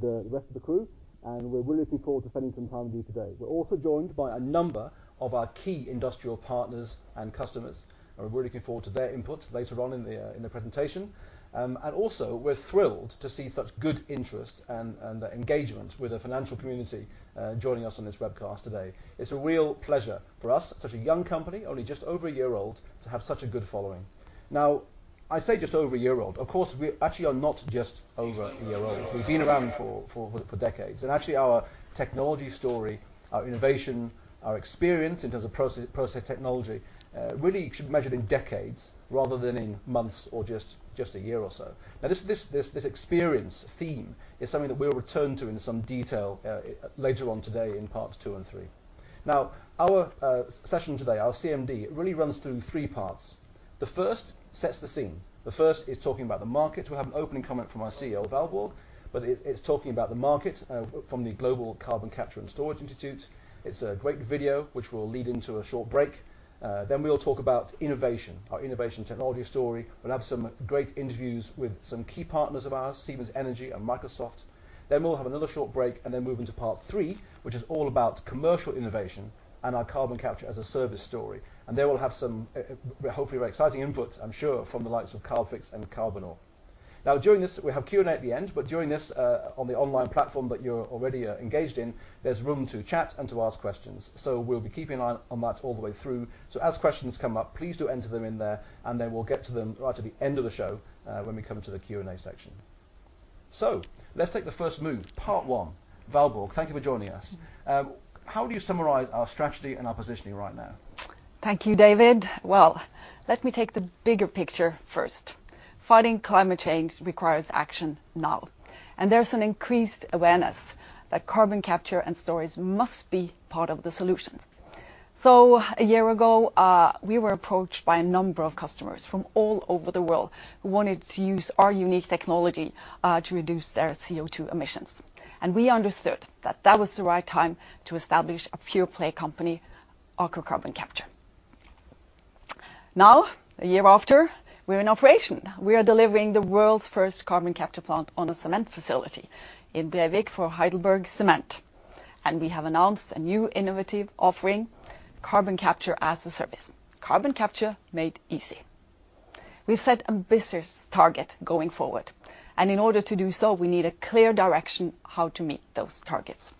The rest of the crew, and we're really looking forward to spending some time with you today. We're also joined by a number of our key industrial partners and customers. We're really looking forward to their input later on in the presentation. Also, we're thrilled to see such good interest and engagement with the financial community joining us on this webcast today. It's a real pleasure for us, such a young company, only just over a year old, to have such a good following. Now, I say just over a year old. Of course, we actually are not just over a year old. We've been around for decades, and actually our technology story, our innovation, our experience in terms of process technology, really should be measured in decades rather than in months or just a year or so. This experience theme is something that we'll return to in some detail later on today in parts two and three. Our session today, our CMD, it really runs through three parts. The first sets the scene. The first is talking about the market. We'll have an opening comment from our CEO of Valborg, it's talking about the market from the Global Carbon Capture and Storage Institute. It's a great video which will lead into a short break. We'll talk about innovation, our innovation technology story. We'll have some great interviews with some key partners of ours, Siemens Energy and Microsoft. We'll have another short break and move into part three, which is all about commercial innovation and our Carbon Capture as a Service story. There we'll have some hopefully very exciting input, I'm sure, from the likes of Carbfix and Carbonor. During this, we have Q&A at the end, but during this, on the online platform that you're already engaged in, there's room to chat and to ask questions. We'll be keeping an eye on that all the way through. As questions come up, please do enter them in there, and then we'll get to them right at the end of the show when we come to the Q&A section. Let's take the first move, part one. Valborg, thank you for joining us. How would you summarize our strategy and our positioning right now? Thank you, David. Well, let me take the bigger picture first. Fighting climate change requires action now, and there's an increased awareness that carbon capture and storage must be part of the solution. A year ago, we were approached by a number of customers from all over the world who wanted to use our unique technology to reduce their CO2 emissions, and we understood that that was the right time to establish a pure play company on carbon capture. Now, a year after, we're in operation. We are delivering the world's first carbon capture plant on a cement facility in Brevik for HeidelbergCement, and we have announced a new innovative offering, Carbon Capture as a Service, carbon capture made easy. We've set ambitious target going forward, and in order to do so, we need a clear direction how to meet those targets.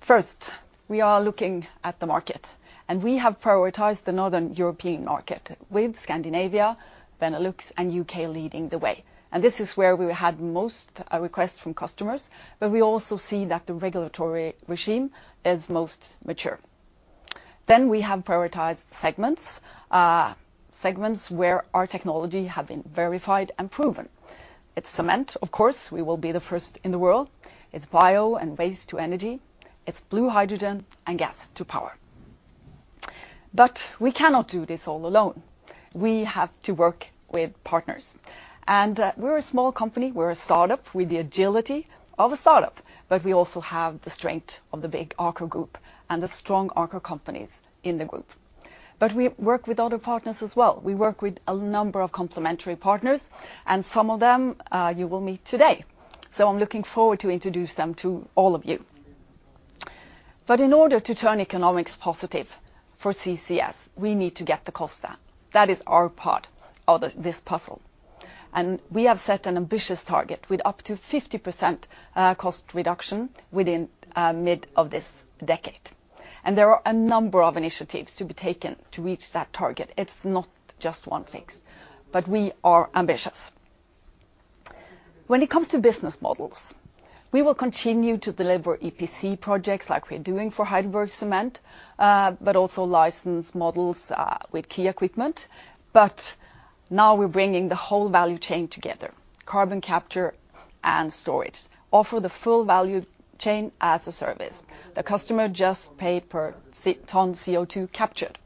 First, we are looking at the market. We have prioritized the Northern European market with Scandinavia, Benelux, and U.K. leading the way. This is where we had most requests from customers. We also see that the regulatory regime is most mature. We have prioritized segments where our technology have been verified and proven. It's cement, of course. We will be the first in the world. It's bio and waste to energy. It's blue hydrogen and gas to power. We cannot do this all alone. We have to work with partners. We're a small company. We're a startup with the agility of a startup. We also have the strength of the big Aker Group and the strong Aker companies in the group. We work with other partners as well. We work with a number of complementary partners, and some of them you will meet today. I'm looking forward to introduce them to all of you. In order to turn economics positive for CCS, we need to get the cost down. That is our part of this puzzle. We have set an ambitious target with up to 50% cost reduction within mid of this decade. There are a number of initiatives to be taken to reach that target. It's not just one fix, but we are ambitious. When it comes to business models, we will continue to deliver EPC projects like we're doing for HeidelbergCement, but also license models with key equipment. Now we're bringing the whole value chain together, carbon capture and storage, offer the full value chain as a service. The customer just pay per ton CO2 captured.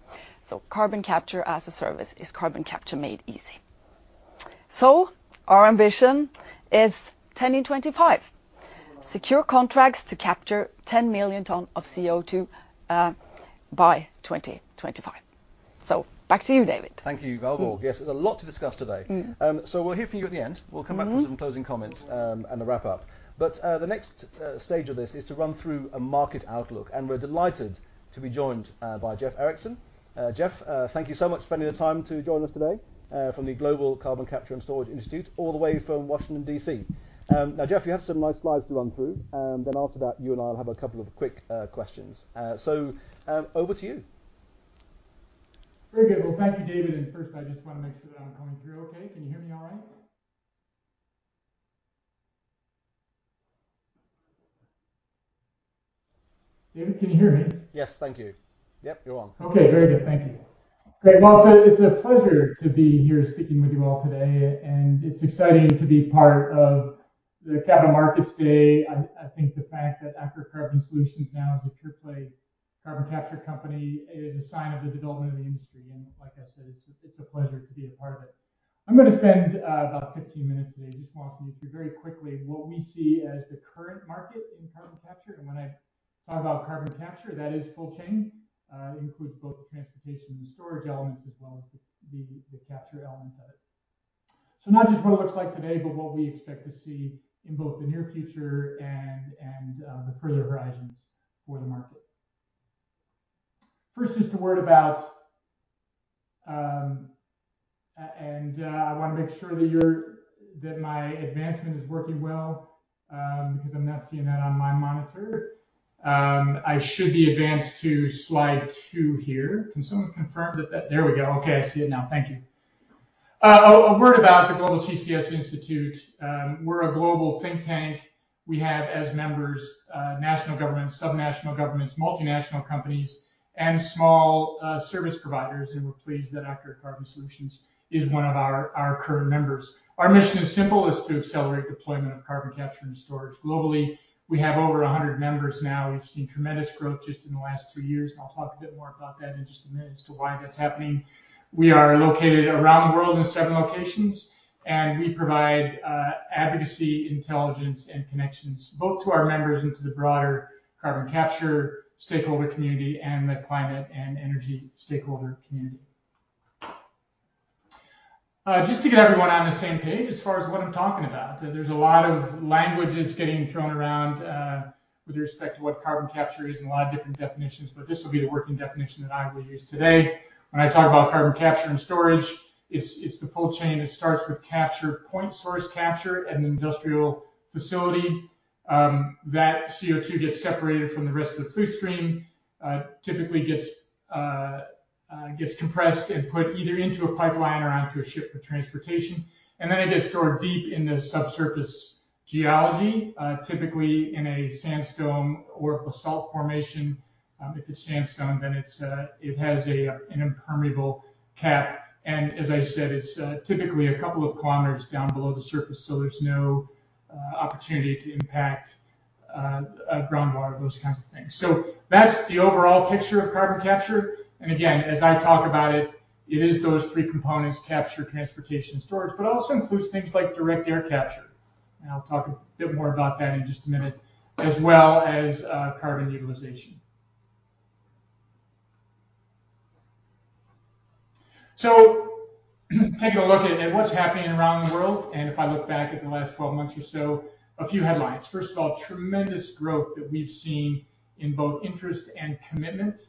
Carbon Capture as a Service is carbon capture made easy. Our ambition is 10 in 25, secure contracts to capture 10 million tonnes of CO2 by 2025. Back to you, David. Thank you, Valborg. Yes, there's a lot to discuss today. We'll hear from you at the end. We'll come back for some closing comments and a wrap-up. The next stage of this is to run through a market outlook, and we're delighted to be joined by Jeff Erikson. Jeff, thank you so much for spending the time to join us today from the Global Carbon Capture and Storage Institute all the way from Washington, D.C. Jeff, you have some nice slides to run through, then after that, you and I will have a couple of quick questions. Over to you. Very good. Well, thank you, David, and first I just want to make sure that I'm coming through okay. Can you hear me all right? David, can you hear me? Yes, thank you. Yep, you're on. Okay, very good. Thank you. Great. Well, it's a pleasure to be here speaking with you all today, and it's exciting to be part of the Capital Markets Day. I think the fact that Aker Carbon Solutions now is a triple A carbon capture company is a sign of the development of the industry, and like I said, it's a pleasure to be a part of it. I'm going to spend about 15 minutes today just walking you through very quickly what we see as the current market in carbon capture. When I talk about carbon capture, that is full chain. Includes both the transportation and storage elements, as well as the capture element of it. So not just what it looks like today, but what we expect to see in both the near future and the further horizons for the market. First, just a word about. I want to make sure that my advancement is working well, because I'm not seeing that on my monitor. I should be advanced to slide two here. Can someone confirm that? There we go. Okay, I see it now. Thank you. A word about the Global CCS Institute. We're a global think tank. We have as members national governments, subnational governments, multinational companies, and small service providers, and we're pleased that Aker Carbon Solutions is one of our current members. Our mission is simple, is to accelerate deployment of carbon capture and storage globally. We have over 100 members now. We've seen tremendous growth just in the last two years. I'll talk a bit more about that in just a minute as to why that's happening. We are located around the world in seven locations. We provide advocacy, intelligence, and connections both to our members and to the broader carbon capture stakeholder community, and the climate and energy stakeholder community. Just to get everyone on the same page as far as what I'm talking about, there's a lot of languages getting thrown around, with respect to what carbon capture is and a lot of different definitions. This will be the working definition that I will use today. When I talk about carbon capture and storage, it's the full chain. It starts with capture, point source capture at an industrial facility. That CO2 gets separated from the rest of the flue stream. Typically, gets compressed and put either into a pipeline or onto a ship for transportation. It gets stored deep in the subsurface geology, typically in a sandstone or basalt formation. If it's sandstone, then it has an impermeable cap. As I said, it's typically a couple of kilometers down below the surface, so there's no opportunity to impact groundwater, those kinds of things. That's the overall picture of carbon capture. Again, as I talk about it is those three components, capture, transportation, storage, but also includes things like direct air capture. I'll talk a bit more about that in just a minute, as well as carbon utilization. Take a look at what's happening around the world. If I look back at the last 12 months or so, a few headlines. First of all, tremendous growth that we've seen in both interest and commitment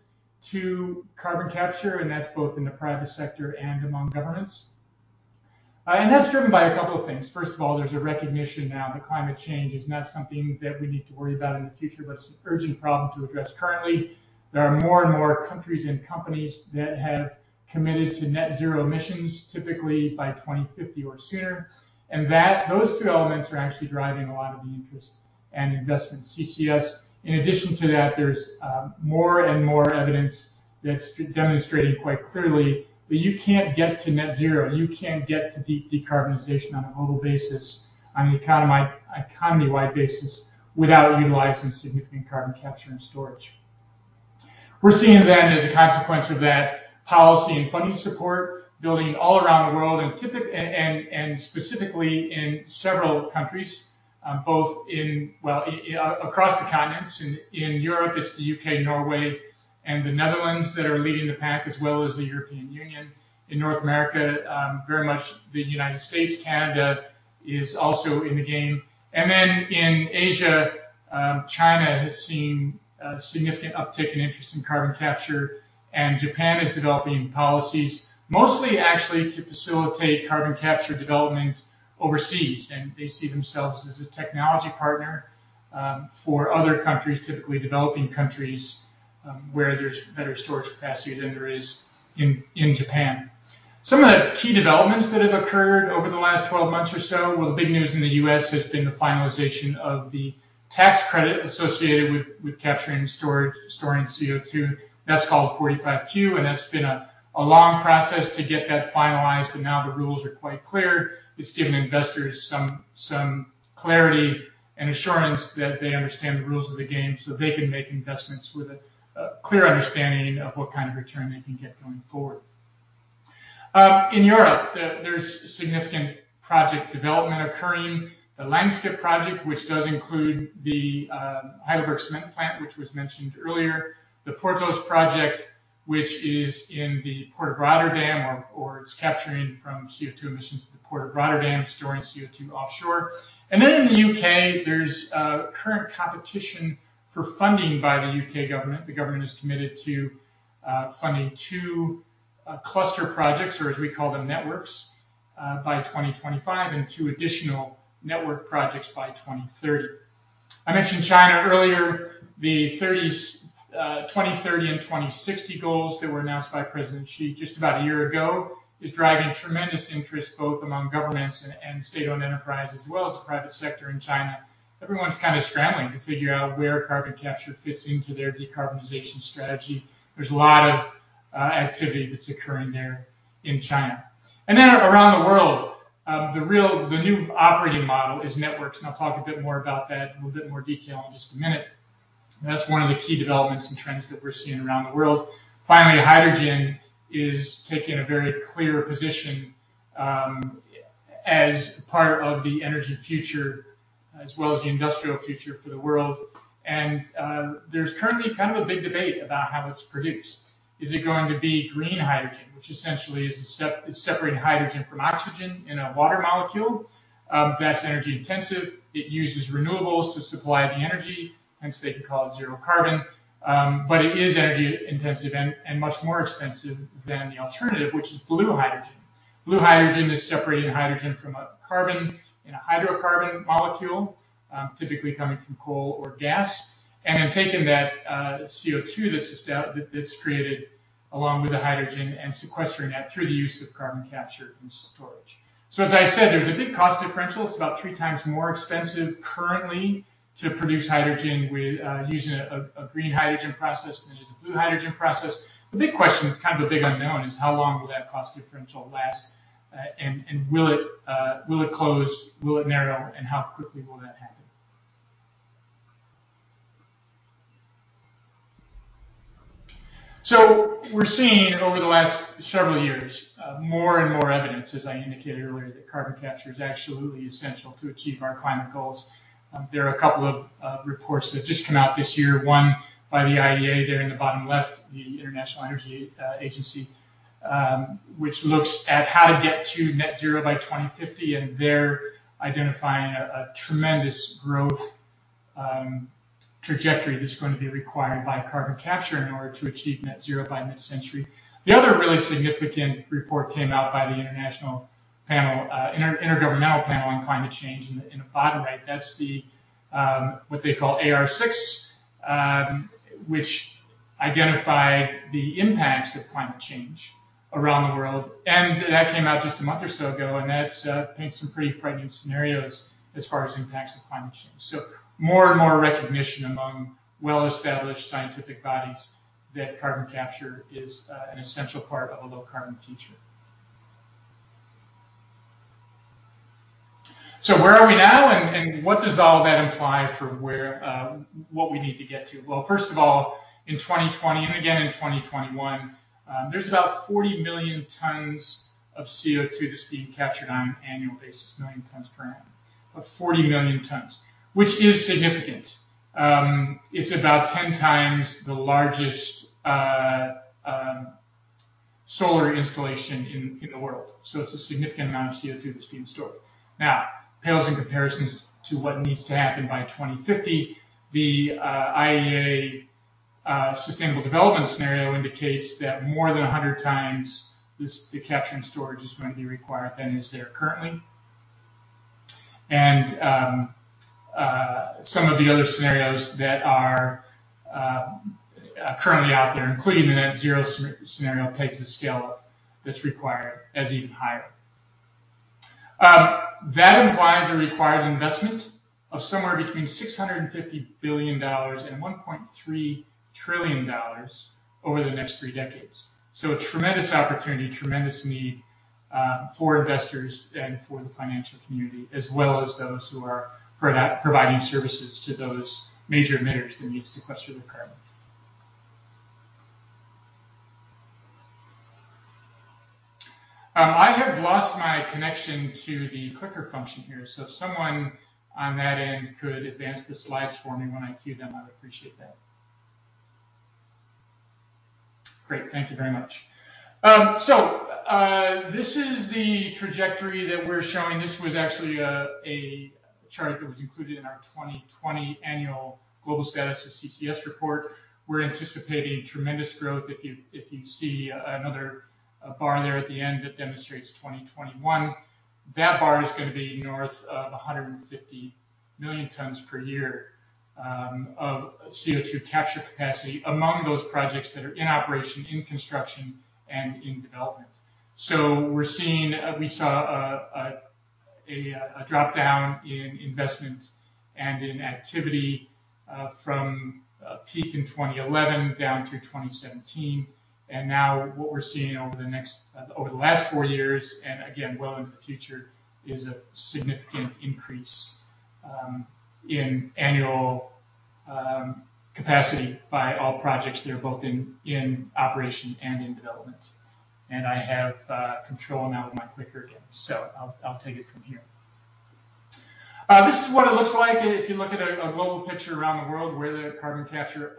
to carbon capture, and that's both in the private sector and among governments. That's driven by a couple of things. First of all, there's a recognition now that climate change is not something that we need to worry about in the future, but it's an urgent problem to address currently. There are more and more countries and companies that have committed to net zero emissions, typically by 2050 or sooner. Those two elements are actually driving a lot of the interest and investment in CCS. In addition to that, there's more and more evidence that's demonstrating quite clearly that you can't get to net zero, you can't get to deep decarbonization on a global basis, on an economy-wide basis, without utilizing significant carbon capture and storage. We're seeing then, as a consequence of that, policy and funding support building all around the world and specifically in several countries, both well, across the continents. In Europe, it's the U.K., Norway, and the Netherlands that are leading the pack, as well as the European Union. In North America, very much the United States, Canada is also in the game. In Asia, China has seen a significant uptick in interest in carbon capture, and Japan is developing policies mostly actually to facilitate carbon capture development overseas. They see themselves as a technology partner, for other countries, typically developing countries, where there's better storage capacity than there is in Japan. Some of the key developments that have occurred over the last 12 months or so, well, the big news in the U.S. has been the finalization of the tax credit associated with capturing and storing CO2. That's called 45Q, and that's been a long process to get that finalized, but now the rules are quite clear. It's given investors some clarity and assurance that they understand the rules of the game so they can make investments with a clear understanding of what kind of return they can get going forward. In Europe, there's significant project development occurring. The Longship project, which does include the HeidelbergCement Plant, which was mentioned earlier, the Porthos project, which is in the Port of Rotterdam or it's capturing from CO2 emissions at the Port of Rotterdam, storing CO2 offshore. In the U.K., there's a current competition for funding by the U.K. government. The government is committed to funding two cluster projects, or as we call them, networks, by 2025 and two additional network projects by 2030. I mentioned China earlier. The 2030 and 2060 goals that were announced by President Xi just about a year ago is driving tremendous interest both among governments and state-owned enterprise as well as the private sector in China. Everyone's kind of scrambling to figure out where carbon capture fits into their decarbonization strategy. There's a lot of activity that's occurring there in China. Around the world, the new operating model is networks, and I'll talk a bit more about that in a little bit more detail in just a minute. That's one of the key developments and trends that we're seeing around the world. Hydrogen is taking a very clear position as part of the energy future as well as the industrial future for the world. There's currently a big debate about how it's produced. Is it going to be green hydrogen, which essentially is separating hydrogen from oxygen in a water molecule? That's energy intensive. It uses renewables to supply the energy, hence they can call it zero carbon. It is energy intensive and much more expensive than the alternative, which is blue hydrogen. Blue hydrogen is separating hydrogen from a carbon in a hydrocarbon molecule, typically coming from coal or gas, and then taking that CO2 that's created along with the hydrogen and sequestering that through the use of carbon capture and storage. As I said, there's a big cost differential. It's about three times more expensive currently to produce hydrogen using a green hydrogen process than it is a blue hydrogen process. The big question, kind of a big unknown, is how long will that cost differential last, and will it close, will it narrow, and how quickly will that happen? We're seeing over the last several years, more and more evidence, as I indicated earlier, that carbon capture is absolutely essential to achieve our climate goals. There are couple of reports that just come out this year, one by the IEA, there in the bottom left, the International Energy Agency, which looks at how to get to Net Zero by 2050, and they're identifying a tremendous growth trajectory that's going to be required by carbon capture in order to achieve Net Zero by mid-century. The other really significant report came out by the Intergovernmental Panel on Climate Change, in the bottom right. That's what they call AR6, which identified the impacts of climate change around the world. That came out just a month or so ago, and that paints some pretty frightening scenarios as far as impacts of climate change. More and more recognition among well-established scientific bodies that carbon capture is an essential part of a low-carbon future. Where are we now, and what does all that imply for what we need to get to? Well, first of all, in 2020, and again in 2021, there's about 40 million tons of CO2 that's being captured on an annual basis, million tons per annum. 40 million tons, which is significant. It's about 10 times the largest solar installation in the world. It's a significant amount of CO2 that's being stored. Now, pales in comparison to what needs to happen by 2050. The IEA Sustainable Development Scenario indicates that more than 100 times the capture and storage is going to be required than is there currently. And some of the other scenarios that are currently out there, including the Net Zero scenario, paint the scale that's required as even higher. That implies a required investment of somewhere between $650 billion and $1.3 trillion over the next three decades. A tremendous opportunity, tremendous need for investors and for the financial community, as well as those who are providing services to those major emitters that need sequestered carbon. I have lost my connection to the clicker function here, so if someone on that end could advance the slides for me when I cue them, I would appreciate that. Great. Thank you very much. This is the trajectory that we're showing. This was actually a chart that was included in our 2020 annual Global Status of CCS report. We're anticipating tremendous growth. If you see another bar there at the end that demonstrates 2021, that bar is going to be north of 150 million tons per year of CO2 capture capacity among those projects that are in operation, in construction, and in development. We saw a drop-down in investment and in activity from a peak in 2011 down through 2017, and now what we're seeing over the last four years, and again, well into the future, is a significant increase in annual capacity by all projects that are both in operation and in development. I have control now of my clicker again, so I'll take it from here. This is what it looks like if you look at a global picture around the world where the carbon capture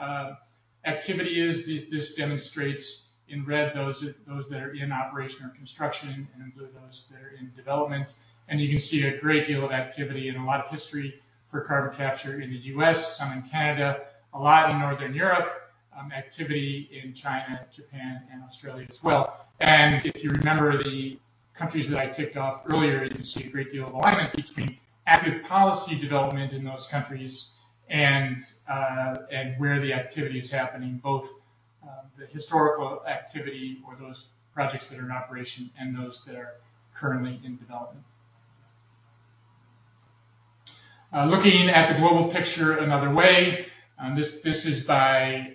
activity is. This demonstrates in red those that are in operation or construction, and in blue, those that are in development. You can see a great deal of activity and a lot of history for carbon capture in the U.S., some in Canada, a lot in Northern Europe, activity in China, Japan, and Australia as well. If you remember the countries that I ticked off earlier, you can see a great deal of alignment between active policy development in those countries and where the activity is happening, both the historical activity or those projects that are in operation and those that are currently in development. Looking at the global picture another way, this is by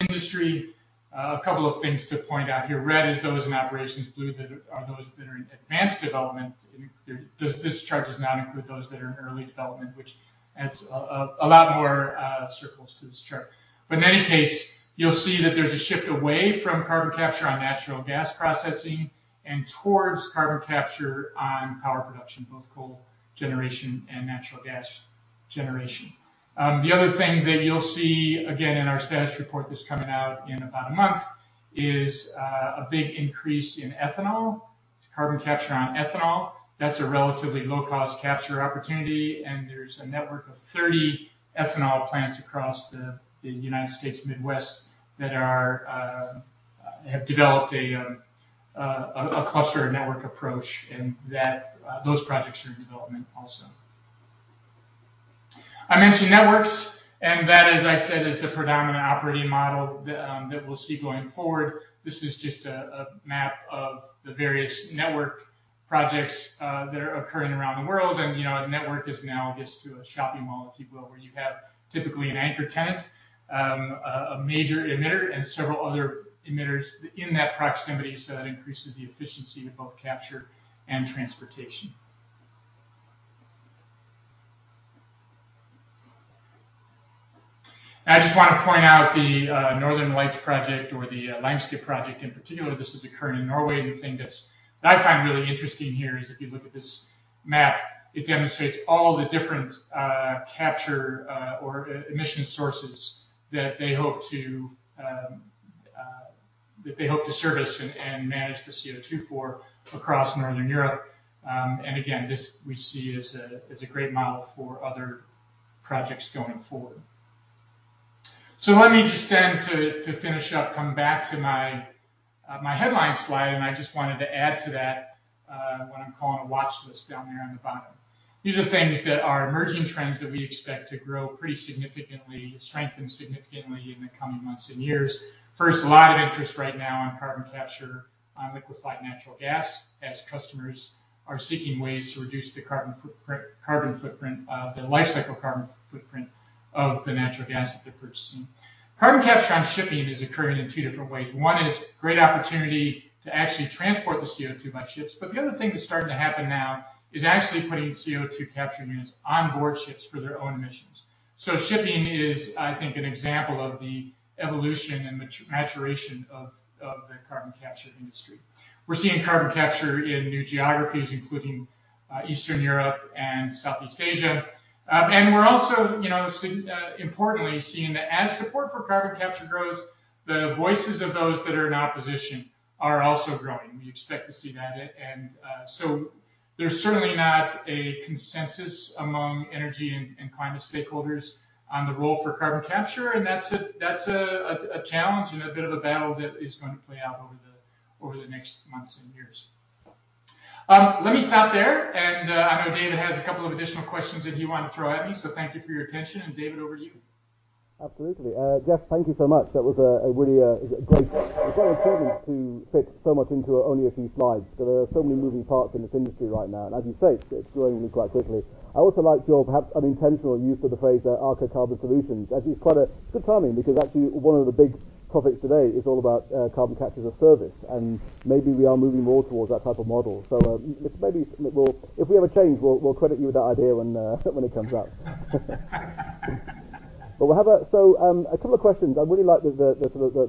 industry. A couple of things to point out here. Red is those in operations, blue are those that are in advanced development, and this chart does not include those that are in early development, which it's a lot more circles to this chart. In any case, you'll see that there's a shift away from carbon capture on natural gas processing and towards carbon capture on power production, both coal generation and natural gas generation. The other thing that you'll see again in our status report that's coming out in about a month is a big increase in ethanol, to carbon capture on ethanol. That's a relatively low-cost capture opportunity, and there's a network of 30 ethanol plants across the United States Midwest that have developed a cluster network approach and those projects are in development also. I mentioned networks, and that, as I said, is the predominant operating model that we'll see going forward. This is just a map of the various network projects that are occurring around the world, and a network is analogous to a shopping mall, if you will, where you have typically an anchor tenant, a major emitter, and several other emitters in that proximity. That increases the efficiency of both capture and transportation. I just want to point out the Northern Lights Project or the Longship project in particular. This is occurring in Norway, and the thing that I find really interesting here is if you look at this map, it demonstrates all the different capture or emission sources that they hope to service and manage the CO2 for across Northern Europe. Again, this we see as a great model for other projects going forward. Let me just then to finish up, come back to my headline slide, I just wanted to add to that, what I'm calling a watchlist down there on the bottom. These are things that are emerging trends that we expect to grow pretty significantly, strengthen significantly in the coming months and years. First, a lot of interest right now on carbon capture on liquefied natural gas as customers are seeking ways to reduce the life cycle carbon footprint of the natural gas that they're purchasing. Carbon capture on shipping is occurring in two different ways. One is great opportunity to actually transport the CO2 by ships. The other thing that's starting to happen now is actually putting CO2 capture units onboard ships for their own emissions. Shipping is, I think, an example of the evolution and maturation of the carbon capture industry. We're seeing carbon capture in new geographies, including Eastern Europe and Southeast Asia. We're also importantly seeing that as support for carbon capture grows, the voices of those that are in opposition are also growing. We expect to see that. There's certainly not a consensus among energy and climate stakeholders on the role for carbon capture, and that's a challenge and a bit of a battle that is going to play out over the next months and years. Let me stop there. I know David has a couple of additional questions that he wanted to throw at me. Thank you for your attention, David, over to you. Absolutely. Jeff, thank you so much. That was a really great, it's very impressive to fit so much into only a few slides. There are so many moving parts in this industry right now, As you say, it's growing quite quickly. I also liked your perhaps unintentional use of the phrase Aker Carbon Solutions, actually it's quite a good timing because actually one of the big topics today is all about Carbon Capture as a Service, Maybe we are moving more towards that type of model. Maybe if we ever change, we'll credit you with that idea when it comes up. A couple of questions. I really like the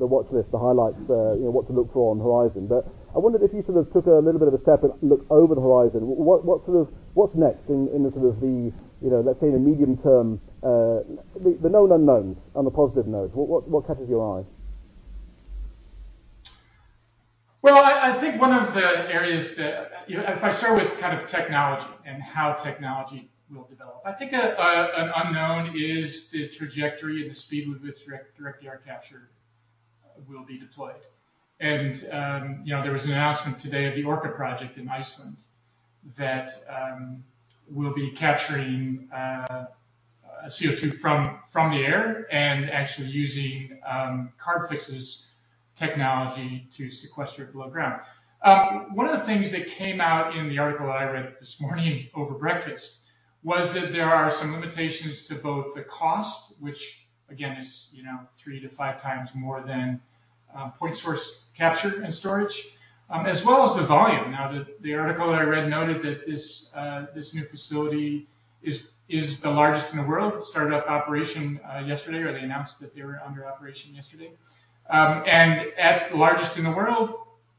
watchlist, the highlights, what to look for on the horizon. I wondered if you sort of took a little bit of a step and looked over the horizon. What's next in the sort of the let's say the medium term, the known unknowns on the positive notes, what catches your eye? Well, I think one of the areas that if I start with kind of technology and how technology will develop, I think an unknown is the trajectory and the speed with which direct air capture will be deployed. There was an announcement today of the Orca project in Iceland that will be capturing CO2 from the air and actually using Carbfix's technology to sequester it below ground. One of the things that came out in the article that I read this morning over breakfast was that there are some limitations to both the cost, which again is three to five times more than point source capture and storage, as well as the volume. The article that I read noted that this new facility is the largest in the world. It started up operation yesterday, or they announced that they were under operation yesterday. At the largest in the world,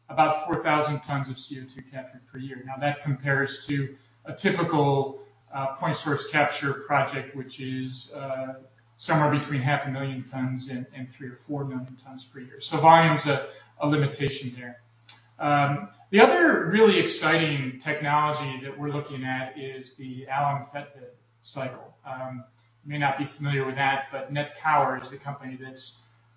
about 4,000 tons of CO2 captured per year. That compares to a typical point source capture project, which is somewhere between 500,000 tons and 3 million or 4 million tons per year. Volume's a limitation there. The other really exciting technology that we're looking at is the Allam-Fetvedt cycle. You may not be familiar with that, NET Power is the company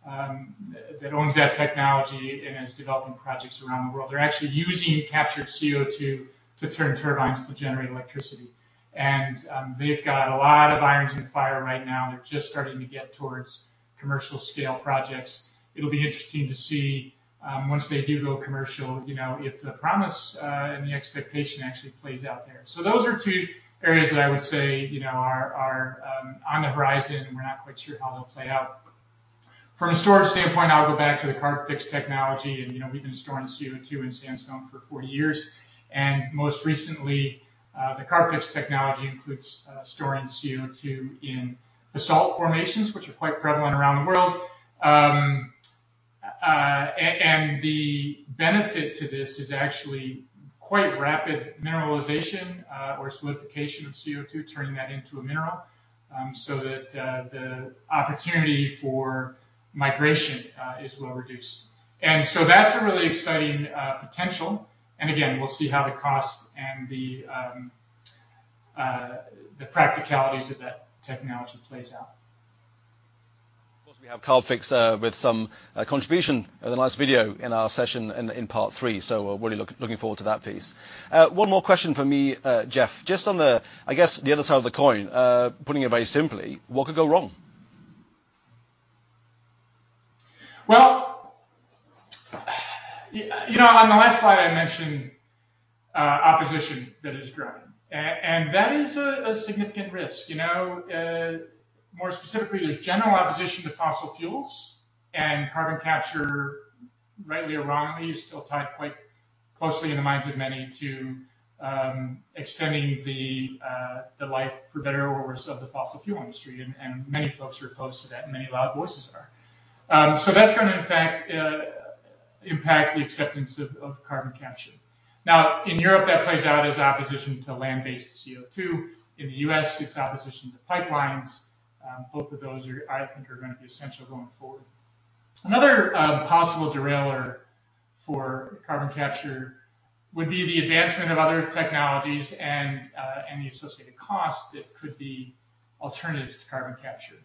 that owns that technology and is developing projects around the world. They're actually using captured CO2 to turn turbines to generate electricity. They've got a lot of irons in fire right now. They're just starting to get towards commercial scale projects. It'll be interesting to see once they do go commercial, if the promise and the expectation actually plays out there. Those are two areas that I would say are on the horizon, and we're not quite sure how they'll play out. From a storage standpoint, I'll go back to the Carbfix technology, and we've been storing CO2 in sandstone for four years. Most recently, the Carbfix technology includes storing CO2 in basalt formations, which are quite prevalent around the world. The benefit to this is actually quite rapid mineralization, or solidification of CO2, turning that into a mineral, so that the opportunity for migration is well-reduced. That's a really exciting potential. Again, we'll see how the cost and the practicalities of that technology plays out. Of course, we have Carbfix with some contribution in the last video in our session in part three. Really looking forward to that piece. One more question from me, Jeff. Just on the, I guess, the other side of the coin, putting it very simply, what could go wrong? On the last slide I mentioned opposition that is growing, and that is a significant risk. More specifically, there's general opposition to fossil fuels and carbon capture, rightly or wrongly, is still tied quite closely in the minds of many to extending the life for better or worse of the fossil fuel industry, and many folks are opposed to that, and many loud voices are. That's going to in fact impact the acceptance of carbon capture. In Europe that plays out as opposition to land-based CO2. In the U.S., it's opposition to pipelines. Both of those I think are going to be essential going forward. Another possible derailer for carbon capture would be the advancement of other technologies and the associated cost that could be alternatives to carbon capture.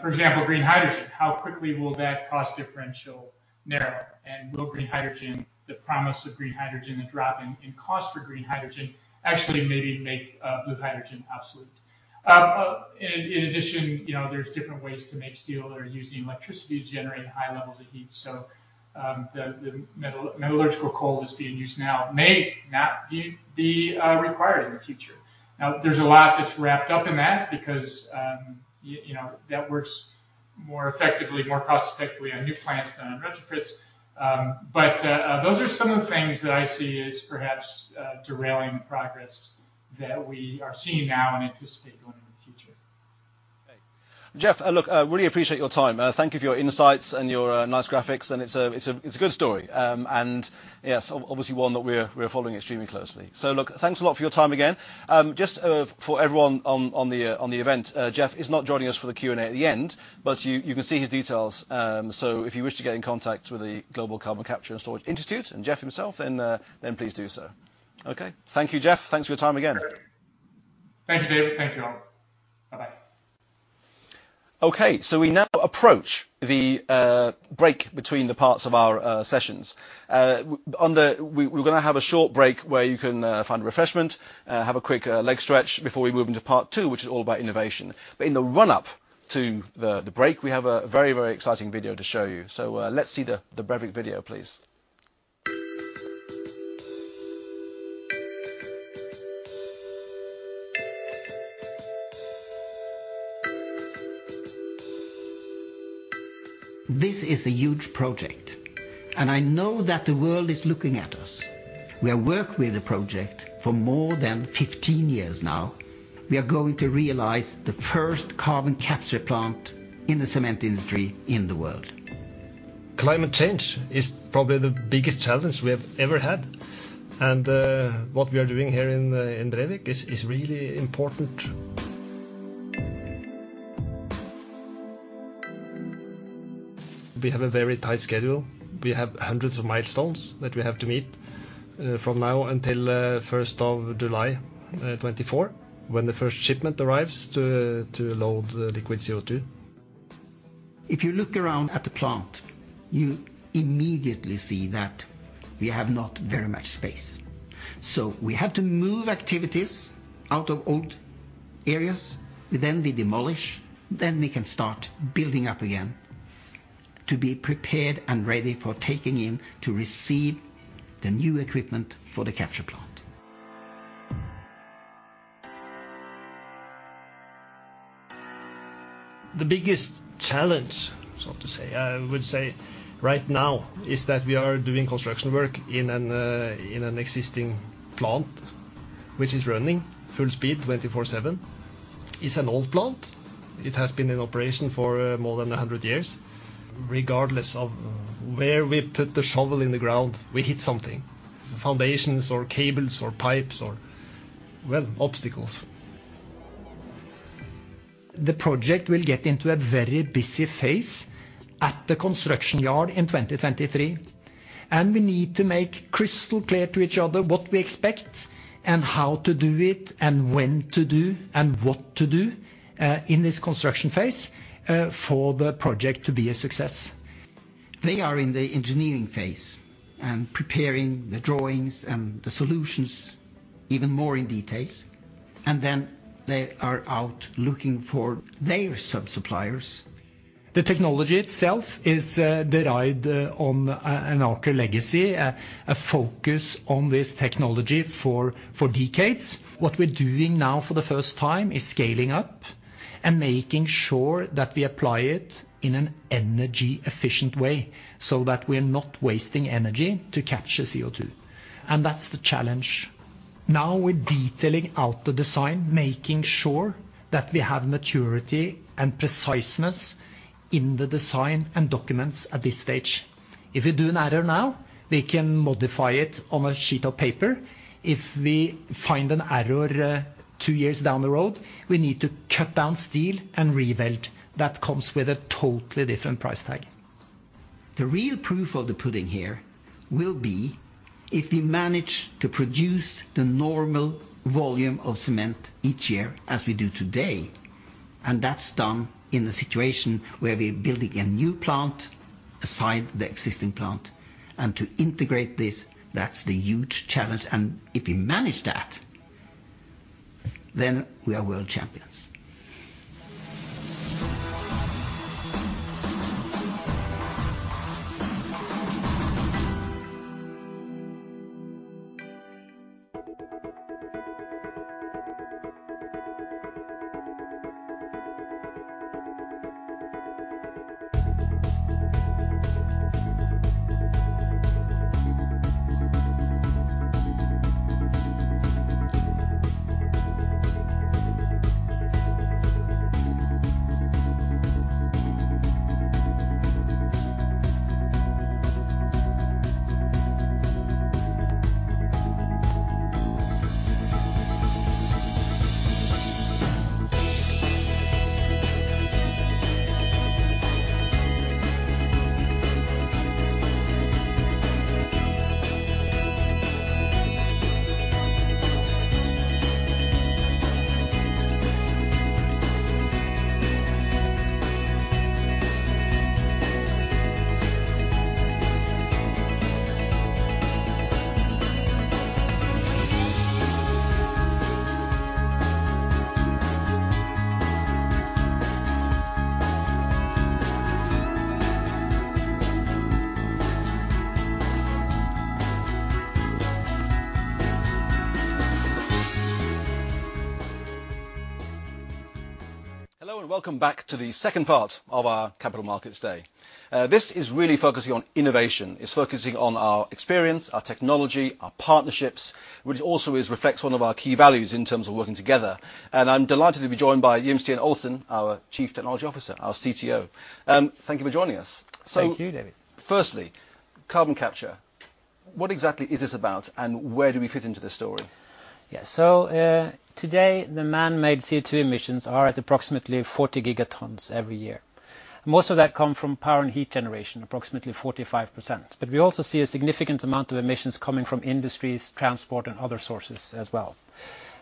For example, green hydrogen, how quickly will that cost differential narrow? Will green hydrogen, the promise of green hydrogen, the drop in cost for green hydrogen actually maybe make blue hydrogen obsolete? In addition, there's different ways to make steel. They're using electricity to generate high levels of heat. The metallurgical coal that's being used now may not be required in the future. There's a lot that's wrapped up in that because that works more effectively, more cost effectively on new plants than on retrofits. Those are some of the things that I see as perhaps derailing the progress that we are seeing now and anticipate going into the future. Okay. Jeff, look, really appreciate your time. Thank you for your insights and your nice graphics. It's a good story. Yeah, obviously one that we're following extremely closely. Look, thanks a lot for your time again. Just for everyone on the event, Jeff is not joining us for the Q&A at the end, but you can see his details. If you wish to get in contact with the Global Carbon Capture and Storage Institute and Jeff himself, please do so. Okay. Thank you, Jeff. Thanks for your time again. Thank you, David. Thank you, all. Bye-bye. We now approach the break between the parts of our sessions. We're going to have a short break where you can find a refreshment, have a quick leg stretch before we move into part two, which is all about innovation. In the run-up to the break, we have a very exciting video to show you. Let's see the Brevik video, please. This is a huge project. I know that the world is looking at us. We have worked with the project for more than 15 years now. We are going to realize the first carbon capture plant in the cement industry in the world. Climate change is probably the biggest challenge we have ever had, and what we are doing here in Brevik is really important. We have a very tight schedule. We have hundreds of milestones that we have to meet from now until 1st of July 2024 when the first shipment arrives to load the liquid CO2. If you look around at the plant, you immediately see that we have not very much space. We have to move activities out of old areas. We demolish. We can start building up again to be prepared and ready for taking in to receive the new equipment for the capture plant. The biggest challenge, so to say, I would say right now is that we are doing construction work in an existing plant, which is running full speed 24/7. It is an old plant. It has been in operation for more than 100 years. Regardless of where we put the shovel in the ground, we hit something, foundations or cables or pipes or, well, obstacles. The project will get into a very busy phase at the construction yard in 2023, and we need to make crystal clear to each other what we expect and how to do it and when to do and what to do in this construction phase, for the project to be a success. They are in the engineering phase and preparing the drawings and the solutions even more in details, and then they are out looking for their sub-suppliers. The technology itself is derived on an Aker legacy, a focus on this technology for decades. What we're doing now for the first time is scaling up. Making sure that we apply it in an energy-efficient way so that we are not wasting energy to capture CO2. That's the challenge. Now we're detailing out the design, making sure that we have maturity and preciseness in the design and documents at this stage. If we do an error now, we can modify it on a sheet of paper. If we find an error two years down the road, we need to cut down steel and rebuild. That comes with a totally different price tag. The real proof of the pudding here will be if we manage to produce the normal volume of cement each year as we do today, and that's done in a situation where we're building a new plant aside the existing plant. To integrate this, that's the huge challenge. If we manage that, then we are world champions. Hello. Welcome back to the second part of our Capital Markets Day. This is really focusing on innovation. It's focusing on our experience, our technology, our partnerships, which also reflects one of our key values in terms of working together. I'm delighted to be joined by Jim Stian Olsen, our Chief Technology Officer, our CTO. Thank you for joining us. Thank you, David. Firstly, carbon capture. What exactly is this about, and where do we fit into this story? Yeah. Today, the man-made CO2 emissions are at approximately 40 gigatons every year. Most of that come from power and heat generation, approximately 45%. We also see a significant amount of emissions coming from industries, transport, and other sources as well.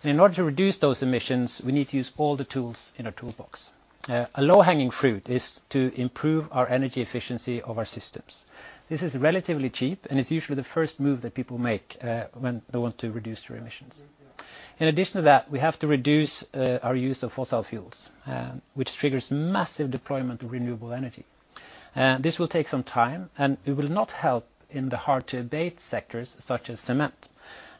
In order to reduce those emissions, we need to use all the tools in our toolbox. A low-hanging fruit is to improve our energy efficiency of our systems. This is relatively cheap, and it's usually the first move that people make when they want to reduce their emissions. In addition to that, we have to reduce our use of fossil fuels, which triggers massive deployment of renewable energy. This will take some time, and it will not help in the hard-to-abate sectors such as cement.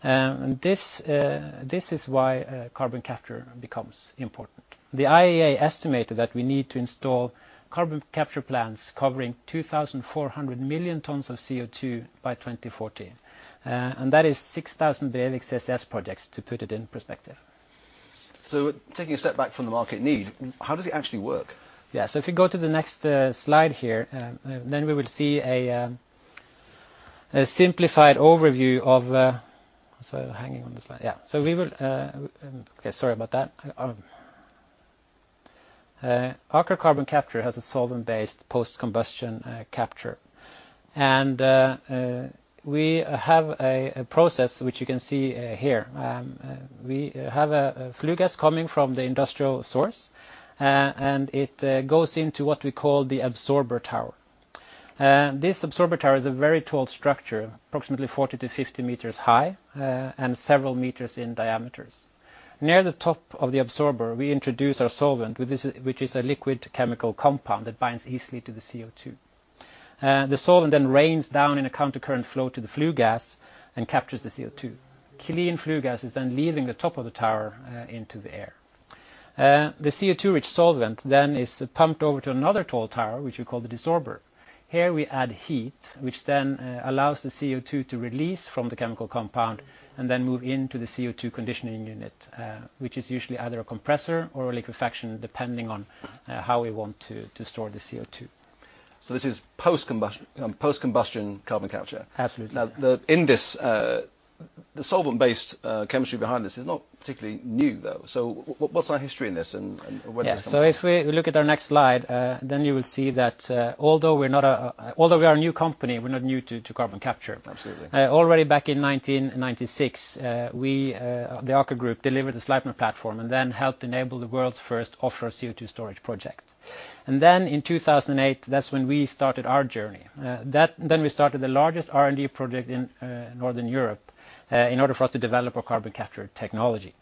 This is why carbon capture becomes important. The IEA estimated that we need to install carbon capture plants covering 2,400 million tons of CO2 by 2040. That is 6,000 Brevik CCS projects to put it in perspective. Taking a step back from the market need, how does it actually work? If you go to the next slide here, then we will see a simplified overview of It's hanging on the slide. Okay, sorry about that. Aker Carbon Capture has a solvent-based post-combustion capture. We have a process which you can see here. We have a flue gas coming from the industrial source, and it goes into what we call the absorber tower. This absorber tower is a very tall structure, approximately 40 m-50 m high, and several meters in diameter. Near the top of the absorber, we introduce our solvent, which is a liquid chemical compound that binds easily to the CO2. The solvent then rains down in a counter-current flow to the flue gas and captures the CO2. Clean flue gas is then leaving the top of the tower into the air. The CO2-rich solvent is pumped over to another tall tower, which we call the desorber. Here we add heat, which then allows the CO2 to release from the chemical compound and then move into the CO2 conditioning unit, which is usually either a compressor or a liquefaction, depending on how we want to store the CO2. This is post-combustion carbon capture. Absolutely. The solvent-based chemistry behind this is not particularly new, though. What's our history in this and when does it come from? Yeah. If we look at our next slide, then you will see that although we are a new company, we're not new to carbon capture. Absolutely. Already back in 1996, the Aker Group delivered the Sleipner platform and helped enable the world's first offshore CO2 storage project. In 2008, that's when we started our journey. We started the largest R&D project in Northern Europe in order for us to develop our carbon capture technology.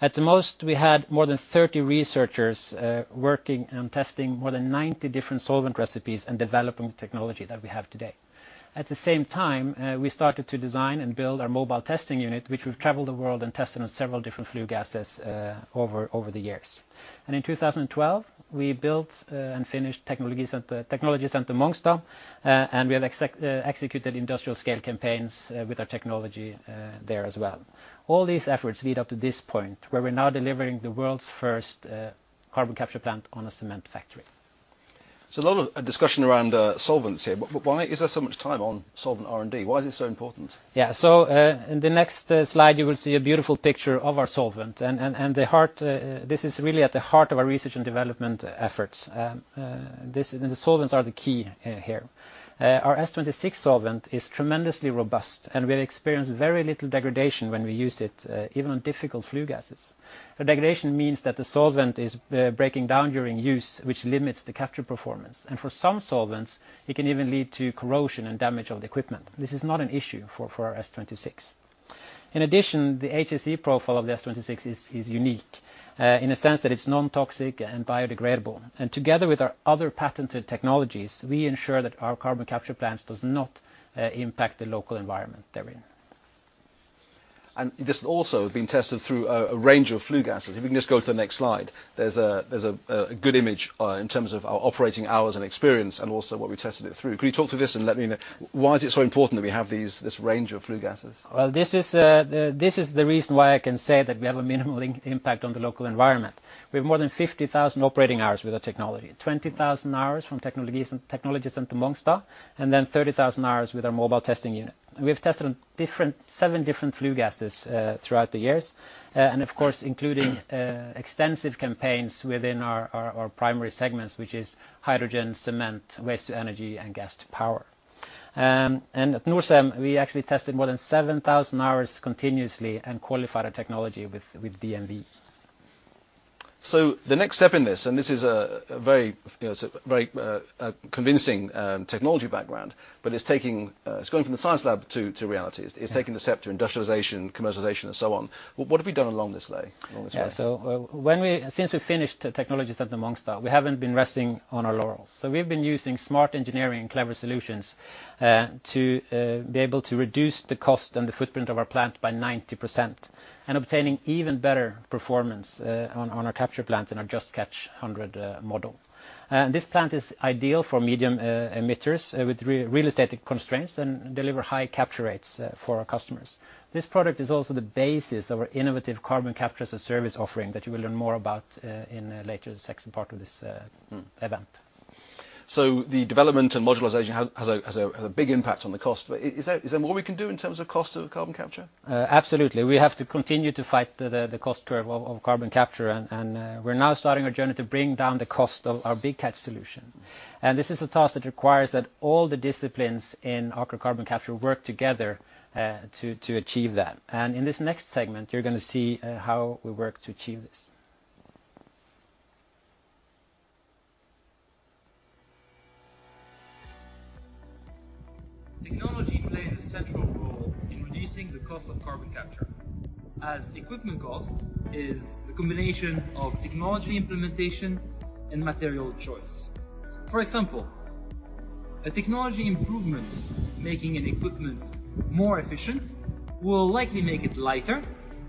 At the most, we had more than 30 researchers working and testing more than 90 different solvent recipes and developing the technology that we have today. At the same time, we started to design and build our Mobile Test Unit, which we've traveled the world and tested on several different flue gases over the years. In 2012, we built and finished Technology Centre Mongstad, and we have executed industrial scale campaigns with our technology there as well. All these efforts lead up to this point, where we're now delivering the world's first carbon capture plant on a cement factory. A lot of discussion around solvents here, but why is there so much time on solvent R&D? Why is it so important? In the next slide, you will see a beautiful picture of our solvent. This is really at the heart of our research and development efforts. The solvents are the key here. Our S26 solvent is tremendously robust, and we experience very little degradation when we use it, even on difficult flue gases. Degradation means that the solvent is breaking down during use, which limits the capture performance. For some solvents, it can even lead to corrosion and damage of the equipment. This is not an issue for our S26. In addition, the HSE profile of the S26 is unique, in a sense that it is non-toxic and biodegradable. Together with our other patented technologies, we ensure that our carbon capture plants does not impact the local environment they are in. This also has been tested through a range of flue gases. If you can just go to the next slide, there's a good image in terms of our operating hours and experience, and also what we tested it through. Can you talk to this and let me know why is it so important that we have this range of flue gases? This is the reason why I can say that we have a minimal impact on the local environment. We have more than 50,000 operating hours with our technology, 20,000 hours from Technology Centre Mongstad, and then 30,000 hours with our Mobile Test Unit. We have tested seven different flue gases throughout the years, and of course, including extensive campaigns within our primary segments, which is hydrogen, cement, waste to energy, and gas to power. At Norcem, we actually tested more than 7,000 hours continuously and qualified our technology with DNV. The next step in this, and this is a very convincing technology background, but it's going from the science lab to reality. Yeah. It's taking the step to industrialization, commercialization, and so on. What have we done along this way? Yeah. Since we finished Technology Centre Mongstad, we haven't been resting on our laurels. We've been using smart engineering and clever solutions to be able to reduce the cost and the footprint of our plant by 90%, and obtaining even better performance on our capture plant and our Just Catch 100 model. This plant is ideal for medium emitters with real estate constraints, and deliver high capture rates for our customers. This product is also the basis of our innovative Carbon Capture as a Service offering that you will learn more about in a later second part of this event. The development and modularization has a big impact on the cost. Is there more we can do in terms of cost of carbon capture? Absolutely. We have to continue to fight the cost curve of carbon capture. We're now starting our journey to bring down the cost of our Big Catch solution. This is a task that requires that all the disciplines in Aker Carbon Capture work together to achieve that. In this next segment, you're going to see how we work to achieve this. Technology plays a central role in reducing the cost of carbon capture, as equipment cost is the combination of technology implementation and material choice. For example, a technology improvement making an equipment more efficient will likely make it lighter,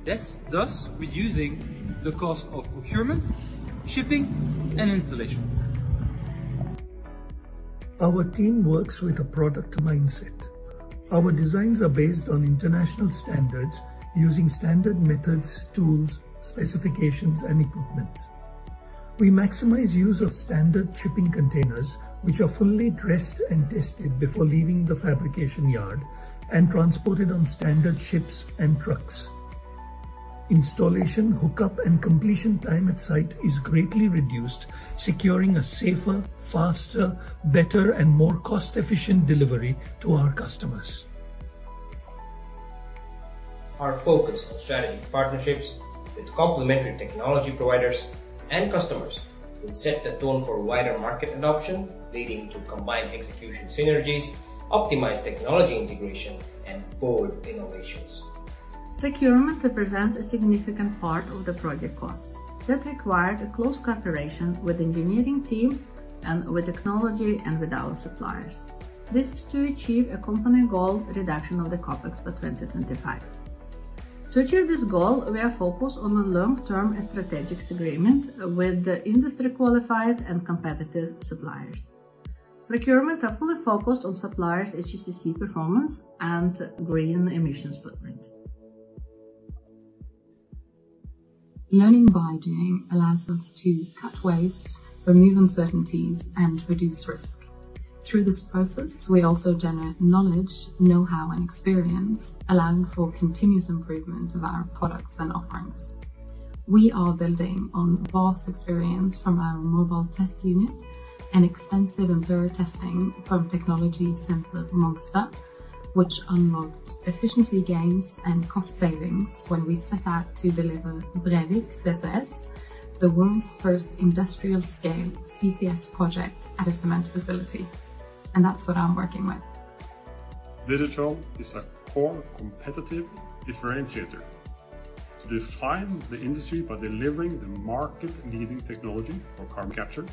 thus reducing the cost of procurement, shipping, and installation. Our team works with a product mindset. Our designs are based on international standards using standard methods, tools, specifications, and equipment. We maximize use of standard shipping containers, which are fully dressed and tested before leaving the fabrication yard and transported on standard ships and trucks. Installation, hookup, and completion time at site is greatly reduced, securing a safer, faster, better, and more cost-efficient delivery to our customers. Our focus on strategic partnerships with complementary technology providers and customers will set the tone for wider market adoption, leading to combined execution synergies, optimized technology integration, and bold innovations. Procurement represents a significant part of the project costs. That required a close cooperation with engineering team and with technology and with our suppliers. This is to achieve a company goal reduction of the CapEx by 2025. To achieve this goal, we are focused on a long-term strategic agreement with the industry qualified and competitive suppliers. Procurement are fully focused on suppliers' HSEQ performance and green emissions footprint. Learning by doing allows us to cut waste, remove uncertainties, and reduce risk. Through this process, we also generate knowledge, know-how, and experience, allowing for continuous improvement of our products and offerings. We are building on vast experience from our Mobile Test Unit and extensive and thorough testing from Technology Centre Mongstad, which unlocked efficiency gains and cost savings when we set out to deliver Brevik CCS, the world's first industrial-scale CCS project at a cement facility. That's what I'm working with. Digital is a core competitive differentiator. To define the industry by delivering the market-leading technology for carbon capture.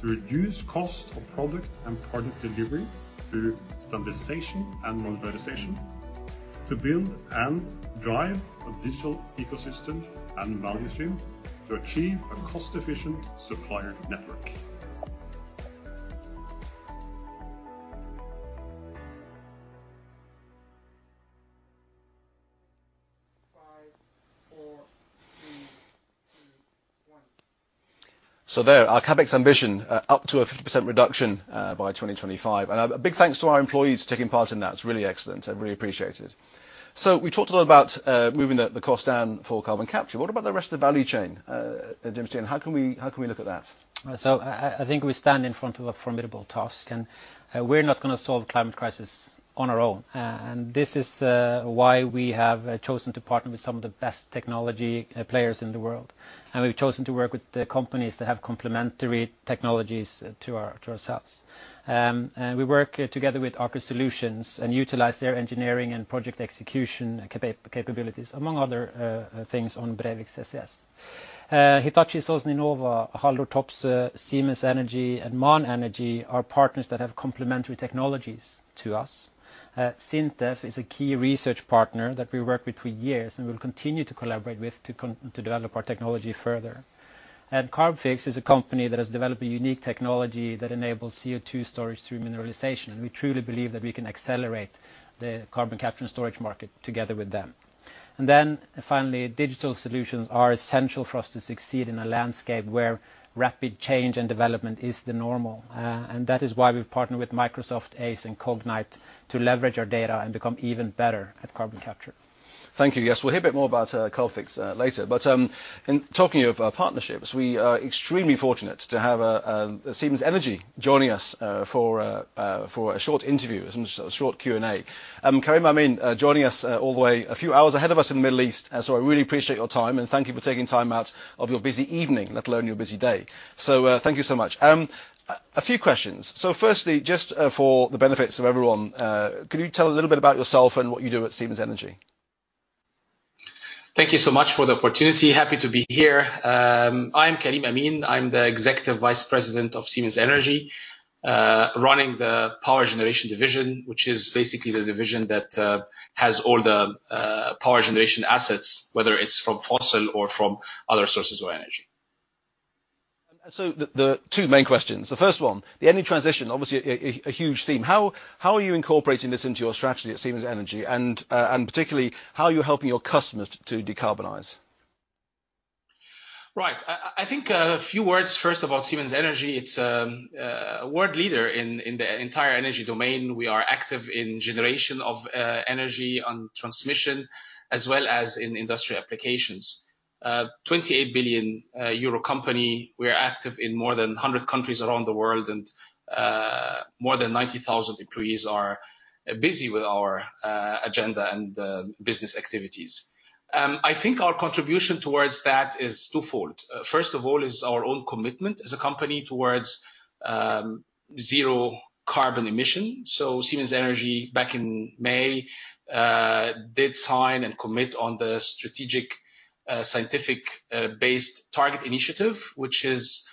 To reduce cost of product and project delivery through standardization and modularization. To build and drive a digital ecosystem and value stream. To achieve a cost-efficient supplier network. Five, four, three, two, one. There, our CapEx ambition up to a 50% reduction by 2025. A big thanks to our employees for taking part in that. It is really excellent. I really appreciate it. We talked a lot about moving the cost down for carbon capture. What about the rest of the value chain, Jim Stian? How can we look at that? I think we stand in front of a formidable task, and we're not going to solve the climate crisis on our own. This is why we have chosen to partner with some of the best technology players in the world. We've chosen to work with the companies that have complementary technologies to ourselves. We work together with Aker Solutions and utilize their engineering and project execution capabilities, among other things on Brevik CCS. Hitachi Zosen Inova, Topsoe, Siemens Energy, and MAN Energy are partners that have complementary technologies to us. SINTEF is a key research partner that we worked with for years and will continue to collaborate with to develop our technology further. Carbfix is a company that has developed a unique technology that enables CO2 storage through mineralization. We truly believe that we can accelerate the carbon capture and storage market together with them. Finally, digital solutions are essential for us to succeed in a landscape where rapid change and development is the normal. That is why we've partnered with Microsoft, Aize, and Cognite to leverage our data and become even better at carbon capture. Thank you. Yes, we'll hear a bit more about Carbfix later. In talking of partnerships, we are extremely fortunate to have Siemens Energy joining us for a short interview and a short Q&A. Karim Amin, joining us all the way, a few hours ahead of us in the Middle East. I really appreciate your time, and thank you for taking time out of your busy evening, let alone your busy day. Thank you so much. A few questions. Firstly, just for the benefits of everyone, can you tell a little bit about yourself and what you do at Siemens Energy? Thank you so much for the opportunity. Happy to be here. I'm Karim Amin. I'm the Executive Vice President of Siemens Energy, running the Power Generation division, which is basically the division that has all the power generation assets, whether it's from fossil or from other sources of energy. The two main questions. The first one, the energy transition, obviously a huge theme. How are you incorporating this into your strategy at Siemens Energy? Particularly, how are you helping your customers to decarbonize? Right. I think a few words first about Siemens Energy. It's a world leader in the entire energy domain. We are active in generation of energy, on transmission, as well as in industry applications. A 28 billion euro company. We are active in more than 100 countries around the world, and more than 90,000 employees are busy with our agenda and business activities. I think our contribution towards that is twofold. First of all is our own commitment as a company towards zero carbon emission. Siemens Energy, back in May, did sign and commit on the strategic, Science Based Targets initiative, which is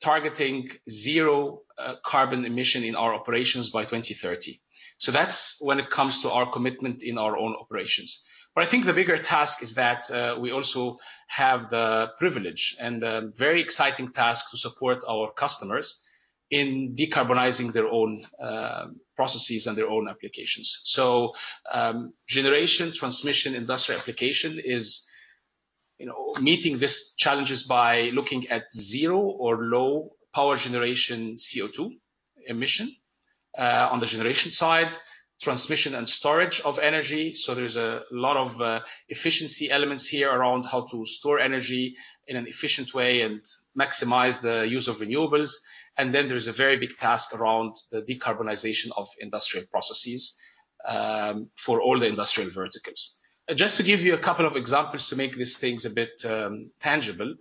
targeting zero carbon emission in our operations by 2030. That's when it comes to our commitment in our own operations. I think the bigger task is that we also have the privilege and the very exciting task to support our customers in decarbonizing their own processes and their own applications. Generation, transmission, industrial application is meeting these challenges by looking at zero or low power generation CO2 emission on the generation side, transmission and storage of energy. There's a lot of efficiency elements here around how to store energy in an efficient way and maximize the use of renewables. There is a very big task around the decarbonization of industrial processes for all the industrial verticals. Just to give you a couple of examples to make these things a bit tangible,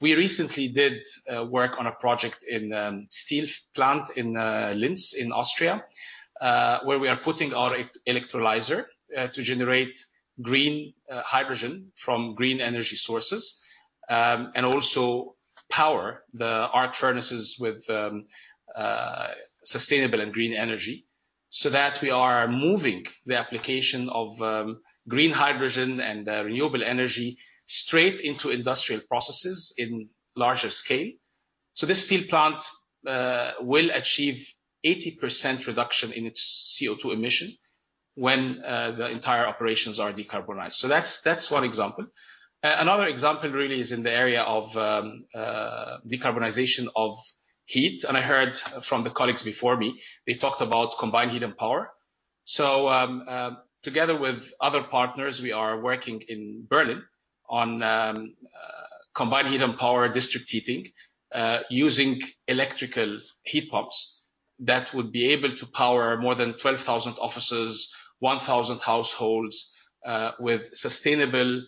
we recently did work on a project in a steel plant in Linz in Austria, where we are putting our electrolyzer to generate green hydrogen from green energy sources, and also power the arc furnaces with sustainable and green energy so that we are moving the application of green hydrogen and renewable energy straight into industrial processes in larger scale. This steel plant will achieve 80% reduction in its CO2 emission when the entire operations are decarbonized. That's one example. Another example really is in the area of decarbonization of heat. I heard from the colleagues before me, they talked about combined heat and power. Together with other partners, we are working in Berlin on combined heat and power district heating, using electrical heat pumps that would be able to power more than 12,000 offices, 1,000 households, with sustainable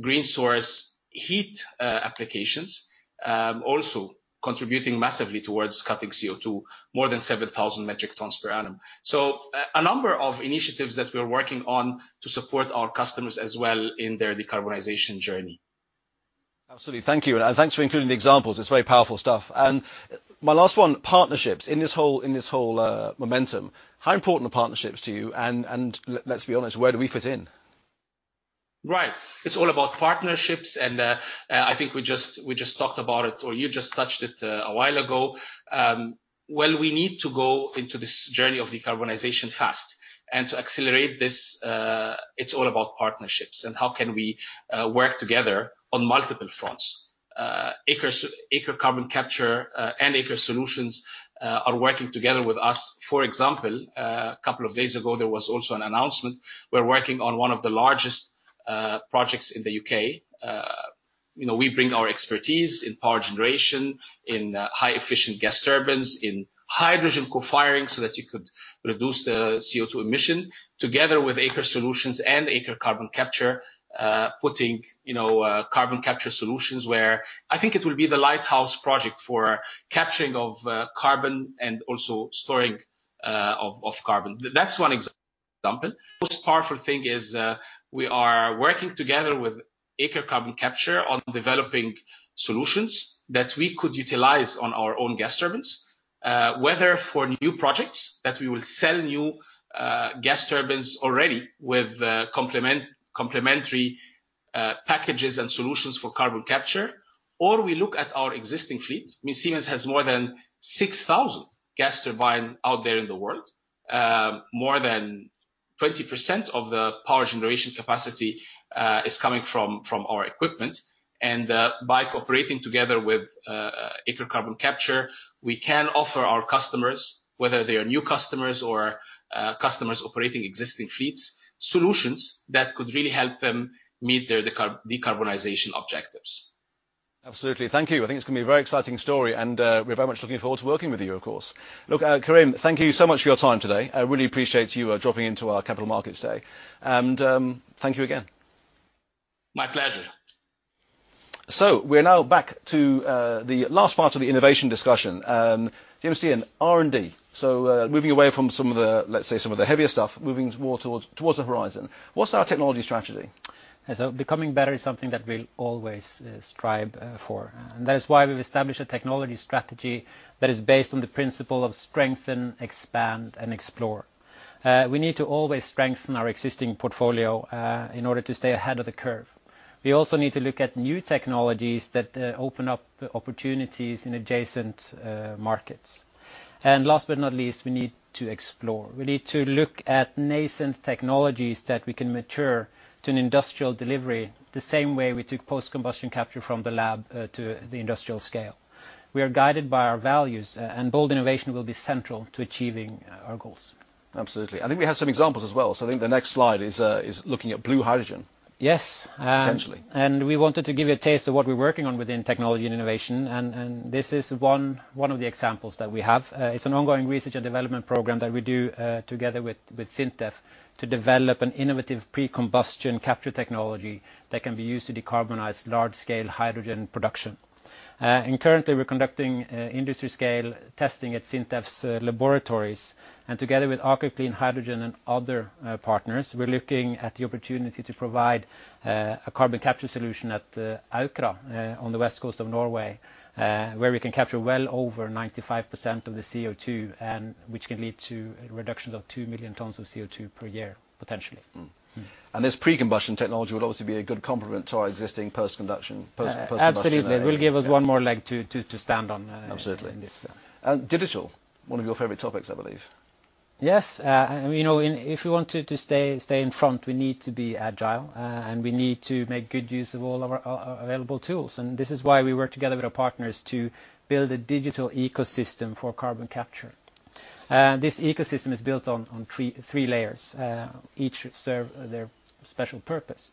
green source heat applications also contributing massively towards cutting CO2, more than 7,000 metric tons per annum. A number of initiatives that we're working on to support our customers as well in their decarbonization journey. Absolutely. Thank you, and thanks for including the examples. It's very powerful stuff. My last one, partnerships. In this whole momentum, how important are partnerships to you? Let's be honest, where do we fit in? Right. It's all about partnerships, and I think we just talked about it, or you just touched it a while ago. Well, we need to go into this journey of decarbonization fast. To accelerate this, it's all about partnerships and how can we work together on multiple fronts. Aker Carbon Capture and Aker Solutions are working together with us. For example, a couple of days ago, there was also an announcement. We're working on one of the largest projects in the U.K. We bring our expertise in power generation, in high efficient gas turbines, in hydrogen co-firing so that you could reduce the CO2 emission, together with Aker Solutions and Aker Carbon Capture, putting carbon capture solutions where I think it will be the lighthouse project for capturing of carbon and also storing of carbon. That's one example. Most powerful thing is we are working together with Aker Carbon Capture on developing solutions that we could utilize on our own gas turbines. Whether for new projects that we will sell new gas turbines already with complementary packages and solutions for carbon capture, or we look at our existing fleet. I mean Siemens has more than 6,000 gas turbine out there in the world. More than 20% of the power generation capacity is coming from our equipment. By cooperating together with Aker Carbon Capture, we can offer our customers, whether they are new customers or customers operating existing fleets, solutions that could really help them meet their decarbonization objectives. Absolutely. Thank you. I think it is going to be a very exciting story, and we are very much looking forward to working with you, of course. Look, Karim, thank you so much for your time today. I really appreciate you dropping into our Capital Markets Day. Thank you again. My pleasure. We're now back to the last part of the innovation discussion. Jim Stian, R&D. Moving away from some of the, let's say some of the heavier stuff, moving more towards the horizon. What's our technology strategy? Becoming better is something that we'll always strive for, and that is why we've established a technology strategy that is based on the principle of strengthen, expand and explore. We need to always strengthen our existing portfolio in order to stay ahead of the curve. We also need to look at new technologies that open up opportunities in adjacent markets. Last but not least, we need to explore. We need to look at nascent technologies that we can mature to an industrial delivery, the same way we took post-combustion capture from the lab to the industrial scale. We are guided by our values, and bold innovation will be central to achieving our goals. Absolutely. I think we have some examples as well. I think the next slide is looking at blue hydrogen. Yes. Potentially. We wanted to give you a taste of what we're working on within technology and innovation, and this is one of the examples that we have. It's an ongoing research and development program that we do together with SINTEF to develop an innovative pre-combustion capture technology that can be used to decarbonize large-scale hydrogen production. Currently, we're conducting industry-scale testing at SINTEF's laboratories. Together with Aker Clean Hydrogen and other partners, we're looking at the opportunity to provide a carbon capture solution at Aukra, on the west coast of Norway, where we can capture well over 95% of the CO2, and which can lead to reductions of 2 million tons of CO2 per year, potentially. This pre-combustion technology will obviously be a good complement to our existing post-combustion. Absolutely. Will give us one more leg to stand on. Absolutely. In this. Digital, one of your favorite topics, I believe. Yes. If we want to stay in front, we need to be agile, we need to make good use of all our available tools. This is why we work together with our partners to build a digital ecosystem for carbon capture. This ecosystem is built on three layers. Each serve their special purpose.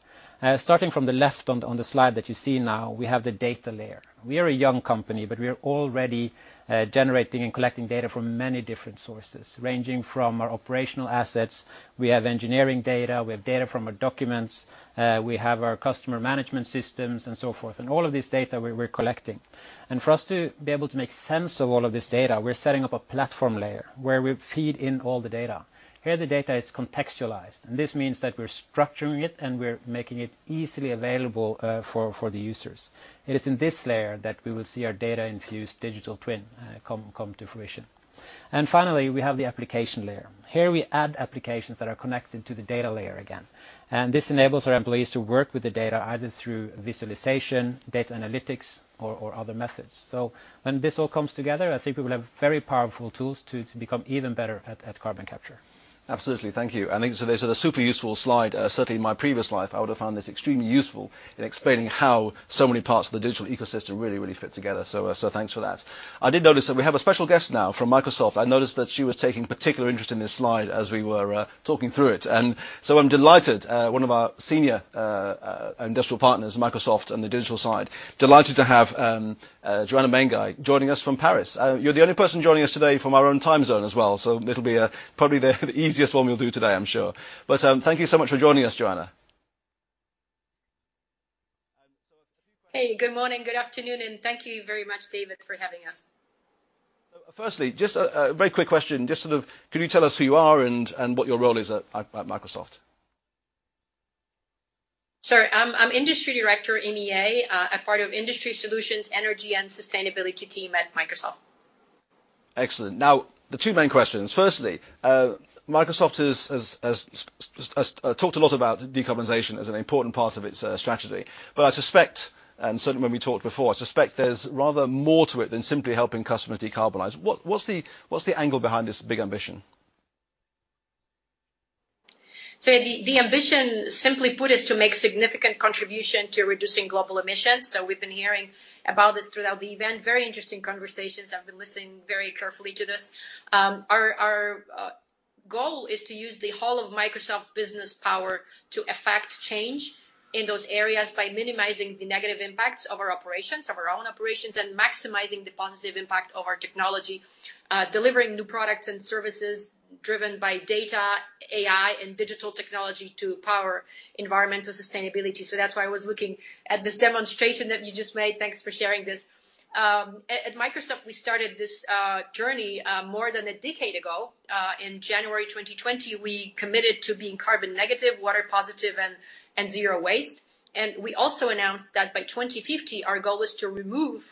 Starting from the left on the slide that you see now, we have the data layer. We are a young company, but we are already generating and collecting data from many different sources, ranging from our operational assets, we have engineering data, we have data from our documents, we have our customer management systems and so forth. All of this data we're collecting. For us to be able to make sense of all of this data, we're setting up a platform layer where we feed in all the data. Here, the data is contextualized, and this means that we're structuring it and we're making it easily available for the users. It is in this layer that we will see our data infused digital twin come to fruition. Finally, we have the application layer. Here, we add applications that are connected to the data layer again. This enables our employees to work with the data either through visualization, data analytics or other methods. When this all comes together, I think we will have very powerful tools to become even better at carbon capture. Absolutely. Thank you. I think this is a super useful slide. Certainly, in my previous life, I would have found this extremely useful in explaining how so many parts of the digital ecosystem really, really fit together. Thanks for that. I did notice that we have a special guest now from Microsoft. I noticed that she was taking particular interest in this slide as we were talking through it. I'm delighted, one of our senior industrial partners, Microsoft, on the digital side, delighted to have Joanna Mainguy joining us from Paris. You're the only person joining us today from our own time zone as well, so it'll be probably the easiest one we'll do today, I'm sure. Thank you so much for joining us, Joanna. Hey, good morning, good afternoon, and thank you very much, David, for having us. Firstly, just a very quick question. Can you tell us who you are and what your role is at Microsoft? Sure. I'm Industry Director, EMEA, a part of Industry Solutions, Energy and Sustainability team at Microsoft. Excellent. The two main questions. Firstly, Microsoft has talked a lot about decarbonization as an important part of its strategy. I suspect, and certainly when we talked before, I suspect there's rather more to it than simply helping customers decarbonize. What's the angle behind this big ambition? The ambition, simply put, is to make significant contribution to reducing global emissions. We've been hearing about this throughout the event. Very interesting conversations. I've been listening very carefully to this. Our goal is to use the whole of Microsoft business power to effect change in those areas by minimizing the negative impacts of our operations, of our own operations, and maximizing the positive impact of our technology. Delivering new products and services driven by data, AI, and digital technology to power environmental sustainability. That's why I was looking at this demonstration that you just made. Thanks for sharing this. At Microsoft, we started this journey more than a decade ago. In January 2020, we committed to being carbon negative, water positive, and zero waste. We also announced that by 2050, our goal is to remove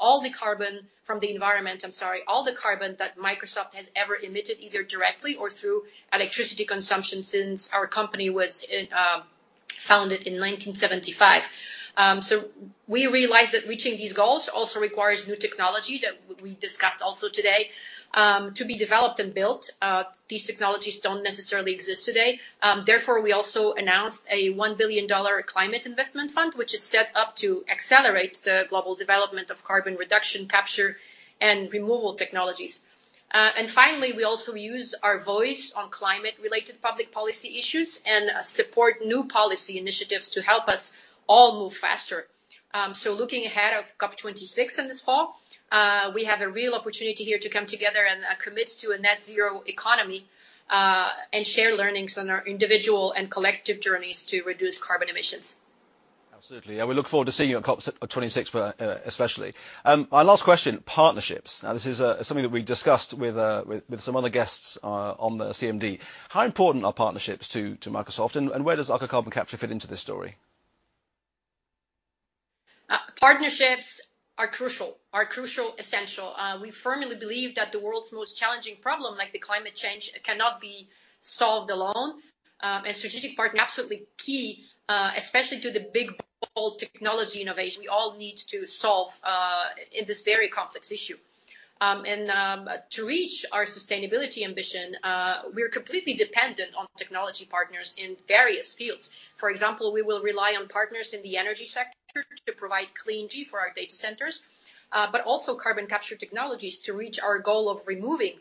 all the carbon from the environment, I'm sorry, all the carbon that Microsoft has ever emitted, either directly or through electricity consumption since our company was founded in 1975. We realize that reaching these goals also requires new technology, that we discussed also today, to be developed and built. These technologies don't necessarily exist today. We also announced a $1 billion climate investment fund, which is set up to accelerate the global development of carbon reduction capture and removal technologies. Finally, we also use our voice on climate-related public policy issues and support new policy initiatives to help us all move faster. Looking ahead of COP26 in this fall, we have a real opportunity here to come together and commit to a net zero economy, and share learnings on our individual and collective journeys to reduce carbon emissions. Absolutely. We look forward to seeing you at COP26 especially. Our last question, partnerships. This is something that we discussed with some other guests on the CMD. How important are partnerships to Microsoft, and where does Aker Carbon Capture fit into this story? Partnerships are crucial, essential. We firmly believe that the world's most challenging problem, like climate change, cannot be solved alone. A strategic partner is absolutely key, especially to the big, bold technology innovation we all need to solve this very complex issue. To reach our sustainability ambition, we're completely dependent on technology partners in various fields. For example, we will rely on partners in the energy sector to provide clean energy for our data centers, but also on carbon capture technologies to reach our goal of removing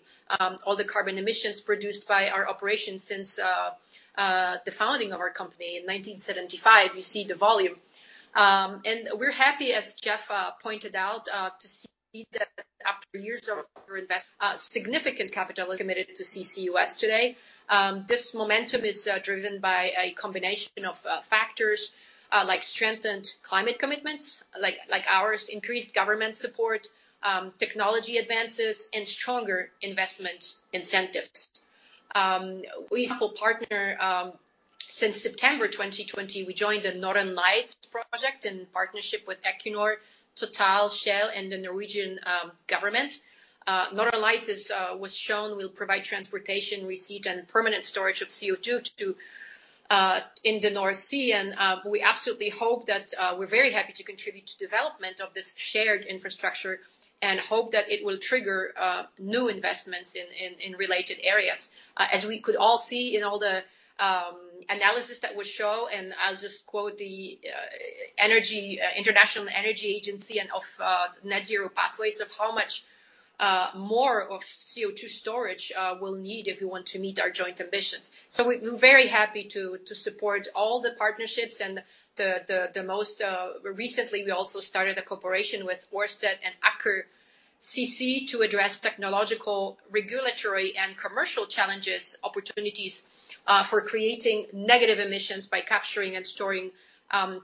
all the carbon emissions produced by our operations since the founding of our company in 1975. You see the volume. We're happy, as Jeff pointed out, to see that after years of significant capital committed to CCUS today. This momentum is driven by a combination of factors, like strengthened climate commitments, like ours, increased government support, technology advances, and stronger investment incentives. We've partnered since September 2020, we joined the Northern Lights Project in partnership with Equinor, Total, Shell, and the Norwegian government. Northern Lights was shown will provide transportation, receipt, and permanent storage of CO2 in the North Sea. We're very happy to contribute to development of this shared infrastructure and hope that it will trigger new investments in related areas. As we could all see in all the analysis that was shown, I'll just quote the International Energy Agency and of net zero pathways, of how much more of CO2 storage we'll need if we want to meet our joint ambitions. We're very happy to support all the partnerships and the most recently, we also started a cooperation with Ørsted and Aker CC to address technological, regulatory, and commercial challenges, opportunities for creating negative emissions by capturing and storing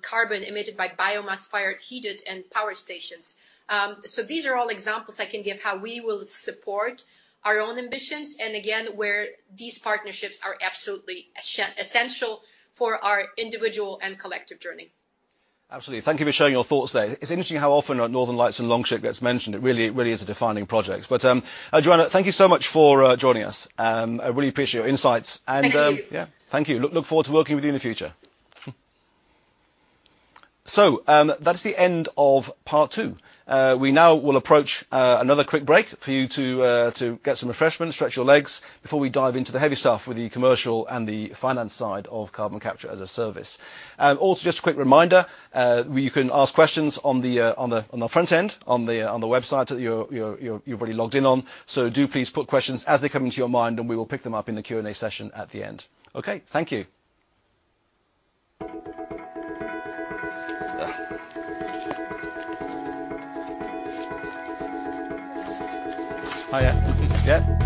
carbon emitted by biomass-fired heated and power stations. These are all examples I can give how we will support our own ambitions, and again, where these partnerships are absolutely essential for our individual and collective journey. Absolutely. Thank you for sharing your thoughts today. It's interesting how often Northern Lights and Longship gets mentioned. It really is a defining project. Joanna, thank you so much for joining us. I really appreciate your insights. Thank you. Yeah. Thank you. Look forward to working with you in the future. That is the end of part two. We now will approach another quick break for you to get some refreshments, stretch your legs before we dive into the heavy stuff with the commercial and the finance side of Carbon Capture as a Service. Just a quick reminder, you can ask questions on the front end, on the website that you've already logged in on. Do please put questions as they come into your mind, and we will pick them up in the Q&A session at the end. Okay. Thank you. Oh, yeah.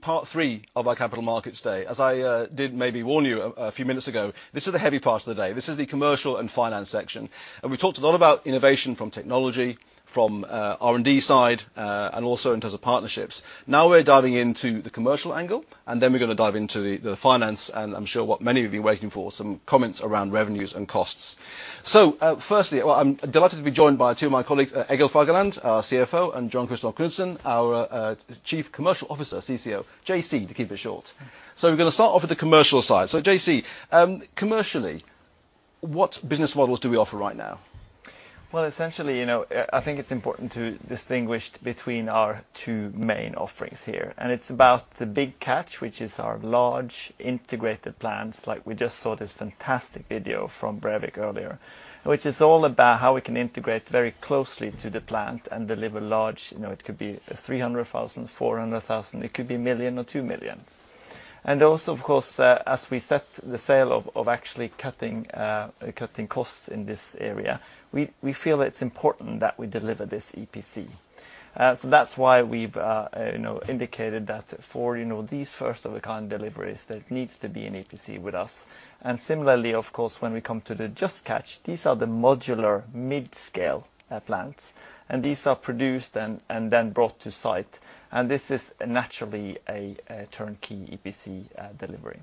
Yeah. Welcome back to part three of our Capital Markets Day. As I did maybe warn you a few minutes ago, this is the heavy part of the day. This is the commercial and finance section. We've talked a lot about innovation from technology, from R&D side, and also in terms of partnerships. We're diving into the commercial angle, and then we're going to dive into the finance and, I'm sure what many have been waiting for, some comments around revenues and costs. Firstly, well, I'm delighted to be joined by two of my colleagues, Egil Fagerland, our CFO, and Jon Christopher Knudsen, our Chief Commercial Officer, CCO, JC to keep it short. We're going to start off with the commercial side. JC, commercially, what business models do we offer right now? Well, essentially, I think it's important to distinguish between our two main offerings here, and it's about the Big Catch, which is our large integrated plants, like we just saw this fantastic video from Brevik earlier. Which is all about how we can integrate very closely to the plant and deliver large, it could be 300,000, 400,000, it could be 1 million or 2 million. Also, of course, as we set the sale of actually cutting costs in this area, we feel it's important that we deliver this EPC. That's why we've indicated that for these first-of-their-kind deliveries, there needs to be an EPC with us. Similarly, of course, when we come to the Just Catch, these are the modular mid-scale plants, and these are produced and then brought to site, and this is naturally a turnkey EPC delivery.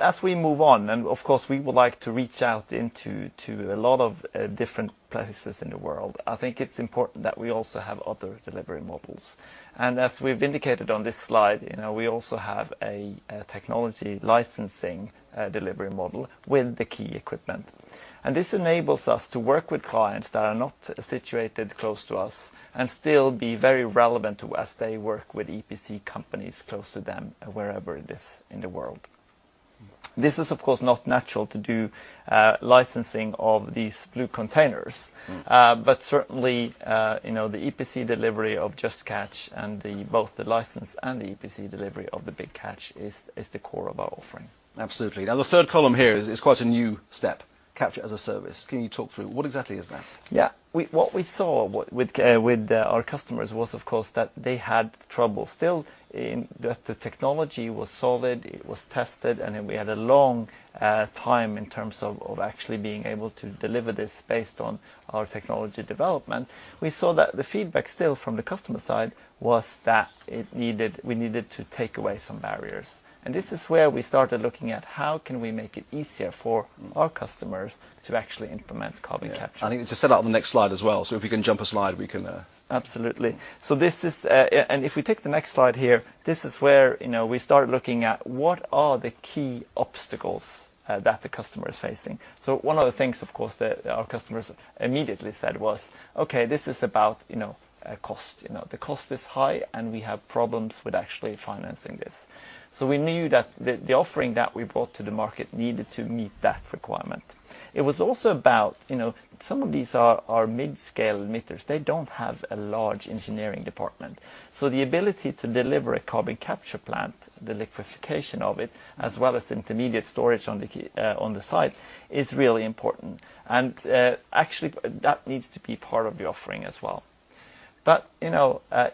As we move on, and of course, we would like to reach out into a lot of different places in the world, I think it's important that we also have other delivery models. As we've indicated on this slide, we also have a technology licensing delivery model with the key equipment. This enables us to work with clients that are not situated close to us and still be very relevant to us. They work with EPC companies close to them, wherever it is in the world. This is, of course, not natural to do licensing of these blue containers. Certainly, the EPC delivery of Just Catch and both the license and the EPC delivery of the Big Catch is the core of our offering. Absolutely. The third column here is quite a new step, Capture as a Service. Can you talk through what exactly is that? Yeah. What we saw with our customers was, of course, that they had trouble still in that the technology was solid, it was tested, and then we had a long time in terms of actually being able to deliver this based on our technology development. We saw that the feedback still from the customer side was that we needed to take away some barriers. This is where we started looking at how can we make it easier for our customers to actually implement carbon capture. Yeah. I think it is just set up on the next slide as well. If you can jump a slide. Absolutely. If we take the next slide here, this is where we start looking at what are the key obstacles that the customer is facing. One of the things, of course, that our customers immediately said was, "Okay, this is about cost. The cost is high, and we have problems with actually financing this." We knew that the offering that we brought to the market needed to meet that requirement. It was also about some of these are mid-scale emitters. They don't have a large engineering department. The ability to deliver a carbon capture plant, the liquification of it, as well as intermediate storage on the site is really important, and actually, that needs to be part of the offering as well.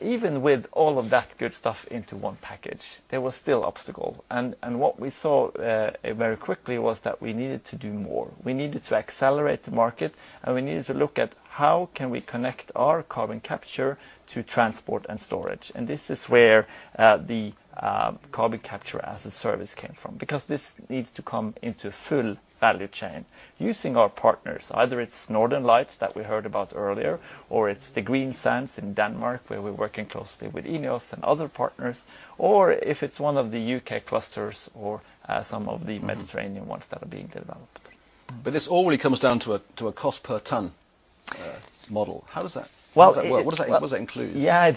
Even with all of that good stuff into one package, there was still obstacle. What we saw very quickly was that we needed to do more. We needed to accelerate the market, and we needed to look at how can we connect our carbon capture to transport and storage. This is where the Carbon Capture as a Service came from. Because this needs to come into full value chain using our partners. Either it's Northern Lights that we heard about earlier, or it's th Greensand in Denmark where we're working closely with Ineos and other partners, or if it's one of the U.K. clusters or some of the Mediterranean ones that are being developed. This all really comes down to a cost per ton model. How does that work? What does that include? Yeah.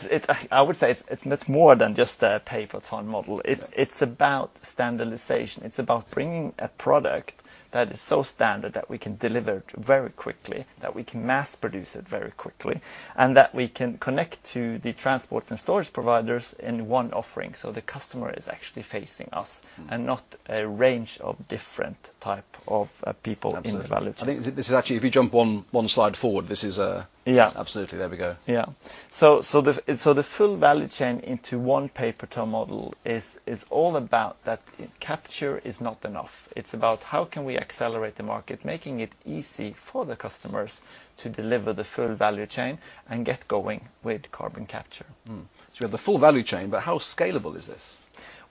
I would say it's much more than just a pay per ton model. Yeah. It's about standardization. It's about bringing a product that is so standard that we can deliver it very quickly, that we can mass produce it very quickly, and that we can connect to the transport and storage providers in one offering, so the customer is actually facing us and not a range of different type of people in the value chain. Absolutely. I think this is actually, if you jump one slide forward. Yeah. Absolutely. There we go. The full value chain into one pay per ton model is all about that capture is not enough. It's about how can we accelerate the market, making it easy for the customers to deliver the full value chain and get going with carbon capture. We have the full value chain, but how scalable is this?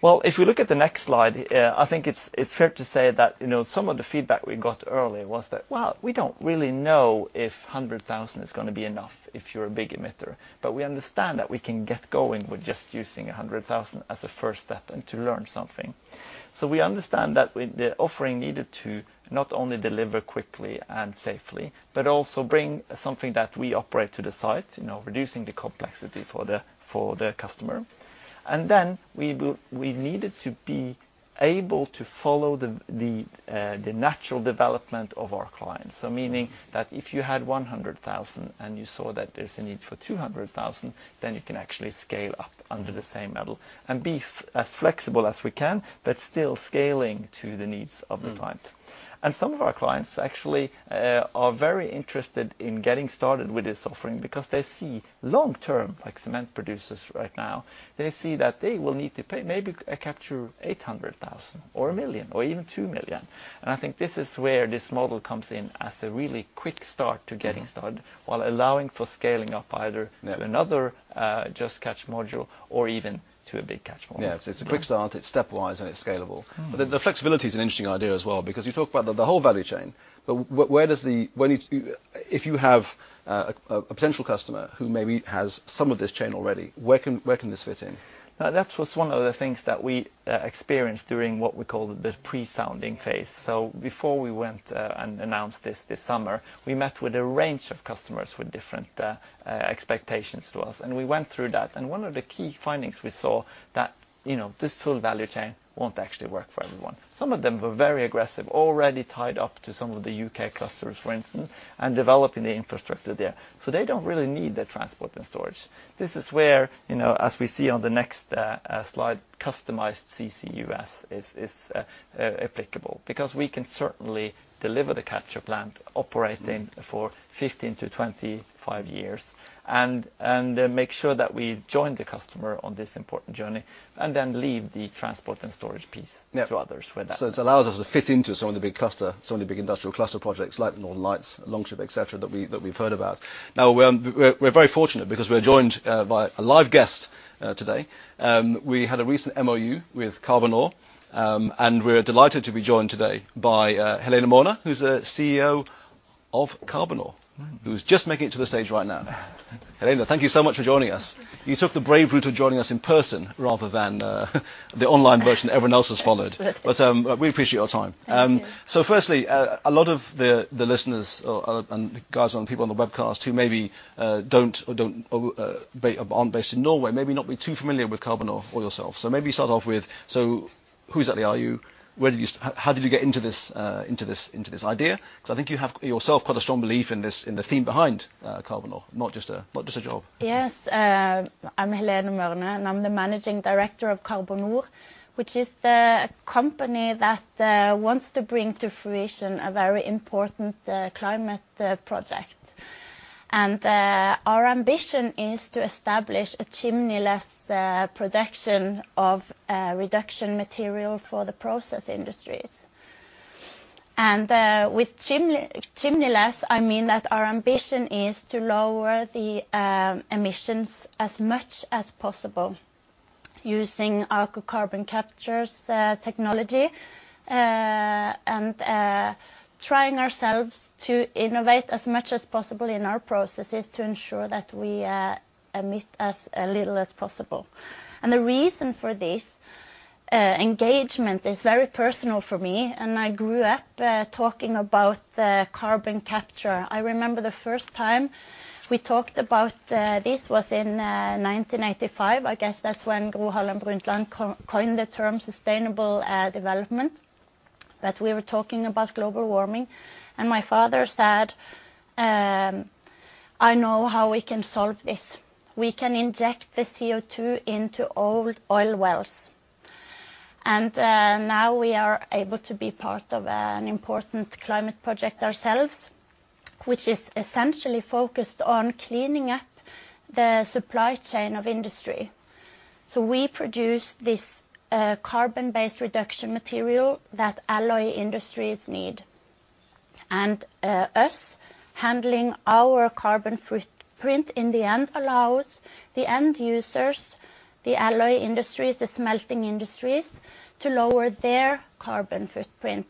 If you look at the next slide, I think it is fair to say that some of the feedback we got earlier was that, "Well, we don't really know if 100,000 is going to be enough if you're a big emitter. We understand that we can get going with just using 100,000 as a first step, and to learn something." We understand that the offering needed to not only deliver quickly and safely, but also bring something that we operate to the site, reducing the complexity for the customer. We needed to be able to follow the natural development of our clients. Meaning that if you had 100,000 and you saw that there is a need for 200,000, then you can actually scale up under the same model and be as flexible as we can, but still scaling to the needs of the client. Some of our clients actually are very interested in getting started with this offering because they see long-term, like cement producers right now, they see that they will need to pay maybe capture 800,000 or 1 million, or even 2 million. I think this is where this model comes in as a really quick start to getting started while allowing for scaling up either. Yeah. To another Just Catch module, or even to a Big Catch module. Yeah. It's a quick start, it's step wise, and it's scalable. The flexibility is an interesting idea as well, because you talk about the whole value chain. If you have a potential customer who maybe has some of this chain already, where can this fit in? That was one of the things that we experienced during what we call the pre-sounding phase. Before we went and announced this summer, we met with a range of customers with different expectations to us, and we went through that. One of the key findings we saw that this full value chain won't actually work for everyone. Some of them were very aggressive, already tied up to some of the U.K. clusters, for instance, and developing the infrastructure there. They don't really need the transport and storage. This is where, as we see on the next slide, customized CCUS is applicable, because we can certainly deliver the capture plant operating for 15-25 years, and make sure that we join the customer on this important journey, and then leave the transport and storage piece. Yeah. To others where. It allows us to fit into some of the big industrial cluster projects like Northern Lights, Longship, et cetera, that we've heard about. We're very fortunate because we're joined by a live guest today. We had a recent MOU with Carbonor, and we're delighted to be joined today by Helene Mørne, who's the CEO of Carbonor, who's just making it to the stage right now. Helene, thank you so much for joining us. You took the brave route of joining us in person rather than the online version everyone else has followed. We appreciate your time. Thank you. Firstly, a lot of the listeners, and guys, and people on the webcast who maybe aren't based in Norway, maybe not be too familiar with Carbonor or yourself. Maybe start off with, so who exactly are you? How did you get into this idea? Because I think you have yourself quite a strong belief in the theme behind Carbonor, not just a job. Yes. I'm Helene Mørne, I'm the Managing Director of Carbonor, which is the company that wants to bring to fruition a very important climate project. Our ambition is to establish a chimney-less production of reduction material for the process industries. With chimney-less, I mean that our ambition is to lower the emissions as much as possible using Aker Carbon Capture's technology, and trying ourselves to innovate as much as possible in our processes to ensure that we emit as little as possible. The reason for this engagement is very personal for me, and I grew up talking about carbon capture. I remember the first time we talked about this was in 1985. I guess that's when Gro Harlem Brundtland coined the term sustainable development, but we were talking about global warming. My father said, I know how we can solve this. We can inject the CO2 into old oil wells. Now we are able to be part of an important climate project ourselves, which is essentially focused on cleaning up the supply chain of industry. We produce this carbon-based reduction material that alloy industries need. Us handling our carbon footprint in the end allows the end users, the alloy industries, the smelting industries, to lower their carbon footprint.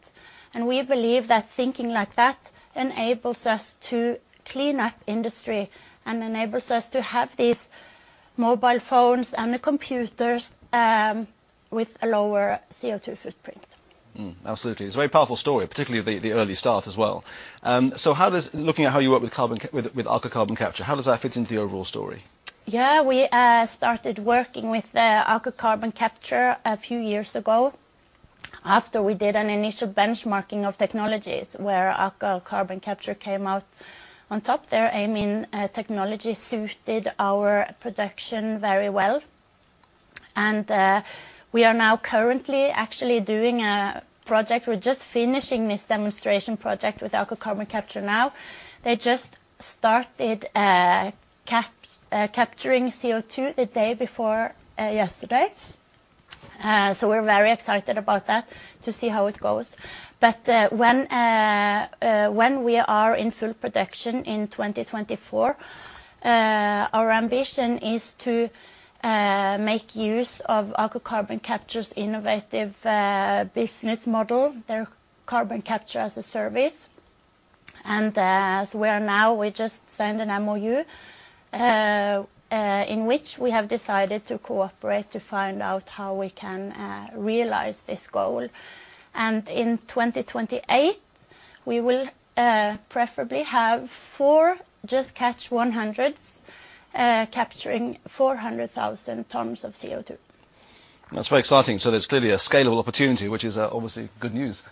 We believe that thinking like that enables us to clean up industry, and enables us to have these mobile phones and the computers with a lower CO2 footprint. Absolutely. It's a very powerful story, particularly the early start as well. Looking at how you work with Aker Carbon Capture, how does that fit into the overall story? Yeah. We started working with Aker Carbon Capture a few years ago, after we did an initial benchmarking of technologies where Aker Carbon Capture came out on top there, amine technology suited our production very well. We are now currently actually doing a project, we're just finishing this demonstration project with Aker Carbon Capture now. They just started capturing CO2 the day before yesterday. We're very excited about that to see how it goes. When we are in full production in 2024. Our ambition is to make use of Aker Carbon Capture's innovative business model, their Carbon Capture as a Service. As of now, we just signed an MOU, in which we have decided to cooperate to find out how we can realize this goal. In 2028, we will preferably have four Just Catch 100s, capturing 400,000 tons of CO2. That's very exciting. There's clearly a scalable opportunity, which is obviously good news.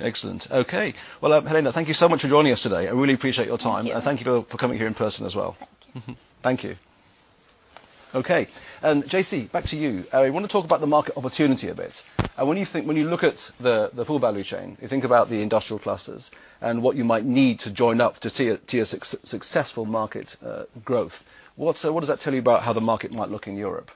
Excellent. Okay. Well, Helene, thank you so much for joining us today. I really appreciate your time. Thank you. Thank you for coming here in person as well. Thank you. Mm-hmm. Thank you. Okay. JC, back to you. I want to talk about the market opportunity a bit. When you look at the full value chain, you think about the industrial clusters and what you might need to join up to see a successful market growth, what does that tell you about how the market might look in Europe?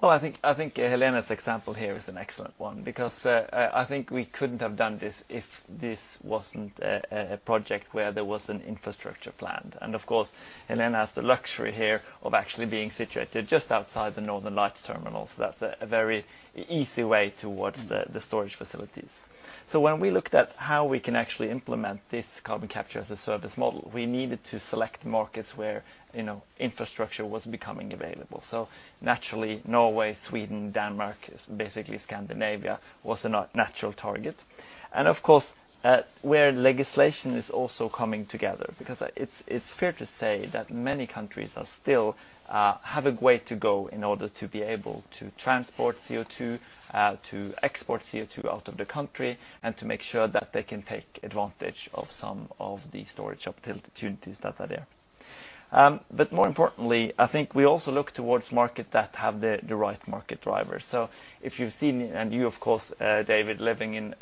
Well, I think Helene's example here is an excellent one because I think we couldn't have done this if this wasn't a project where there was an infrastructure planned. Of course, Helene has the luxury here of actually being situated just outside the Northern Lights terminal. That's a very easy way towards the storage facilities. When we looked at how we can actually implement this Carbon Capture as a Service model, we needed to select markets where infrastructure was becoming available. Naturally, Norway, Sweden, Denmark, basically Scandinavia was a natural target. Of course, where legislation is also coming together because it's fair to say that many countries still have a way to go in order to be able to transport CO2, to export CO2 out of the country, and to make sure that they can take advantage of some of the storage opportunities that are there. More importantly, I think we also look towards market that have the right market drivers. If you've seen, and you, of course, David, living in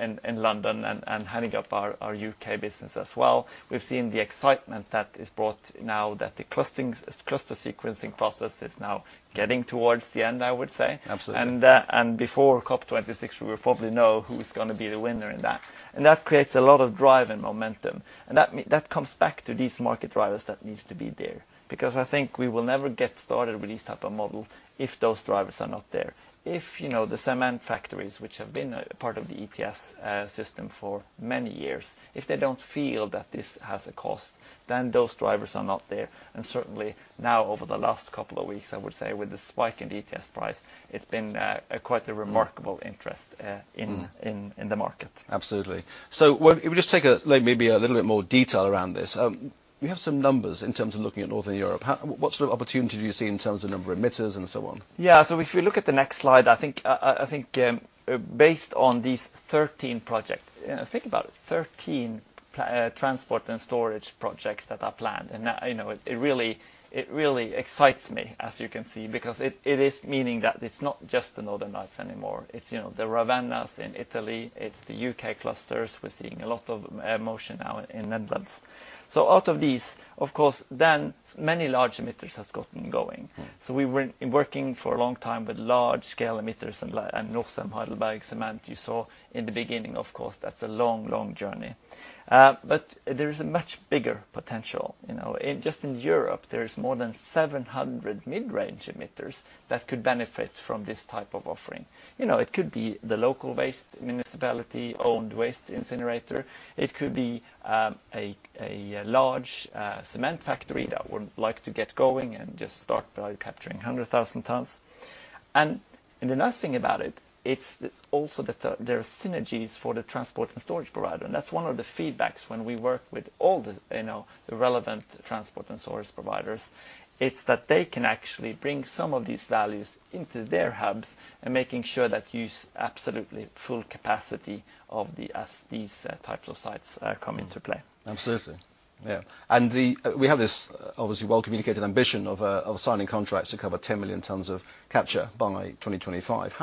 London and heading up our U.K. business as well, we've seen the excitement that is brought now that the cluster sequencing process is now getting towards the end, I would say. Absolutely. Before COP26, we will probably know who's going to be the winner in that. That creates a lot of drive and momentum, and that comes back to these market drivers that needs to be there because I think we will never get started with this type of model if those drivers are not there. If the cement factories, which have been a part of the ETS system for many years, if they don't feel that this has a cost, then those drivers are not there. Certainly now over the last couple of weeks, I would say, with the spike in ETS price, it's been quite a remarkable interest in the market. Absolutely. If we just take maybe a little bit more detail around this. We have some numbers in terms of looking at Northern Europe. What sort of opportunity do you see in terms of number of emitters and so on? If you look at the next slide, I think based on these 13 projects, think about it, 13 transport and storage projects that are planned. It really excites me as you can see because it is meaning that it's not just the Northern Lights anymore. It's the Ravenna in Italy, it's the U.K. clusters. We're seeing a lot of motion now in Netherlands. Out of these, of course, then many large emitters has gotten going. We've been working for a long time with large scale emitters and Norcem, HeidelbergCement you saw in the beginning, of course, that's a long, long journey. There is a much bigger potential. Just in Europe there is more than 700 mid-range emitters that could benefit from this type of offering. It could be the local waste municipality-owned waste incinerator. It could be a large cement factory that would like to get going and just start value capturing 100,000 tons. The nice thing about it's also that there are synergies for the transport and storage provider, and that's one of the feedbacks when we work with all the relevant transport and storage providers. It's that they can actually bring some of these values into their hubs and making sure that you use absolutely full capacity as these types of sites come into play. Absolutely. Yeah. We have this obviously well-communicated ambition of signing contracts to cover 10 million tons of capture by 2025.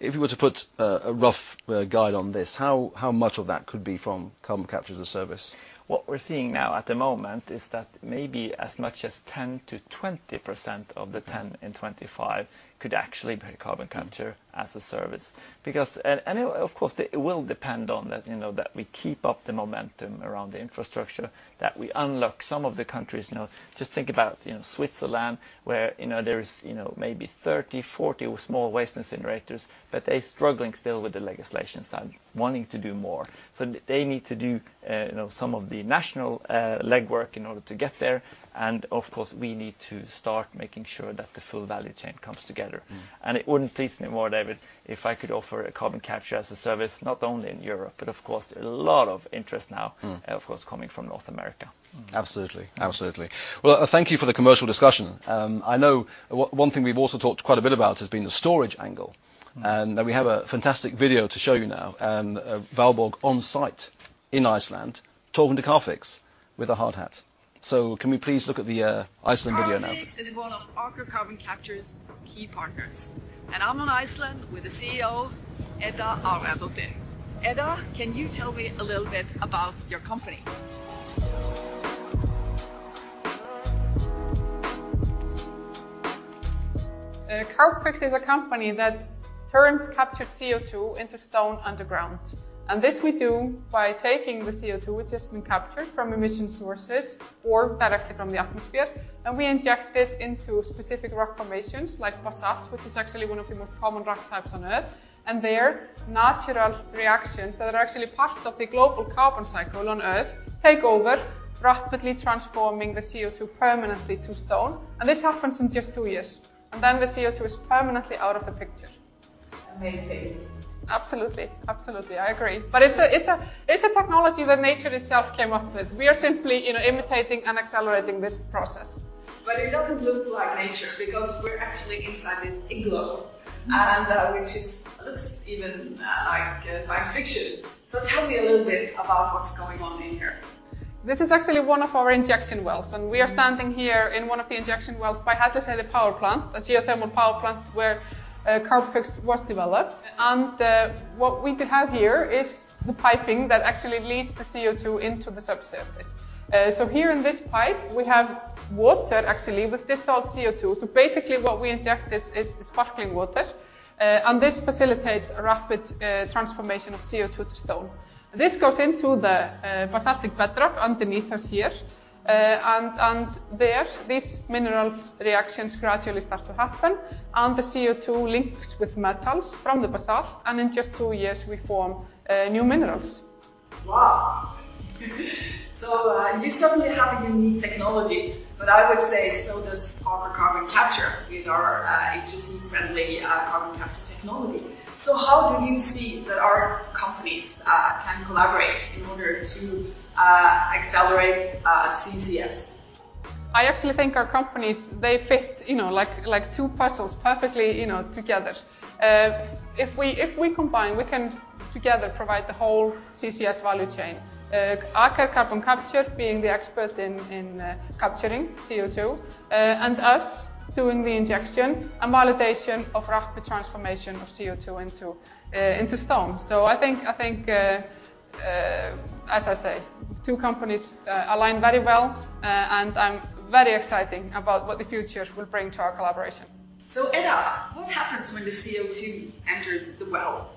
If you were to put a rough guide on this, how much of that could be from Carbon Capture as a Service? What we're seeing now at the moment is that maybe as much as 10%-20% of the 10 in 25 could actually be Carbon Capture as a Service. Of course, it will depend on that we keep up the momentum around the infrastructure, that we unlock some of the countries. Just think about Switzerland where there is maybe 30, 40 small waste incinerators, but they're struggling still with the legislation side, wanting to do more. They need to do some of the national legwork in order to get there, of course, we need to start making sure that the full value chain comes together. It wouldn't please me more, David, if I could offer a Carbon Capture as a Service, not only in Europe, but of course, a lot of interest now. Of course, coming from North America. Absolutely. Well, thank you for the commercial discussion. I know one thing we've also talked quite a bit about has been the storage angle, and that we have a fantastic video to show you now, of Valborg on site in Iceland talking to Carbfix with a hard hat. Can we please look at the Iceland video now? Carbfix is one of Aker Carbon Capture's key partners. I'm on Iceland with the CEO, Edda Sif Pind Aradóttir. Edda, can you tell me a little bit about your company? Carbfix is a company that turns captured CO2 into stone underground. This we do by taking the CO2, which has been captured from emission sources or directly from the atmosphere, and we inject it into specific rock formations like basalt, which is actually one of the most common rock types on Earth. There, natural reactions that are actually part of the global carbon cycle on Earth take over, rapidly transforming the CO2 permanently to stone. This happens in just two years, and then the CO2 is permanently out of the picture. Amazing. Absolutely. Absolutely. I agree. It's a technology that nature itself came up with. We are simply imitating and accelerating this process. It doesn't look like nature because we're actually inside this igloo, and which looks even like science fiction. Tell me a little bit about what's going on in here. This is actually one of our injection wells, and we are standing here in one of the injection wells by Hellisheiði Power Plant, a geothermal power plant where Carbfix was developed. What we could have here is the piping that actually leads the CO2 into the subsurface. Here in this pipe, we have water, actually, with dissolved CO2. Basically what we inject is sparkling water, and this facilitates rapid transformation of CO2 to stone. This goes into the basaltic bedrock underneath us here, and there, these mineral reactions gradually start to happen, and the CO2 links with metals from the basalt, and in just two years we form new minerals. Wow. You certainly have a unique technology, but I would say so does Aker Carbon Capture with our HSE friendly carbon capture technology. How do you see that our companies can collaborate in order to accelerate CCS? I actually think our companies, they fit like two puzzles perfectly together. If we combine, we can together provide the whole CCS value chain. Aker Carbon Capture being the expert in capturing CO2, and us doing the injection and validation of rapid transformation of CO2 into stone. I think, as I say, two companies align very well, and I am very excited about what the future will bring to our collaboration. Edda, what happens when the CO2 enters the well?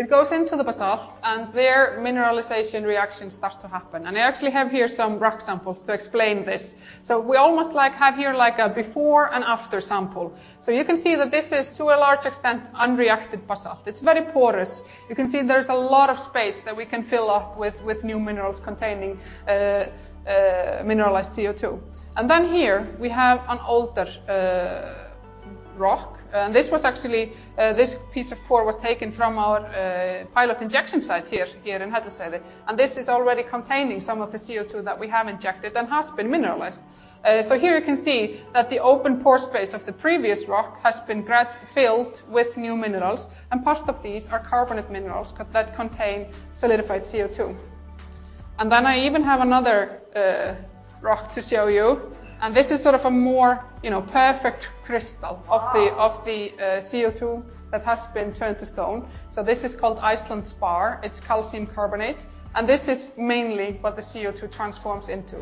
It goes into the basalt, and there, mineralization reactions start to happen. I actually have here some rock samples to explain this. We almost have here a before and after sample. You can see that this is, to a large extent, unreacted basalt. It's very porous. You can see there's a lot of space that we can fill up with new minerals containing mineralized CO2. Here we have an older rock. This piece of core was taken from our pilot injection site here in Hellisheiði. This is already containing some of the CO2 that we have injected and has been mineralized. Here you can see that the open pore space of the previous rock has been filled with new minerals, and part of these are carbonate minerals that contain solidified CO2. I even have another rock to show you, and this is sort of a more perfect crystal. Wow. Of the CO2 that has been turned to stone. This is called Iceland spar. It's calcium carbonate, and this is mainly what the CO2 transforms into.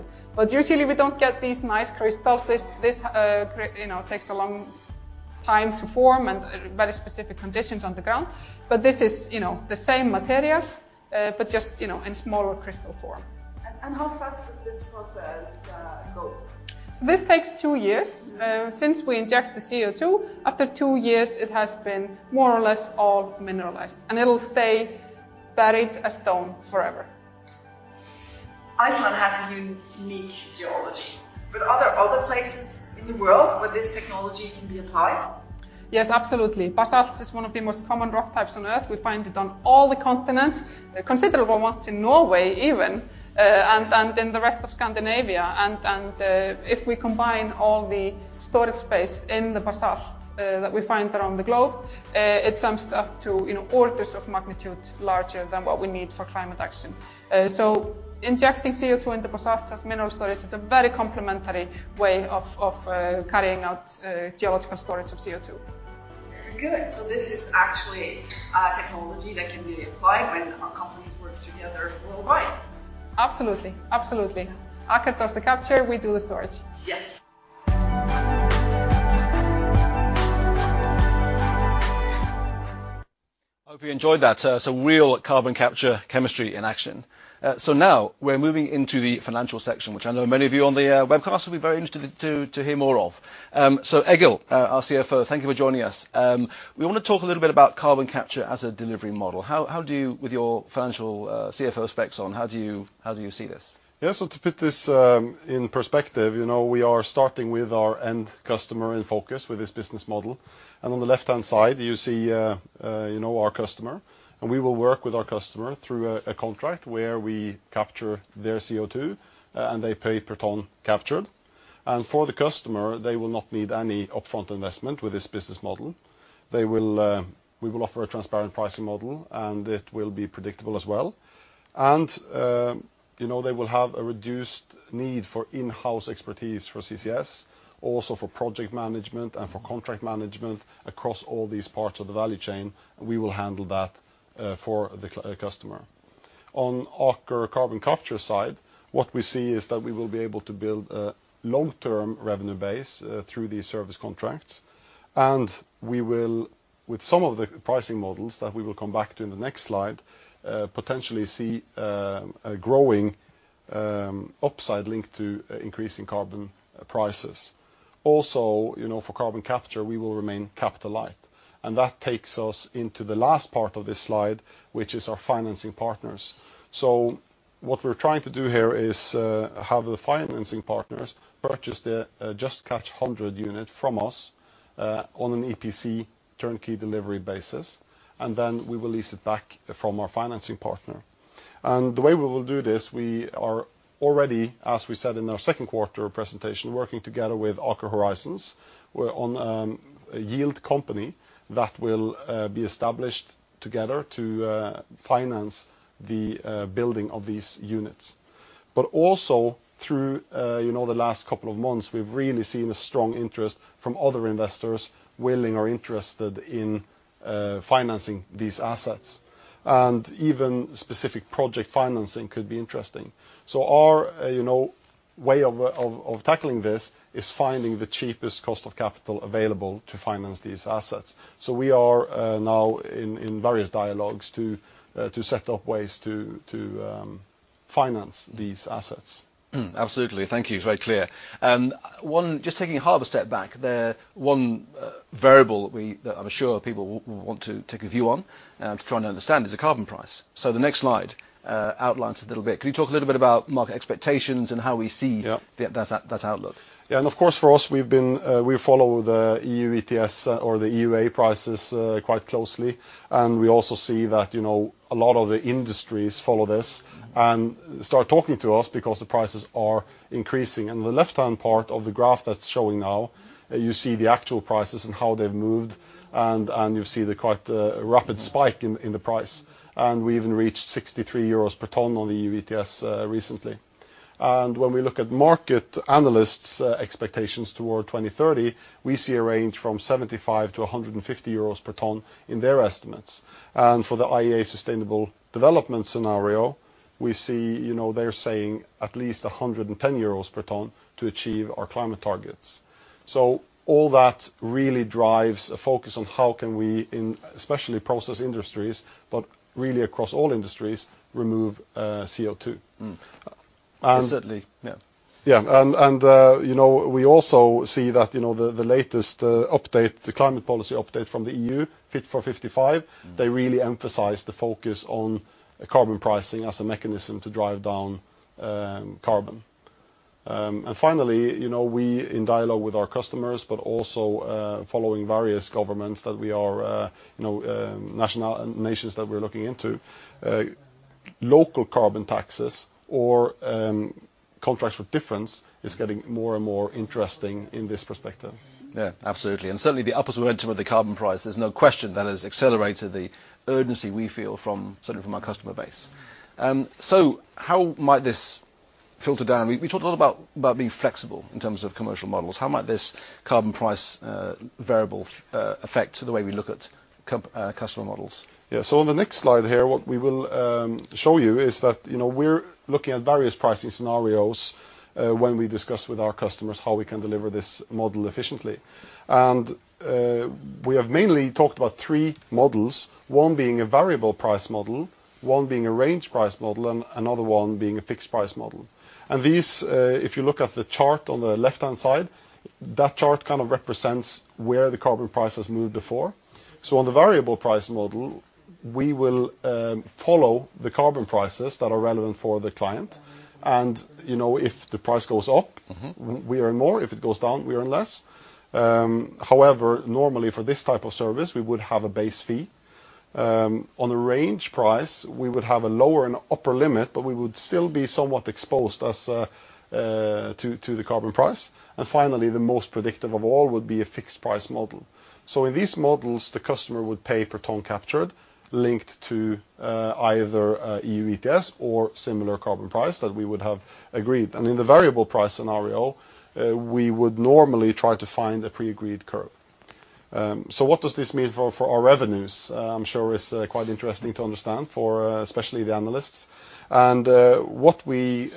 Usually we don't get these nice crystals. This takes a long time to form and very specific conditions underground. This is the same material, but just in smaller crystal form. How fast does this process go? This takes two years. Since we inject the CO2, after two years it has been more or less all mineralized, and it will stay buried as stone forever. Iceland has unique geology, but are there other places in the world where this technology can be applied? Yes, absolutely. Basalt is one of the most common rock types on Earth. We find it on all the continents. Considerable amounts in Norway even, and in the rest of Scandinavia. If we combine all the storage space in the basalt that we find around the globe, it sums up to orders of magnitude larger than what we need for climate action. Injecting CO2 into basalt as mineral storage, it's a very complementary way of carrying out geological storage of CO2. Very good. This is actually a technology that can be applied when our companies work together worldwide. Absolutely. Absolutely. Aker does the capture, we do the storage. Yes. Hope you enjoyed that. Real carbon capture chemistry in action. Now we're moving into the financial section, which I know many of you on the webcast will be very interested to hear more of. Egil, our CFO, thank you for joining us. We want to talk a little bit about carbon capture as a delivery model. How do you, with your financial CFO specs on, how do you see this? To put this in perspective, we are starting with our end customer in focus with this business model. On the left-hand side, you see our customer, and we will work with our customer through a contract where we capture their CO2, and they pay per ton captured. For the customer, they will not need any upfront investment with this business model. We will offer a transparent pricing model, and it will be predictable as well. They will have a reduced need for in-house expertise for CCS, also for project management and for contract management across all these parts of the value chain, and we will handle that for the customer. On Aker Carbon Capture's side, what we see is that we will be able to build a long-term revenue base through these service contracts. We will, with some of the pricing models that we will come back to in the next slide, potentially see a growing upside link to increase in carbon prices. Also, for carbon capture, we will remain capital light, and that takes us into the last part of this slide, which is our financing partners. What we're trying to do here is have the financing partners purchase the Just Catch 100 unit from us on an EPC turnkey delivery basis, and then we will lease it back from our financing partner. The way we will do this, we are already, as we said in our second quarter presentation, working together with Aker Horizons. We're on a yield company that will be established together to finance the building of these units. Also through the last couple of months, we've really seen a strong interest from other investors willing or interested in financing these assets, and even specific project financing could be interesting. Our way of tackling this is finding the cheapest cost of capital available to finance these assets. We are now in various dialogues to set up ways to finance these assets. Absolutely. Thank you. It's very clear. Just taking a higher step back, the one variable that I'm sure people want to take a view on and to try and understand is the carbon price. The next slide outlines a little bit. Can you talk a little bit about market expectations and how we see? Yep. That outlook? Yeah. Of course, for us, we follow the EU ETS or the EUA prices quite closely. We also see that a lot of the industries follow this and start talking to us because the prices are increasing. In the left-hand part of the graph that's showing now, you see the actual prices and how they've moved, and you see the quite rapid spike in the price. We even reached 63 euros per ton on the EU ETS recently. When we look at market analysts' expectations toward 2030, we see a range from 75-150 euros per ton in their estimates. For the IEA Sustainable Development Scenario, we see they're saying at least 110 euros per ton to achieve our climate targets. All that really drives a focus on how can we, in especially process industries, but really across all industries, remove CO2. And- Certainly. Yeah. yeah. We also see that the latest update, the climate policy update from the EU, Fit for 55, they really emphasize the focus on carbon pricing as a mechanism to drive down carbon. Finally, we, in dialogue with our customers, but also following various governments that we are nations that we're looking into, local carbon taxes or contracts for difference is getting more and more interesting in this perspective. Yeah, absolutely. Certainly the upwards momentum of the carbon price, there's no question that has accelerated the urgency we feel certainly from our customer base. How might this filter down? We talked a lot about being flexible in terms of commercial models. How might this carbon price variable affect the way we look at customer models? Yeah. On the next slide here, what we will show you is that we're looking at various pricing scenarios when we discuss with our customers how we can deliver this model efficiently. We have mainly talked about three models, one being a variable price model, one being a range price model, and another one being a fixed price model. These, if you look at the chart on the left-hand side, that chart kind of represents where the carbon price has moved before. On the variable price model, we will follow the carbon prices that are relevant for the client. If the price goes up, we earn more. If it goes down, we earn less. However, normally for this type of service, we would have a base fee. On the range price, we would have a lower and upper limit, but we would still be somewhat exposed to the carbon price. Finally, the most predictive of all would be a fixed price model. In these models, the customer would pay per ton captured, linked to either EU ETS or similar carbon price that we would have agreed. In the variable price scenario, we would normally try to find a pre-agreed curve. What does this mean for our revenues? I'm sure it's quite interesting to understand for especially the analysts. What we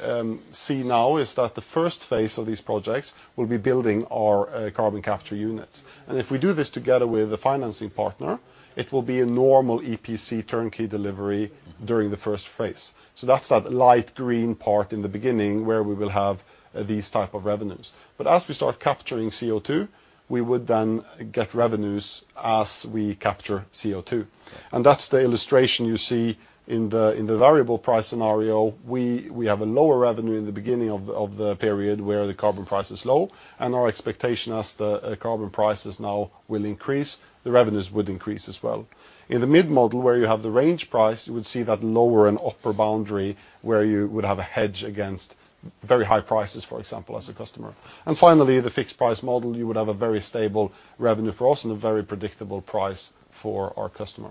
see now is that the first phase of these projects will be building our carbon capture units. If we do this together with a financing partner, it will be a normal EPC turnkey delivery during the first phase. That's that light green part in the beginning where we will have these type of revenues. As we start capturing CO2, we would then get revenues as we capture CO2. That's the illustration you see in the variable price scenario. We have a lower revenue in the beginning of the period where the carbon price is low, and our expectation as the carbon prices now will increase, the revenues would increase as well. In the mid model, where you have the range price, you would see that lower and upper boundary where you would have a hedge against very high prices, for example, as a customer. Finally, the fixed price model, you would have a very stable revenue for us and a very predictable price for our customer.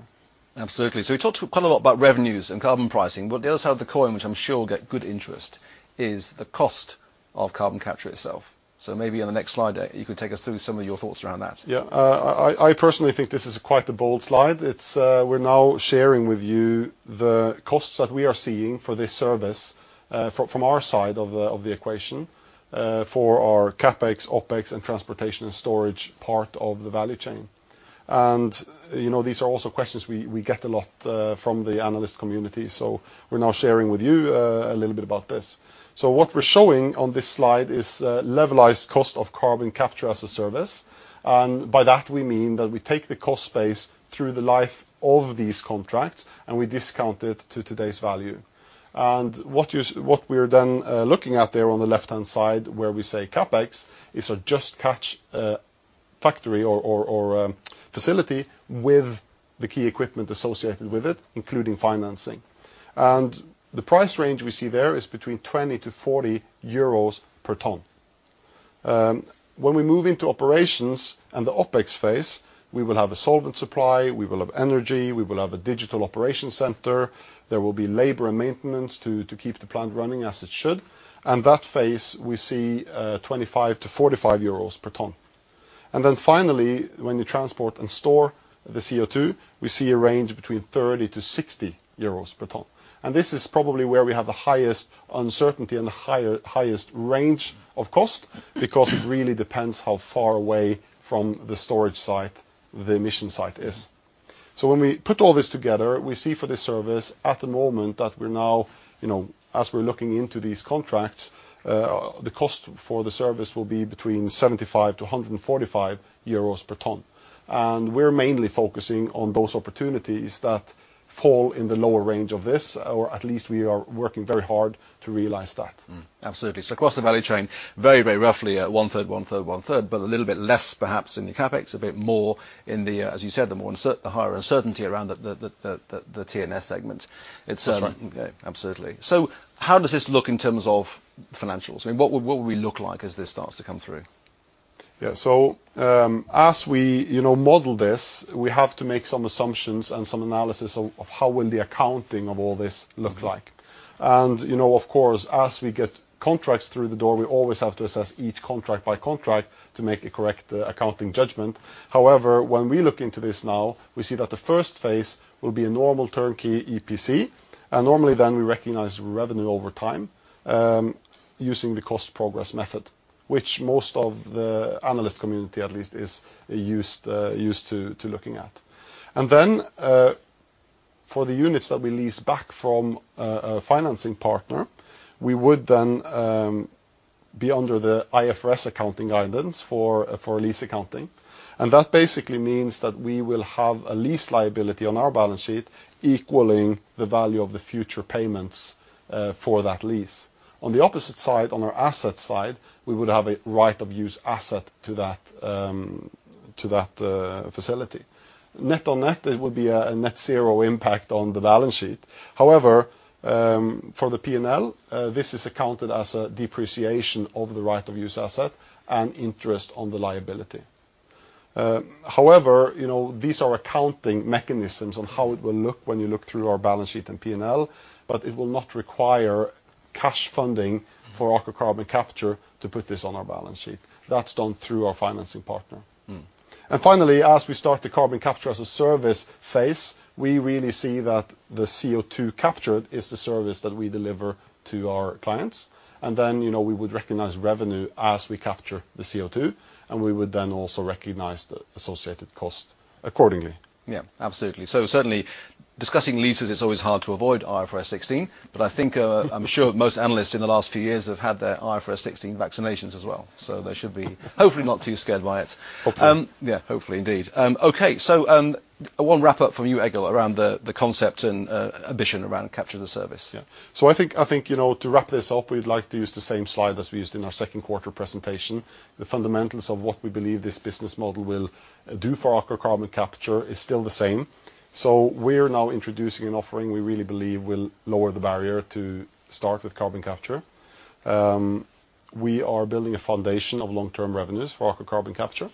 Absolutely. We talked quite a lot about revenues and carbon pricing, but the other side of the coin, which I'm sure will get good interest, is the cost of carbon capture itself. Maybe on the next slide, you could take us through some of your thoughts around that. Yeah. I personally think this is quite the bold slide. We're now sharing with you the costs that we are seeing for this service from our side of the equation for our CapEx, OpEx, and transportation and storage part of the value chain. These are also questions we get a lot from the analyst community, so we're now sharing with you a little bit about this. What we're showing on this slide is levelized cost of Carbon Capture as a Service, and by that we mean that we take the cost base through the life of these contracts, and we discount it to today's value. What we are then looking at there on the left-hand side where we say CapEx is a Just Catch factory or facility with the key equipment associated with it, including financing. The price range we see there is between 20-40 euros per ton. When we move into operations and the OpEx phase, we will have a solvent supply, we will have energy, we will have a digital operation center, there will be labor and maintenance to keep the plant running as it should. That phase, we see 25-45 euros per ton. Finally, when you transport and store the CO2, we see a range between 30- 60 euros per ton. This is probably where we have the highest uncertainty and the highest range of cost because it really depends how far away from the storage site the emission site is. When we put all this together, we see for this service at the moment that as we're looking into these contracts, the cost for the service will be between 75-145 euros per ton. We're mainly focusing on those opportunities that fall in the lower range of this, or at least we are working very hard to realize that. Absolutely. Across the value chain, very roughly at 1/3, 1/3, 1/3, but a little bit less perhaps in the CapEx, a bit more in the, as you said, the higher uncertainty around the T&S segment. That's right. Okay, absolutely. How does this look in terms of financials? What would we look like as this starts to come through? As we model this, we have to make some assumptions and some analysis of how will the accounting of all this look like. Of course, as we get contracts through the door, we always have to assess each contract by contract to make a correct accounting judgment. However, when we look into this now, we see that the first phase will be a normal turnkey EPC, normally then we recognize revenue over time using the cost-to-cost method, which most of the analyst community at least is used to looking at. Then, for the units that we lease back from a financing partner, we would then be under the IFRS accounting guidance for lease accounting. That basically means that we will have a lease liability on our balance sheet equaling the value of the future payments for that lease. On the opposite side, on our asset side, we would have a right of use asset to that facility. Net on net, it would be a net zero impact on the balance sheet. For the P&L, this is accounted as a depreciation of the right of use asset and interest on the liability. These are accounting mechanisms on how it will look when you look through our balance sheet and P&L, but it will not require cash funding for Aker Carbon Capture to put this on our balance sheet. That's done through our financing partner. Finally, as we start the Carbon Capture as a Service phase, we really see that the CO2 captured is the service that we deliver to our clients. Then, we would recognize revenue as we capture the CO2, and we would then also recognize the associated cost accordingly. Yeah, absolutely. Certainly, discussing leases, it's always hard to avoid IFRS 16, but I'm sure most analysts in the last few years have had their IFRS 16 vaccinations as well, so they should be hopefully not too scared by it. Hopefully. Yeah. Hopefully, indeed. Okay. One wrap-up from you, Egil, around the concept and ambition around Capture as a Service. Yeah. I think to wrap this up, we'd like to use the same slide as we used in our second quarter presentation. The fundamentals of what we believe this business model will do for Aker Carbon Capture is still the same. We're now introducing an offering we really believe will lower the barrier to start with carbon capture. We are building a foundation of long-term revenues for Aker Carbon Capture,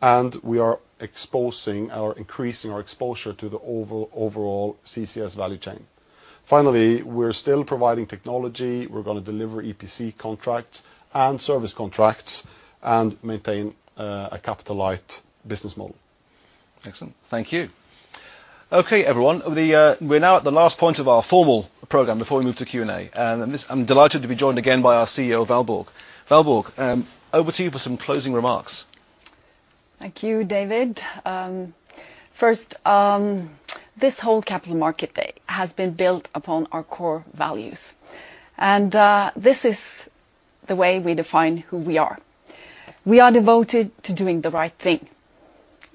and we are increasing our exposure to the overall CCS value chain. Finally, we're still providing technology. We're going to deliver EPC contracts and service contracts and maintain a capital-light business model. Seven different. Thank you. Okay, everyone, we're now at the last point of our formal program before we move to Q&A. I'm delighted to be joined again by our CEO, Valborg. Valborg, over to you for some closing remarks. Thank you, David. First, this whole Capital Market Day has been built upon our core values. This is the way we define who we are. We are devoted to doing the right thing,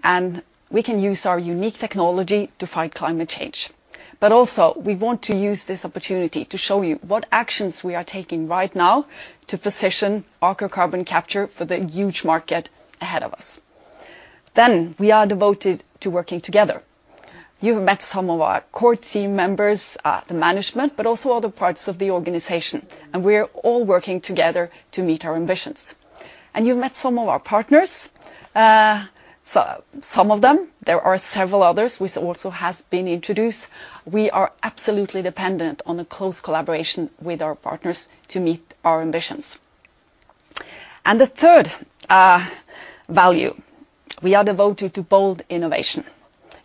and we can use our unique technology to fight climate change. Also, we want to use this opportunity to show you what actions we are taking right now to position Aker Carbon Capture for the huge market ahead of us. We are devoted to working together. You have met some of our core team members, the management, but also other parts of the organization, and we are all working together to meet our ambitions. You've met some of our partners. Some of them. There are several others which also have been introduced. We are absolutely dependent on a close collaboration with our partners to meet our ambitions. The third value, we are devoted to bold innovation.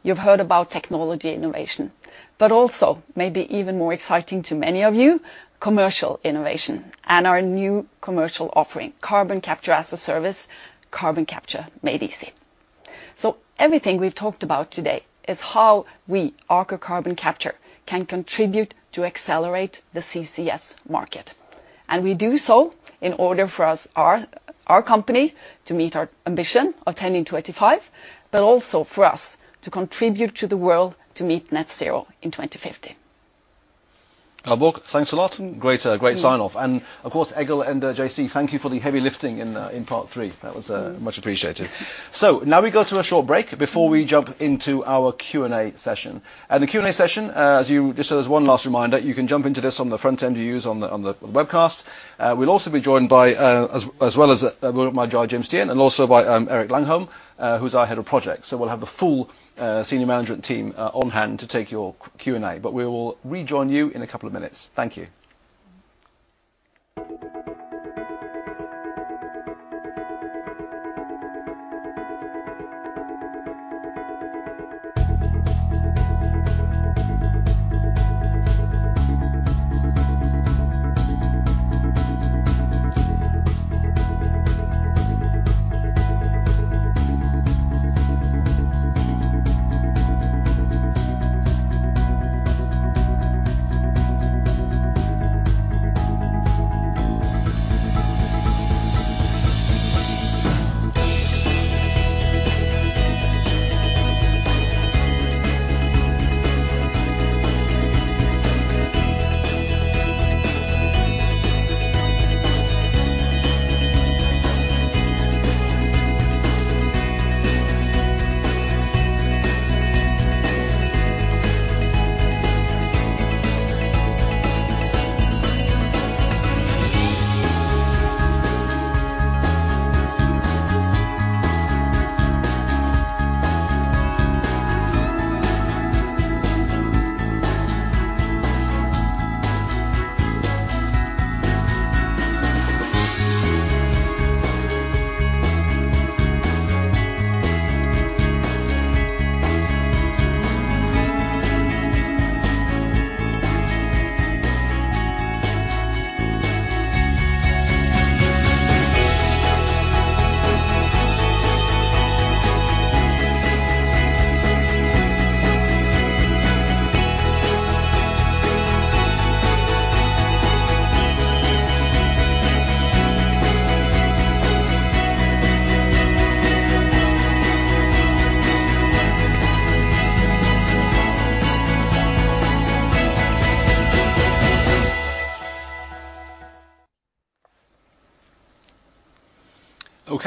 You've heard about technology innovation, but also maybe even more exciting to many of you, commercial innovation and our new commercial offering, Carbon Capture as a Service, carbon capture made easy. Everything we've talked about today is how we, Aker Carbon Capture, can contribute to accelerate the CCS market. We do so in order for our company to meet our ambition of 10 in 25, but also for us to contribute to the world to meet Net Zero in 2050. Valborg, thanks a lot. Great sign-off. Of course, Egil and J.C., thank you for the heavy lifting in part three. That was much appreciated. Now we go to a short break before we jump into our Q&A session. The Q&A session, just as one last reminder, you can jump into this on the front end you use on the webcast. We'll also be joined by, as well as my guy, Jim Stian, and also by Erik Langholm, who's our head of project. We'll have the full senior management team on-hand to take your Q&A. We will rejoin you in a couple of minutes. Thank you.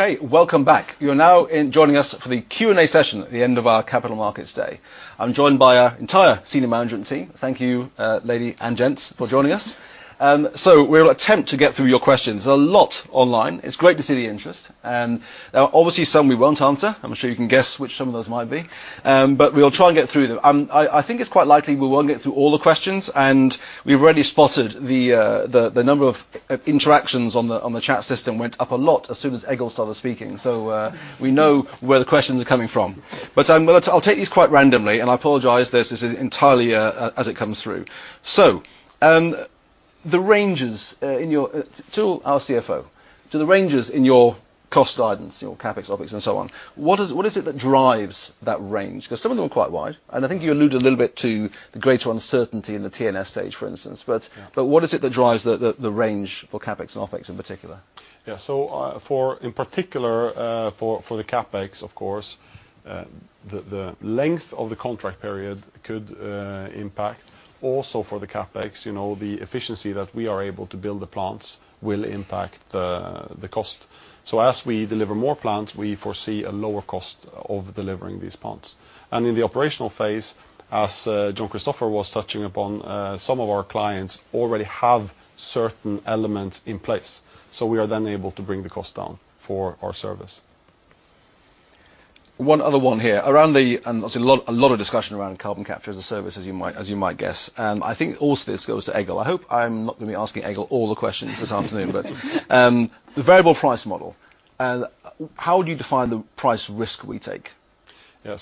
Okay. Welcome back. You're now joining us for the Q&A session at the end of our Capital Markets Day. I'm joined by our entire senior management team. Thank you, lady and gents, for joining us. We will attempt to get through your questions. There's a lot online. It's great to see the interest. There are obviously some we won't answer. I'm sure you can guess which some of those might be. We'll try and get through them. I think it's quite likely we won't get through all the questions, and we've already spotted the number of interactions on the chat system went up a lot as soon as Egil started speaking. We know where the questions are coming from. I'll take these quite randomly, and I apologize, this is entirely as it comes through. To our CFO, do the ranges in your cost guidance, your CapEx, OpEx, and so on, what is it that drives that range? Some of them are quite wide, and I think you alluded a little bit to the greater uncertainty in the T&S stage, for instance. What is it that drives the range for CapEx and OpEx in particular? Yeah. In particular, for the CapEx, of course, the length of the contract period could impact. Also for the CapEx, the efficiency that we are able to build the plants will impact the cost. As we deliver more plants, we foresee a lower cost of delivering these plants. In the operational phase, as Jon Christopher was touching upon, some of our clients already have certain elements in place, so we are then able to bring the cost down for our service. One other one here. Obviously a lot of discussion around Carbon Capture as a Service, as you might guess. I think also this goes to Egil. I hope I'm not going to be asking Egil all the questions this afternoon, but the variable price model, how do you define the price risk we take? Yeah.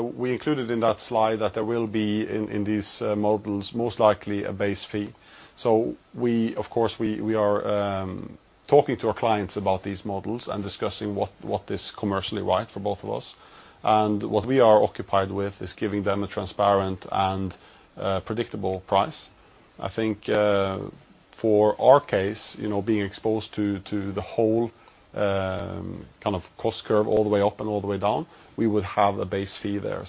We included in that slide that there will be, in these models, most likely a base fee. Of course, we are talking to our clients about these models and discussing what is commercially right for both of us. What we are occupied with is giving them a transparent and predictable price. I think, for our case, being exposed to the whole kind of cost curve all the way up and all the way down, we would have a base fee there.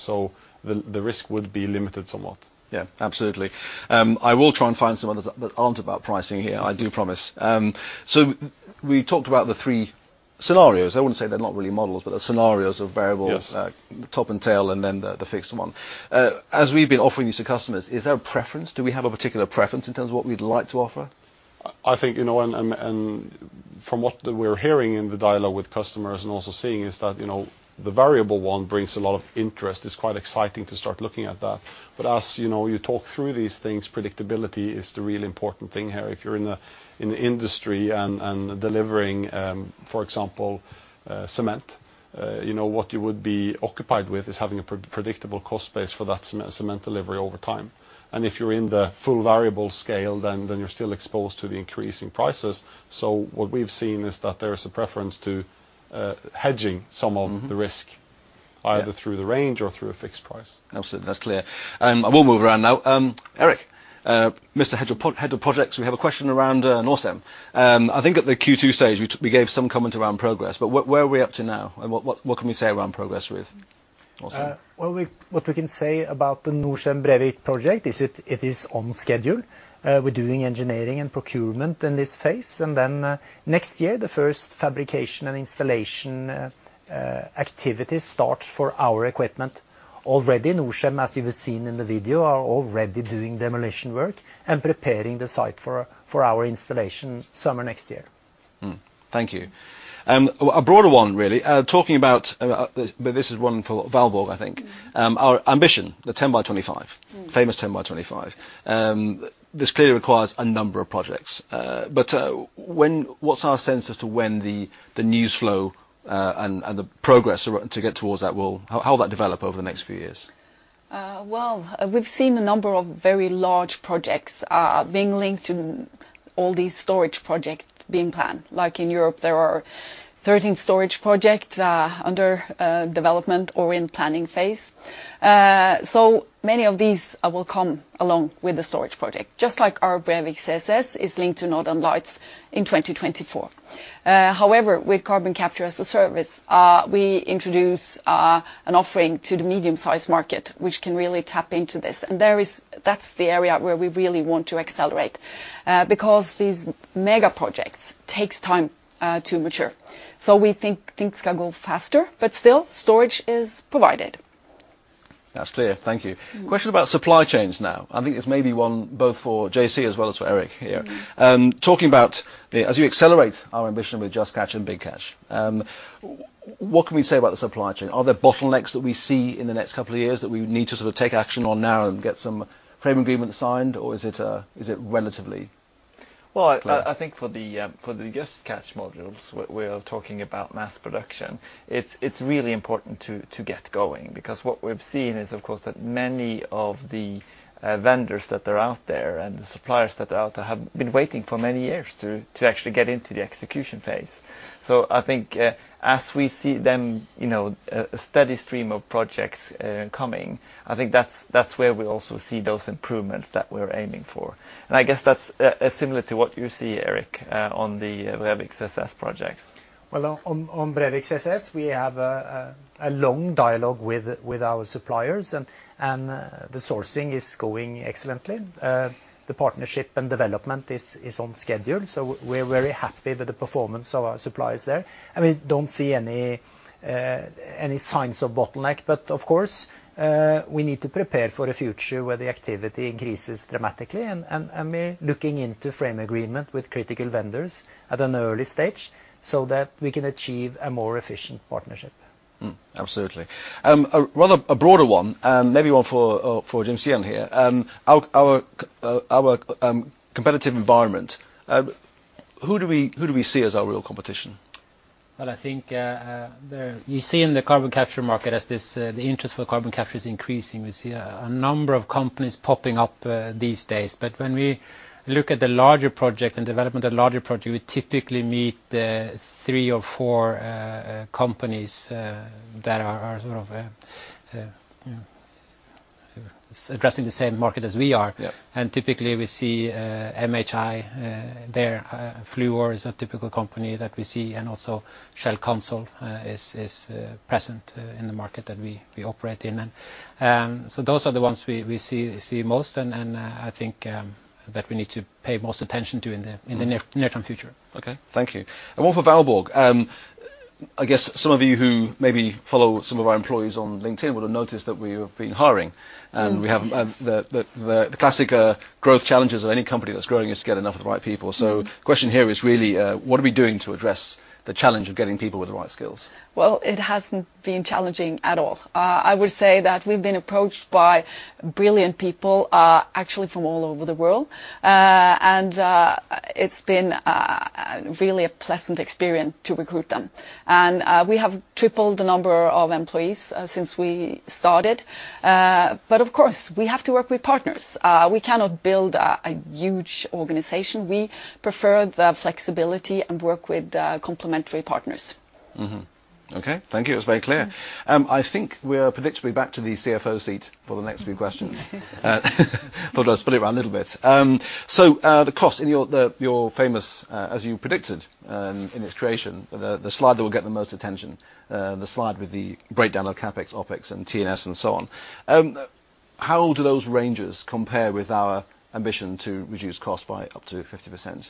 The risk would be limited somewhat. Yeah, absolutely. I will try and find some others that aren't about pricing here, I do promise. We talked about the three scenarios. I wouldn't say they're not really models, but they're scenarios of variables. Yes. Top and tail, and then the fixed one. As we've been offering these to customers, is there a preference? Do we have a particular preference in terms of what we'd like to offer? I think from what we're hearing in the dialogue with customers and also seeing is that the variable one brings a lot of interest. It's quite exciting to start looking at that. As you talk through these things, predictability is the real important thing here. If you're in the industry and delivering, for example, cement, what you would be occupied with is having a predictable cost base for that cement delivery over time. If you're in the full variable scale, then you're still exposed to the increasing prices. What we've seen is that there is a preference to hedging some of the risk. Yeah. Either through the range or through a fixed price. Absolutely. That's clear. I will move around now. Erik, Mr. Head of Projects, we have a question around Norcem. I think at the Q2 stage, we gave some comment around progress. Where are we up to now? What can we say around progress with Norcem? What we can say about the Norcem Brevik project is it is on schedule. We're doing engineering and procurement in this phase, and then next year, the first fabrication and installation activities start for our equipment. Already, Norcem, as you have seen in the video, are already doing demolition work and preparing the site for our installation summer next year. Thank you. A broader one, really. Talking about, this is one for Valborg, I think. Our ambition, the 10 by 2025. Famous 10 by 2025. This clearly requires a number of projects. What's our sense as to when the news flow and the progress to get towards that? How will that develop over the next few years? Well, we've seen a number of very large projects being linked to all these storage projects being planned. Like in Europe, there are 13 storage projects under development or in planning phase. Many of these will come along with the storage project, just like our Brevik CCS is linked to Northern Lights in 2024. However, with Carbon Capture as a Service, we introduce an offering to the medium-sized market, which can really tap into this. That's the area where we really want to accelerate, because these mega projects takes time to mature. We think things can go faster, but still, storage is provided. That's clear. Thank you. Question about supply chains now. I think it's maybe one both for JC as well as for Erik here. Talking about as you accelerate our ambition with Just Catch and Big Catch, what can we say about the supply chain? Are there bottlenecks that we see in the next two years that we need to take action on now and get some frame agreement signed, or is it relatively clear? Well, I think for the Just Catch modules, we're talking about mass production. It's really important to get going, because what we've seen is, of course, that many of the vendors that are out there and the suppliers that are out there have been waiting for many years to actually get into the execution phase. I think as we see them, a steady stream of projects coming, I think that's where we also see those improvements that we're aiming for. I guess that's similar to what you see, Erik, on the Brevik CCS projects. Well, on Brevik CCS, we have a long dialogue with our suppliers, and the sourcing is going excellently. The partnership and development is on schedule, so we're very happy with the performance of our suppliers there. We don't see any signs of bottleneck. Of course, we need to prepare for a future where the activity increases dramatically, and we're looking into frame agreement with critical vendors at an early stage so that we can achieve a more efficient partnership. Absolutely. A broader one, maybe one for Jim Stian here. Our competitive environment. Who do we see as our real competition? Well, I think you see in the carbon capture market as the interest for carbon capture is increasing, we see a number of companies popping up these days. When we look at the larger project and development, we typically meet three or four companies that are sort of addressing the same market as we are. Yeah. Typically, we see MHI there. Fluor is a typical company that we see, and also Shell Cansolv is present in the market that we operate in. Those are the ones we see most, and I think that we need to pay most attention to in the near term future. Okay. Thank you. One for Valborg. I guess some of you who maybe follow some of our employees on LinkedIn would have noticed that we have been hiring. We have the classic growth challenges of any company that's growing is to get enough of the right people. The question here is really what are we doing to address the challenge of getting people with the right skills? Well, it hasn't been challenging at all. I would say that we've been approached by brilliant people, actually from all over the world. It's been really a pleasant experience to recruit them. We have tripled the number of employees since we started. Of course, we have to work with partners. We cannot build a huge organization. We prefer the flexibility and work with complementary partners. Mm-hmm. Okay. Thank you. It was very clear. I think we are predictably back to the CFO seat for the next few questions. Thought I'd split it around a little bit. The cost, your famous, as you predicted in its creation, the slide that will get the most attention, the slide with the breakdown of CapEx, OpEx, and T&S and so on. How do those ranges compare with our ambition to reduce cost by up to 50%?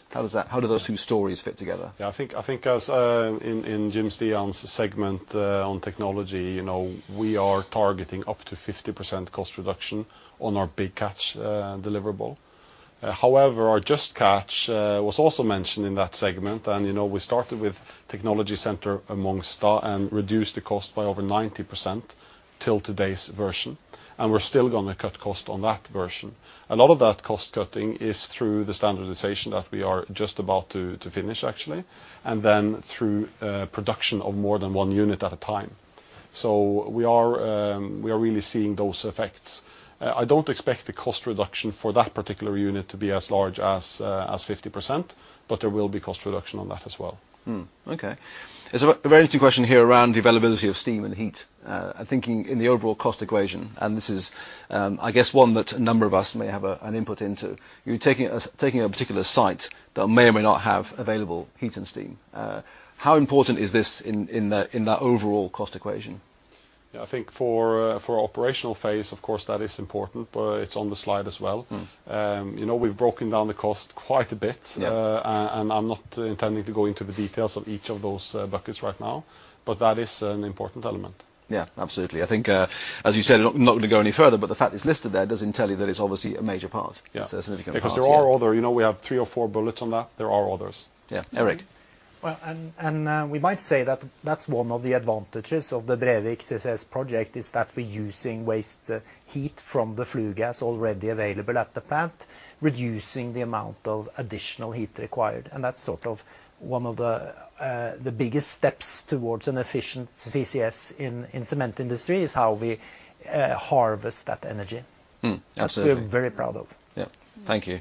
How do those two stories fit together? Yeah, I think as in Jim Stian's segment on technology, we are targeting up to 50% cost reduction on our Big Catch deliverable. Our Just Catch was also mentioned in that segment, and we started with technology center amongst that and reduced the cost by over 90% till today's version, and we're still going to cut cost on that version. A lot of that cost-cutting is through the standardization that we are just about to finish, actually, and then through production of more than 1 unit at a time. We are really seeing those effects. I don't expect the cost reduction for that particular unit to be as large as 50%, but there will be cost reduction on that as well. Okay. There's a very interesting question here around availability of steam and heat. Thinking in the overall cost equation, and this is, I guess, one that a number of us may have an input into, you taking a particular site that may or may not have available heat and steam, how important is this in that overall cost equation? Yeah, I think for operational phase, of course, that is important. It is on the slide as well. We've broken down the cost quite a bit. Yeah. I'm not intending to go into the details of each of those buckets right now, but that is an important element. Yeah, absolutely. I think, as you said, I'm not going to go any further, but the fact it's listed there does then tell you that it's obviously a major part. Yeah. It's a significant part, yeah. Because there are other. We have three or four bullets on that. There are others. Yeah. Erik? Well, we might say that that's one of the advantages of the Brevik CCS project is that we're using waste heat from the flue gas already available at the plant, reducing the amount of additional heat required, and that's one of the biggest steps towards an efficient CCS in cement industry is how we harvest that energy. Absolutely. Which we are very proud of. Thank you.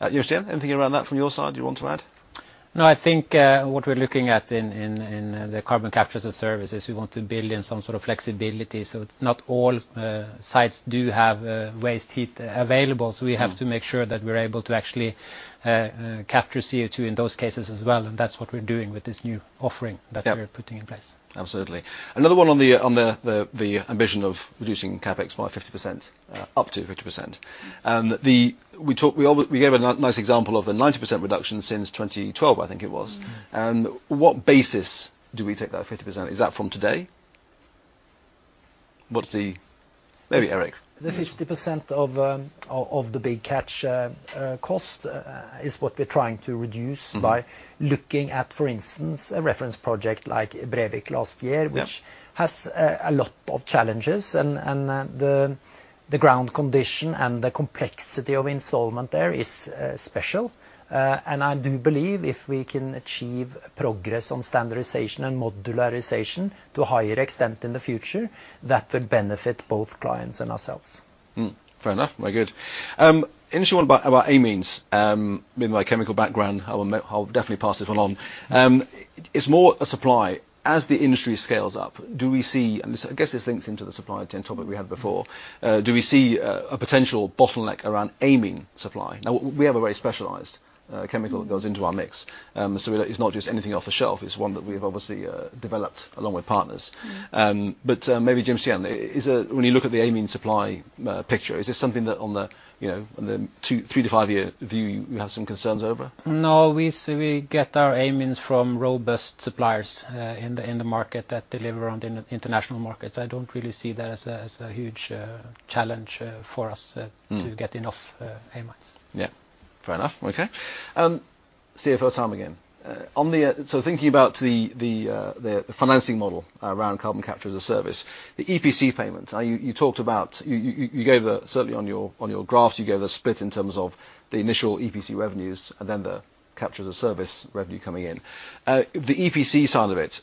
Jim Stian, anything around that from your side you want to add? No, I think what we're looking at in the Carbon Capture as a Service is we want to build in some sort of flexibility. It's not all sites do have waste heat available. We have to make sure that we're able to actually capture CO2 in those cases as well. That's what we're doing with this new offering. Yeah. We're putting in place. Absolutely. Another one on the ambition of reducing CapEx by up to 50%. We gave a nice example of the 90% reduction since 2012, I think it was. What basis do we take that 50%? Is that from today? Maybe Erik. The 50% of the Big Catch cost is what we're trying to reduce by looking at, for instance, a reference project like Brevik last year. Yeah. which has a lot of challenges, and the ground condition and the complexity of installment there is special. I do believe if we can achieve progress on standardization and modularization to a higher extent in the future, that would benefit both clients and ourselves. Fair enough. Very good. Interesting one about amines. With my chemical background, I will definitely pass this one on. It's more a supply. I guess this links into the supply chain topic we had before, do we see a potential bottleneck around amine supply? Now, we have a very specialized chemical that goes into our mix, so it's not just anything off the shelf, it's one that we’ve obviously developed along with partners. Maybe Jim Stian, when you look at the amine supply picture, is this something that on the two to five-year view you have some concerns over? No, we get our amines from robust suppliers in the market that deliver on the international markets. I don't really see that as a huge challenge for us to get enough amines. Yeah. Fair enough. Okay. CFO time again. Thinking about the financing model around Carbon Capture as a Service, the EPC payment, certainly on your graphs, you gave a split in terms of the initial EPC revenues and then the Carbon Capture as a Service revenue coming in. The EPC side of it,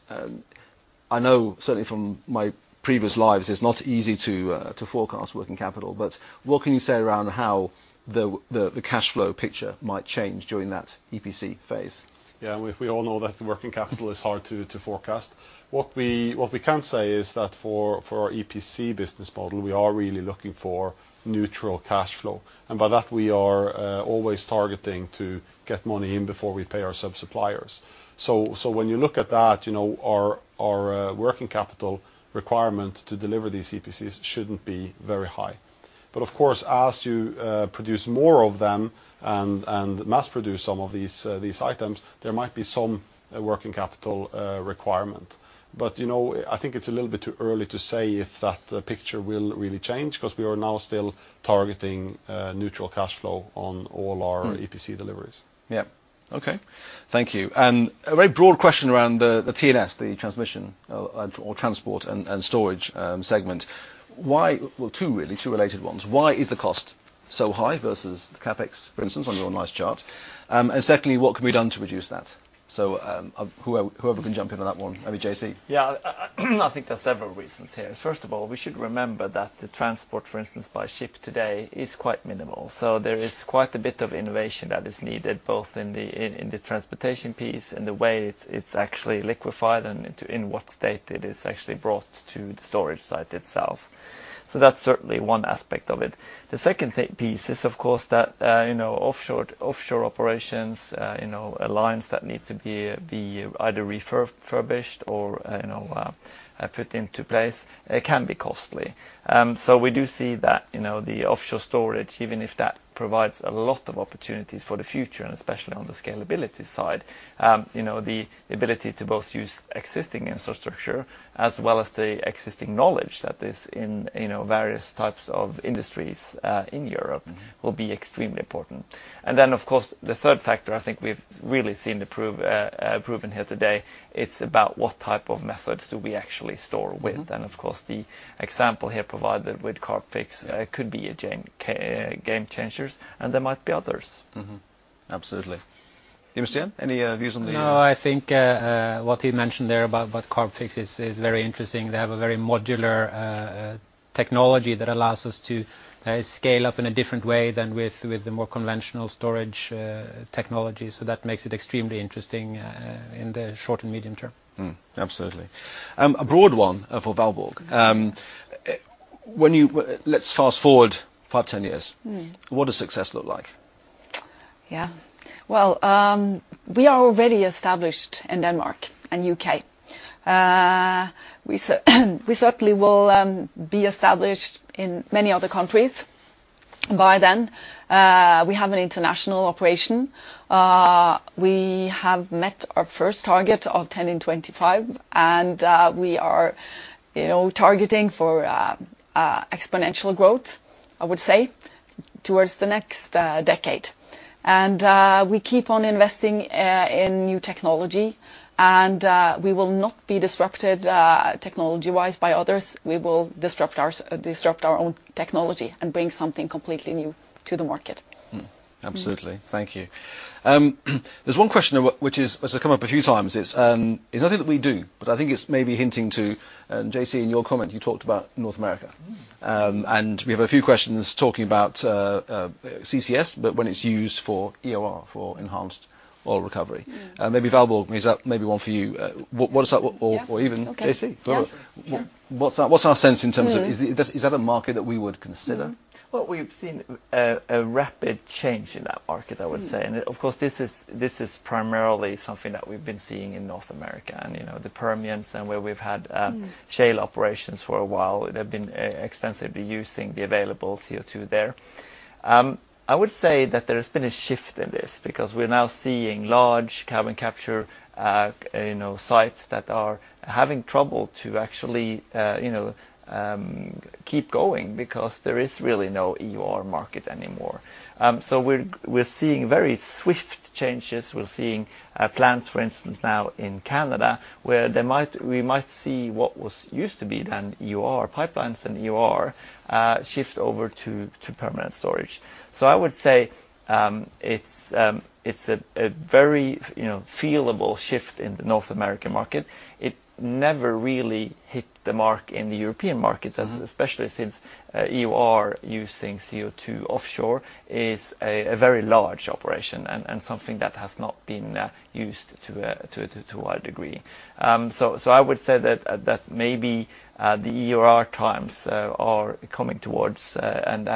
I know certainly from my previous lives, it's not easy to forecast working capital, but what can you say around how the cash flow picture might change during that EPC phase? We all know that the working capital is hard to forecast. What we can say is that for our EPC business model, we are really looking for neutral cash flow. By that, we are always targeting to get money in before we pay our sub-suppliers. When you look at that, our working capital requirement to deliver these EPCs shouldn't be very high. Of course, as you produce more of them and mass produce some of these items, there might be some working capital requirement. I think it's a little bit too early to say if that picture will really change because we are now still targeting neutral cash flow on all our EPC deliveries. Yeah. Okay. Thank you. A very broad question around the T&S, the transmission or transport and storage segment. Well, two really, two related ones. Why is the cost so high versus the CapEx, for instance, on your nice chart? Secondly, what can be done to reduce that? Whoever can jump into that one. Maybe JC. Yeah, I think there's several reasons here. First of all, we should remember that the transport, for instance, by ship today is quite minimal. There is quite a bit of innovation that is needed both in the transportation piece and the way it's actually liquefied and in what state it is actually brought to the storage site itself. That's certainly one aspect of it. The second piece is, of course, that offshore operations, pipelines that need to be either refurbished or put into place can be costly. We do see that the offshore storage, even if that provides a lot of opportunities for the future and especially on the scalability side, the ability to both use existing infrastructure as well as the existing knowledge that is in various types of industries in Europe will be extremely important. Of course, the third factor I think we've really seen proven here today, it's about what type of methods do we actually store with. Of course, the example here provided with Carbfix could be game changers, and there might be others. Mm-hmm. Absolutely. Jim Stian, any views on the? No, I think what he mentioned there about Carbfix is very interesting. They have a very modular technology that allows us to scale up in a different way than with the more conventional storage technologies. That makes it extremely interesting in the short and medium term. Absolutely. A broad one for Valborg. Let's fast-forward five, 10 years. What does success look like? Yeah. Well, we are already established in Denmark and U.K. We certainly will be established in many other countries by then. We have an international operation. We have met our first target of 10 in 2025, and we are targeting for exponential growth, I would say, towards the next decade. We keep on investing in new technology, and we will not be disrupted technology-wise by others. We will disrupt our own technology and bring something completely new to the market. Absolutely. Thank you. There is one question, which has come up a few times, it is nothing that we do, but I think it is maybe hinting to, and JC, in your comment you talked about North America. We have a few questions talking about CCS, but when it's used for EOR, for enhanced oil recovery. Yeah. Maybe Valborg, is that maybe one for you? What is that? Yeah. Okay. Or even JC. Yeah. What's our sense in terms of, is that a market that we would consider? Well, we've seen a rapid change in that market, I would say. Of course, this is primarily something that we've been seeing in North America and the Permian. shale operations for a while. They've been extensively using the available CO2 there. I would say that there's been a shift in this because we are now seeing large carbon capture sites that are having trouble to actually keep going because there is really no EOR market anymore. We're seeing very swift changes. We're seeing plants, for instance, now in Canada, where we might see what was used to be then EOR pipelines and EOR, shift over to permanent storage. I would say it's a very feel-able shift in the North American market. It never really hit the mark in the European market, especially since EOR using CO2 offshore is a very large operation and something that has not been used to a degree. I would say that maybe the EOR times are coming towards, and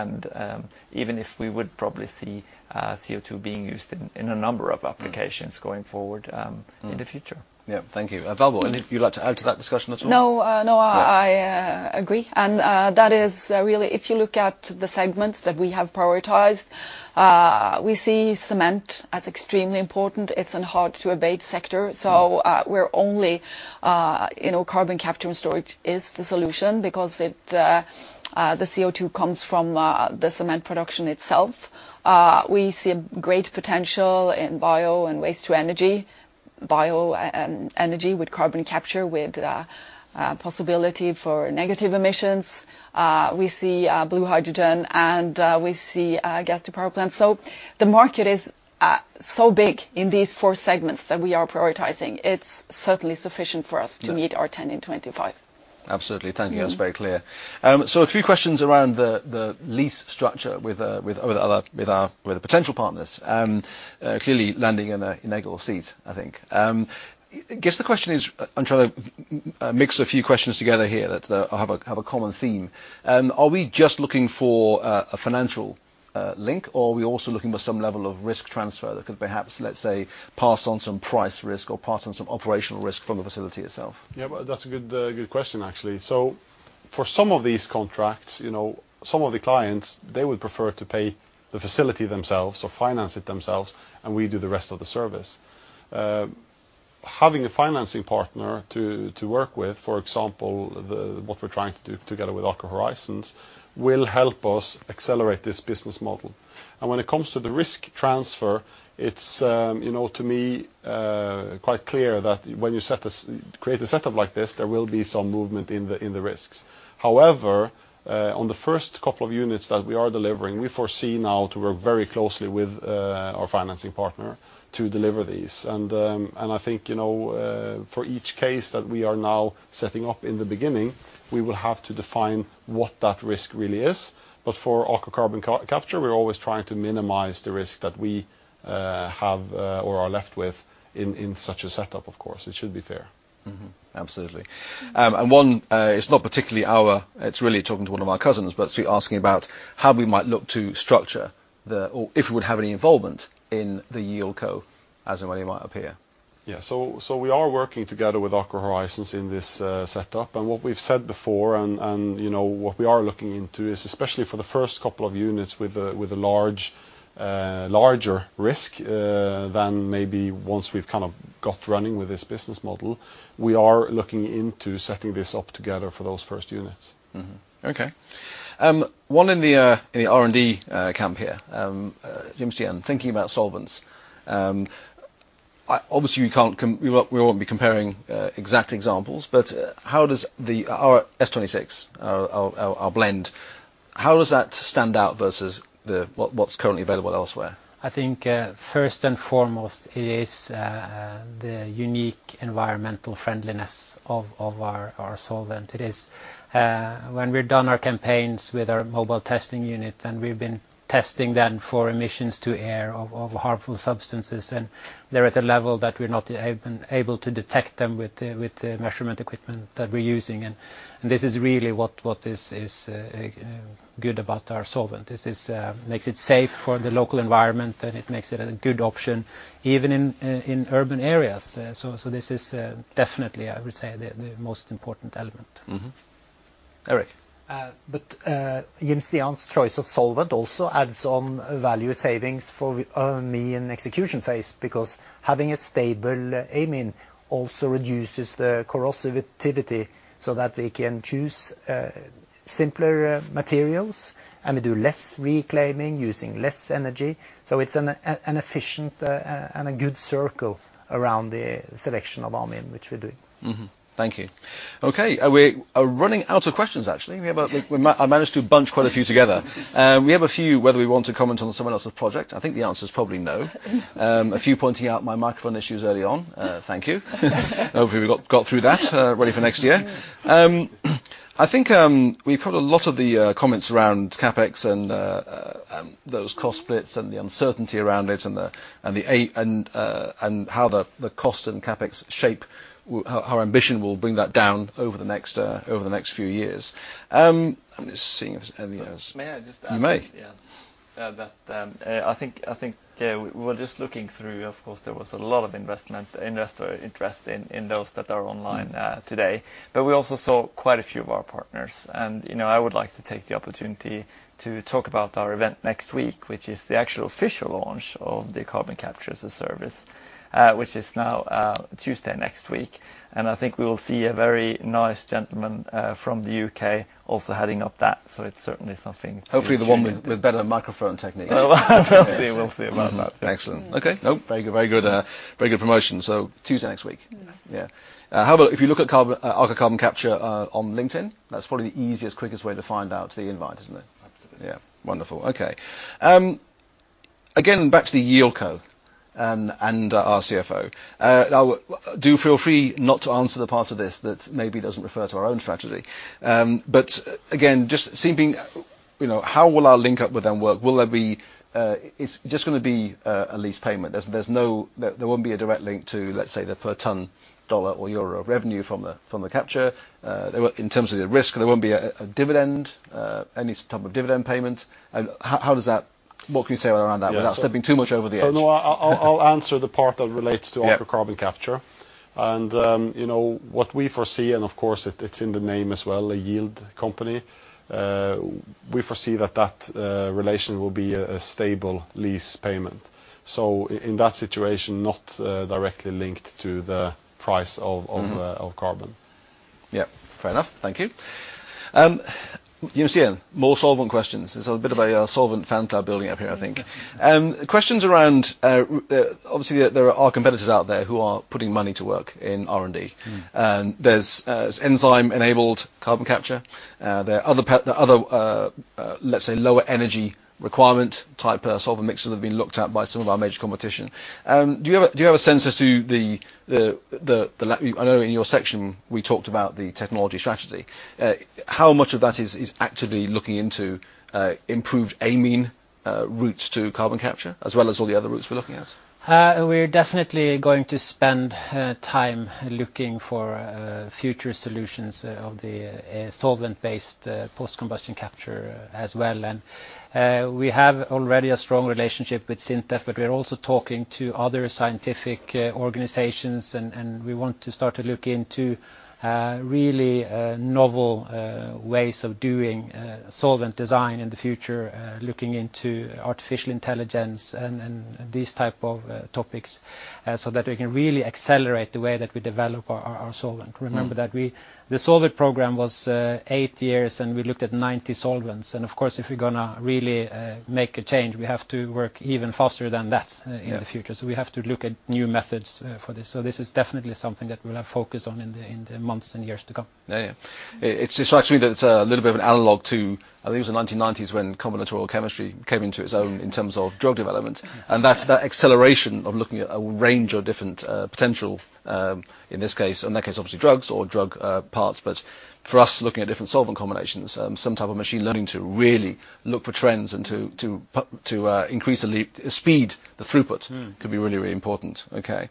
even if we would probably see CO2 being used in a number of applications going forward in the future. Yeah. Thank you. Valborg, anything you'd like to add to that discussion at all? No. I agree, and that is really if you look at the segments that we have prioritized, we see cement as extremely important. It is in hard to abate sector. Where only carbon capture and storage is the solution because the CO2 comes from the cement production itself. We see a great potential in bio and waste to energy, bio and energy with carbon capture, with possibility for negative emissions. We see blue hydrogen, and we see gas to power plants. The market is so big in these four segments that we are prioritizing. It's certainly sufficient for us to meet our 10 in 2025. Absolutely. Thank you. That's very clear. A few questions around the lease structure with our potential partners. Clearly landing in Egil's seat, I think. I guess the question is, I'm trying to mix a few questions together here that have a common theme. Are we just looking for a financial link, or are we also looking for some level of risk transfer that could perhaps, let's say, pass on some price risk or pass on some operational risk from the facility itself? Yeah. Well, that's a good question, actually. For some of these contracts, some of the clients, they would prefer to pay the facility themselves or finance it themselves, and we do the rest of the service. Having a financing partner to work with, for example, what we're trying to do together with Aker Horizons, will help us accelerate this business model. When it comes to the risk transfer, it's to me quite clear that when you create a setup like this, there will be some movement in the risks. However, on the first couple of units that we are delivering, we foresee now to work very closely with our financing partner to deliver these. I think, for each case that we are now setting up in the beginning, we will have to define what that risk really is. For Aker Carbon Capture, we're always trying to minimize the risk that we have, or are left with, in such a setup, of course. It should be fair. Mm-hmm. Absolutely. One, it's not particularly our, it's really talking to one of our cousins, but asking about how we might look to structure the, or if we would have any involvement in the YieldCo as and when it might appear. Yeah. We are working together with Aker Horizons in this setup. What we've said before, and what we are looking into, is especially for the first couple of units with a larger risk, than maybe once we've kind of got running with this business model, we are looking into setting this up together for those first units. Okay. One in the R&D camp here. Jim Stian, thinking about solvents. Obviously we won't be comparing exact examples, but how does our S26, our blend, how does that stand out versus what's currently available elsewhere? I think, first and foremost, it is the unique environmental friendliness of our solvent. When we've done our campaigns with our Mobile Test Unit, and we've been testing then for emissions to air of harmful substances, and they're at a level that we're not able to detect them with the measurement equipment that we're using. This is really what is good about our solvent. This makes it safe for the local environment, and it makes it a good option even in urban areas. This is definitely, I would say, the most important element. Mm-hmm. Erik. Jim Stian's choice of solvent also adds on value savings for me in execution phase, because having a stable amine also reduces the corrosivity, so that we can choose simpler materials, and we do less reclaiming using less energy. It's an efficient and a good circle around the selection of amine, which we're doing. Mm-hmm. Thank you. Okay, we are running out of questions, actually. I managed to bunch quite a few together. We have a few whether we want to comment on someone else's project. I think the answer is probably no. A few pointing out my microphone issues early on. Thank you. Hopefully we got through that, ready for next year. I think we've covered a lot of the comments around CapEx and those cost splits and the uncertainty around it and how the cost and CapEx shape our ambition will bring that down over the next few years. I'm just seeing if there's any others. May I just add? You may. Yeah. That I think we were just looking through, of course, there was a lot of investor interest in those that are online today. We also saw quite a few of our partners, and I would like to take the opportunity to talk about our event next week, which is the actual official launch of the Carbon Capture as a Service, which is now Tuesday next week. I think we will see a very nice gentleman from the U.K. also heading up that. Hopefully the one with better microphone technique. We'll see about that. Excellent. Okay. Nope, very good promotion. Tuesday next week. Nice. Yeah. How about if you look at Aker Carbon Capture on LinkedIn, that's probably the easiest, quickest way to find out the invite, isn't it? Absolutely. Yeah. Wonderful. Okay. Back to the YieldCo, and our CFO. Do feel free not to answer the part of this that maybe doesn't refer to our own strategy. Just seeing how will our link up with them work? It's just going to be a lease payment. There won't be a direct link to, let's say, the per ton dollar or euro of revenue from the capture. In terms of the risk, there won't be a dividend, any type of dividend payment. What can you say around that without stepping too much over the edge? No, I'll answer the part that relates to Aker Carbon Capture. Yeah. What we foresee, and of course it's in the name as well, a yield company, we foresee that that relation will be a stable lease payment. In that situation, not directly linked to the price of carbon. Mm-hmm. Yep. Fair enough. Thank you. Jim Stian, more solvent questions. There's a bit of a solvent fan club building up here, I think. Okay. Questions around, obviously there are competitors out there who are putting money to work in R&D. There's enzyme-enabled carbon capture. There are other, let's say, lower energy requirement type of solvent mixes that have been looked at by some of our major competition. Do you have a sense as to the I know in your section we talked about the technology strategy, how much of that is actively looking into improved amine routes to carbon capture, as well as all the other routes we're looking at? We're definitely going to spend time looking for future solutions of the solvent-based post-combustion capture as well. We have already a strong relationship with SINTEF, but we are also talking to other scientific organizations, and we want to start to look into really novel ways of doing solvent design in the future, looking into artificial intelligence and these type of topics, so that we can really accelerate the way that we develop our solvent. Remember that the solvent program was eight years, we looked at 90 solvents. Of course, if we're going to really make a change, we have to work even faster than that in the future. Yeah. We have to look at new methods for this. This is definitely something that we'll have focus on in the months and years to come. Yeah. It strikes me that it's a little bit of an analog to, I think it was the 1990s when combinatorial chemistry came into its own in terms of drug development. That acceleration of looking at a range of different potential, in that case, obviously drugs or drug parts. For us, looking at different solvent combinations, some type of machine learning to really look for trends and to increase the speed, the throughput. could be really, really important. Okay.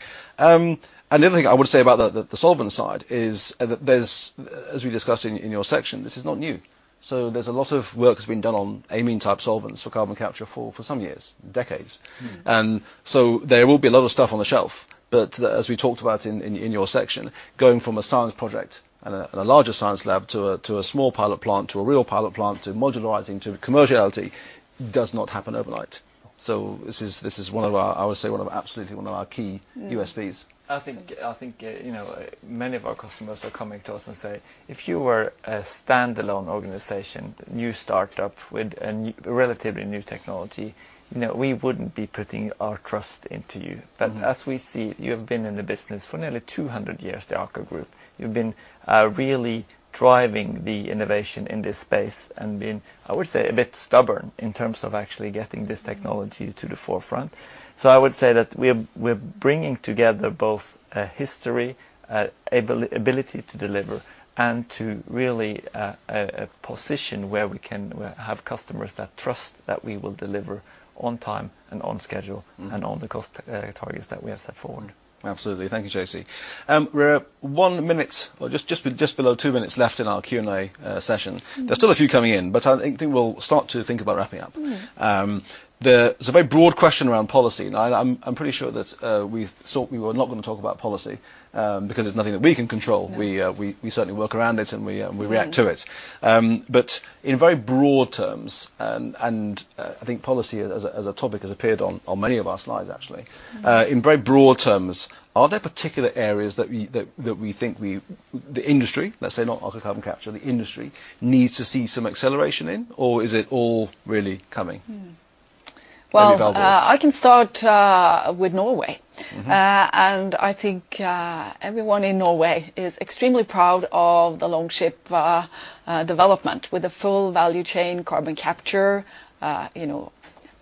Another thing I would say about the solvent side is that there's, as we discussed in your section, this is not new. There's a lot of work that's been done on amine-type solvents for carbon capture for some years, decades. There will be a lot of stuff on the shelf. As we talked about in your section, going from a science project and a larger science lab, to a small pilot plant, to a real pilot plant, to modularizing, to commerciality does not happen overnight. This is, I would say, absolutely one of our key USPs. I think many of our customers are coming to us and say, "If you were a standalone organization, new startup with a relatively new technology, we wouldn't be putting our trust into you. As we see, you have been in the business for nearly 200 years, the Aker Group. You've been really driving the innovation in this space and been, I would say, a bit stubborn in terms of actually getting this technology to the forefront." I would say that we're bringing together both a history, ability to deliver, and to really a position where we can have customers that trust that we will deliver on time and on schedule and on the cost targets that we have set forward. Absolutely. Thank you, JC. We're one minute, or just below two minutes left in our Q&A session. There's still a few coming in. I think we'll start to think about wrapping up. There's a very broad question around policy, and I'm pretty sure that we thought we were not going to talk about policy, because it's nothing that we can control. No. We certainly work around it, and we react to it. In very broad terms, and I think policy as a topic has appeared on many of our slides, actually. In very broad terms, are there particular areas that we think the industry, let's say not Aker Carbon Capture, the industry needs to see some acceleration in? Or is it all really coming? Mm-hmm. Any of our board. I can start with Norway. I think everyone in Norway is extremely proud of the Longship development with the full value chain carbon capture. You know,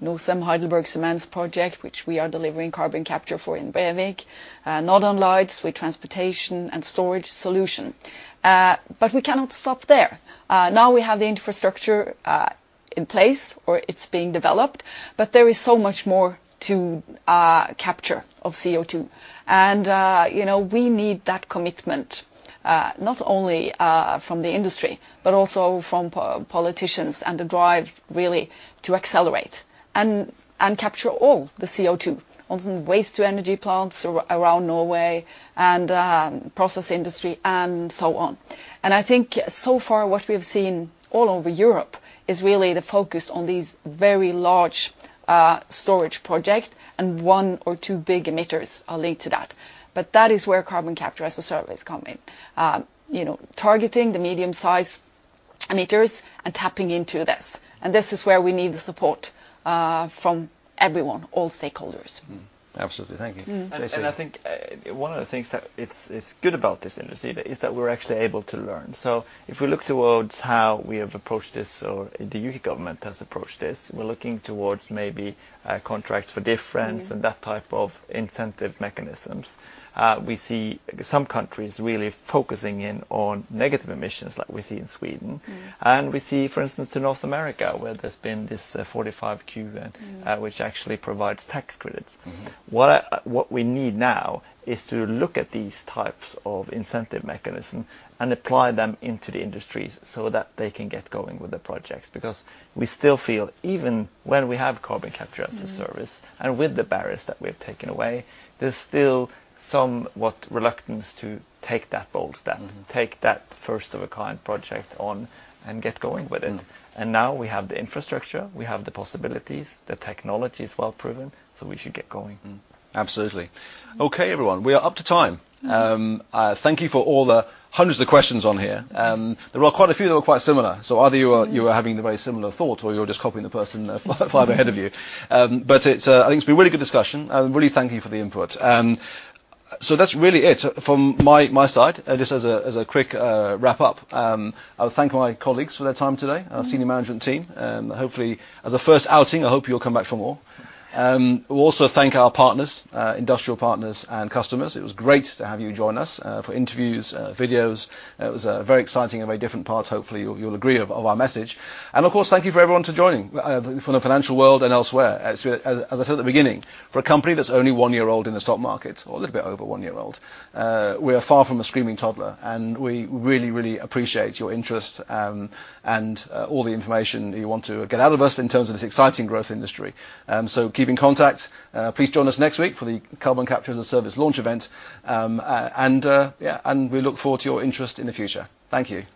Norcem HeidelbergCement's project, which we are delivering carbon capture for in Brevik. Northern Lights with transportation and storage solution. We cannot stop there. Now we have the infrastructure in place, or it's being developed, but there is so much more to capture of CO2. We need that commitment, not only from the industry but also from politicians, and the drive really to accelerate and capture all the CO2 on some waste-to-energy plants around Norway and process industry and so on. I think so far what we've seen all over Europe is really the focus on these very large storage projects and one or two big emitters are linked to that. That is where Carbon Capture as a Service come in. Targeting the medium size emitters and tapping into this, and this is where we need the support from everyone, all stakeholders. Mm-hmm. Absolutely. Thank you. JC? I think one of the things that is good about this industry is that we're actually able to learn. If we look towards how we have approached this, or the U.K. government has approached this, we're looking towards maybe contracts for difference. That type of incentive mechanisms. We see some countries really focusing in on negative emissions, like we see in Sweden. We see, for instance, in North America where there's been this 45Q grant. which actually provides tax credits. What we need now is to look at these types of incentive mechanism and apply them into the industries so that they can get going with the projects, because we still feel, even when we have Carbon Capture as a Service. With the barriers that we've taken away, there's still somewhat reluctance to take that bold stand, take that first of a kind project on and get going with it. Now we have the infrastructure, we have the possibilities, the technology is well proven, so we should get going. Absolutely. Okay, everyone. We are up to time. Thank you for all the hundreds of questions on here. There were quite a few that were quite similar, so either you are having the very similar thought or you're just copying the person 5 ahead of you. I think it's been a really good discussion, and really thank you for the input. That's really it from my side. Just as a quick wrap up, I'll thank my colleagues for their time today, our senior management team. Hopefully, as a first outing, I hope you'll come back for more. We'll also thank our partners, industrial partners and customers. It was great to have you join us for interviews, videos. It was a very exciting and very different part, hopefully you'll agree, of our message. Of course, thank you for everyone to joining from the financial world and elsewhere. As I said at the beginning, for a company that's only one year old in the stock market, or a little bit over one year old, we are far from a screaming toddler, and we really, really appreciate your interest and all the information you want to get out of us in terms of this exciting growth industry. Keep in contact. Please join us next week for the Carbon Capture as a Service launch event. Yeah, we look forward to your interest in the future. Thank you.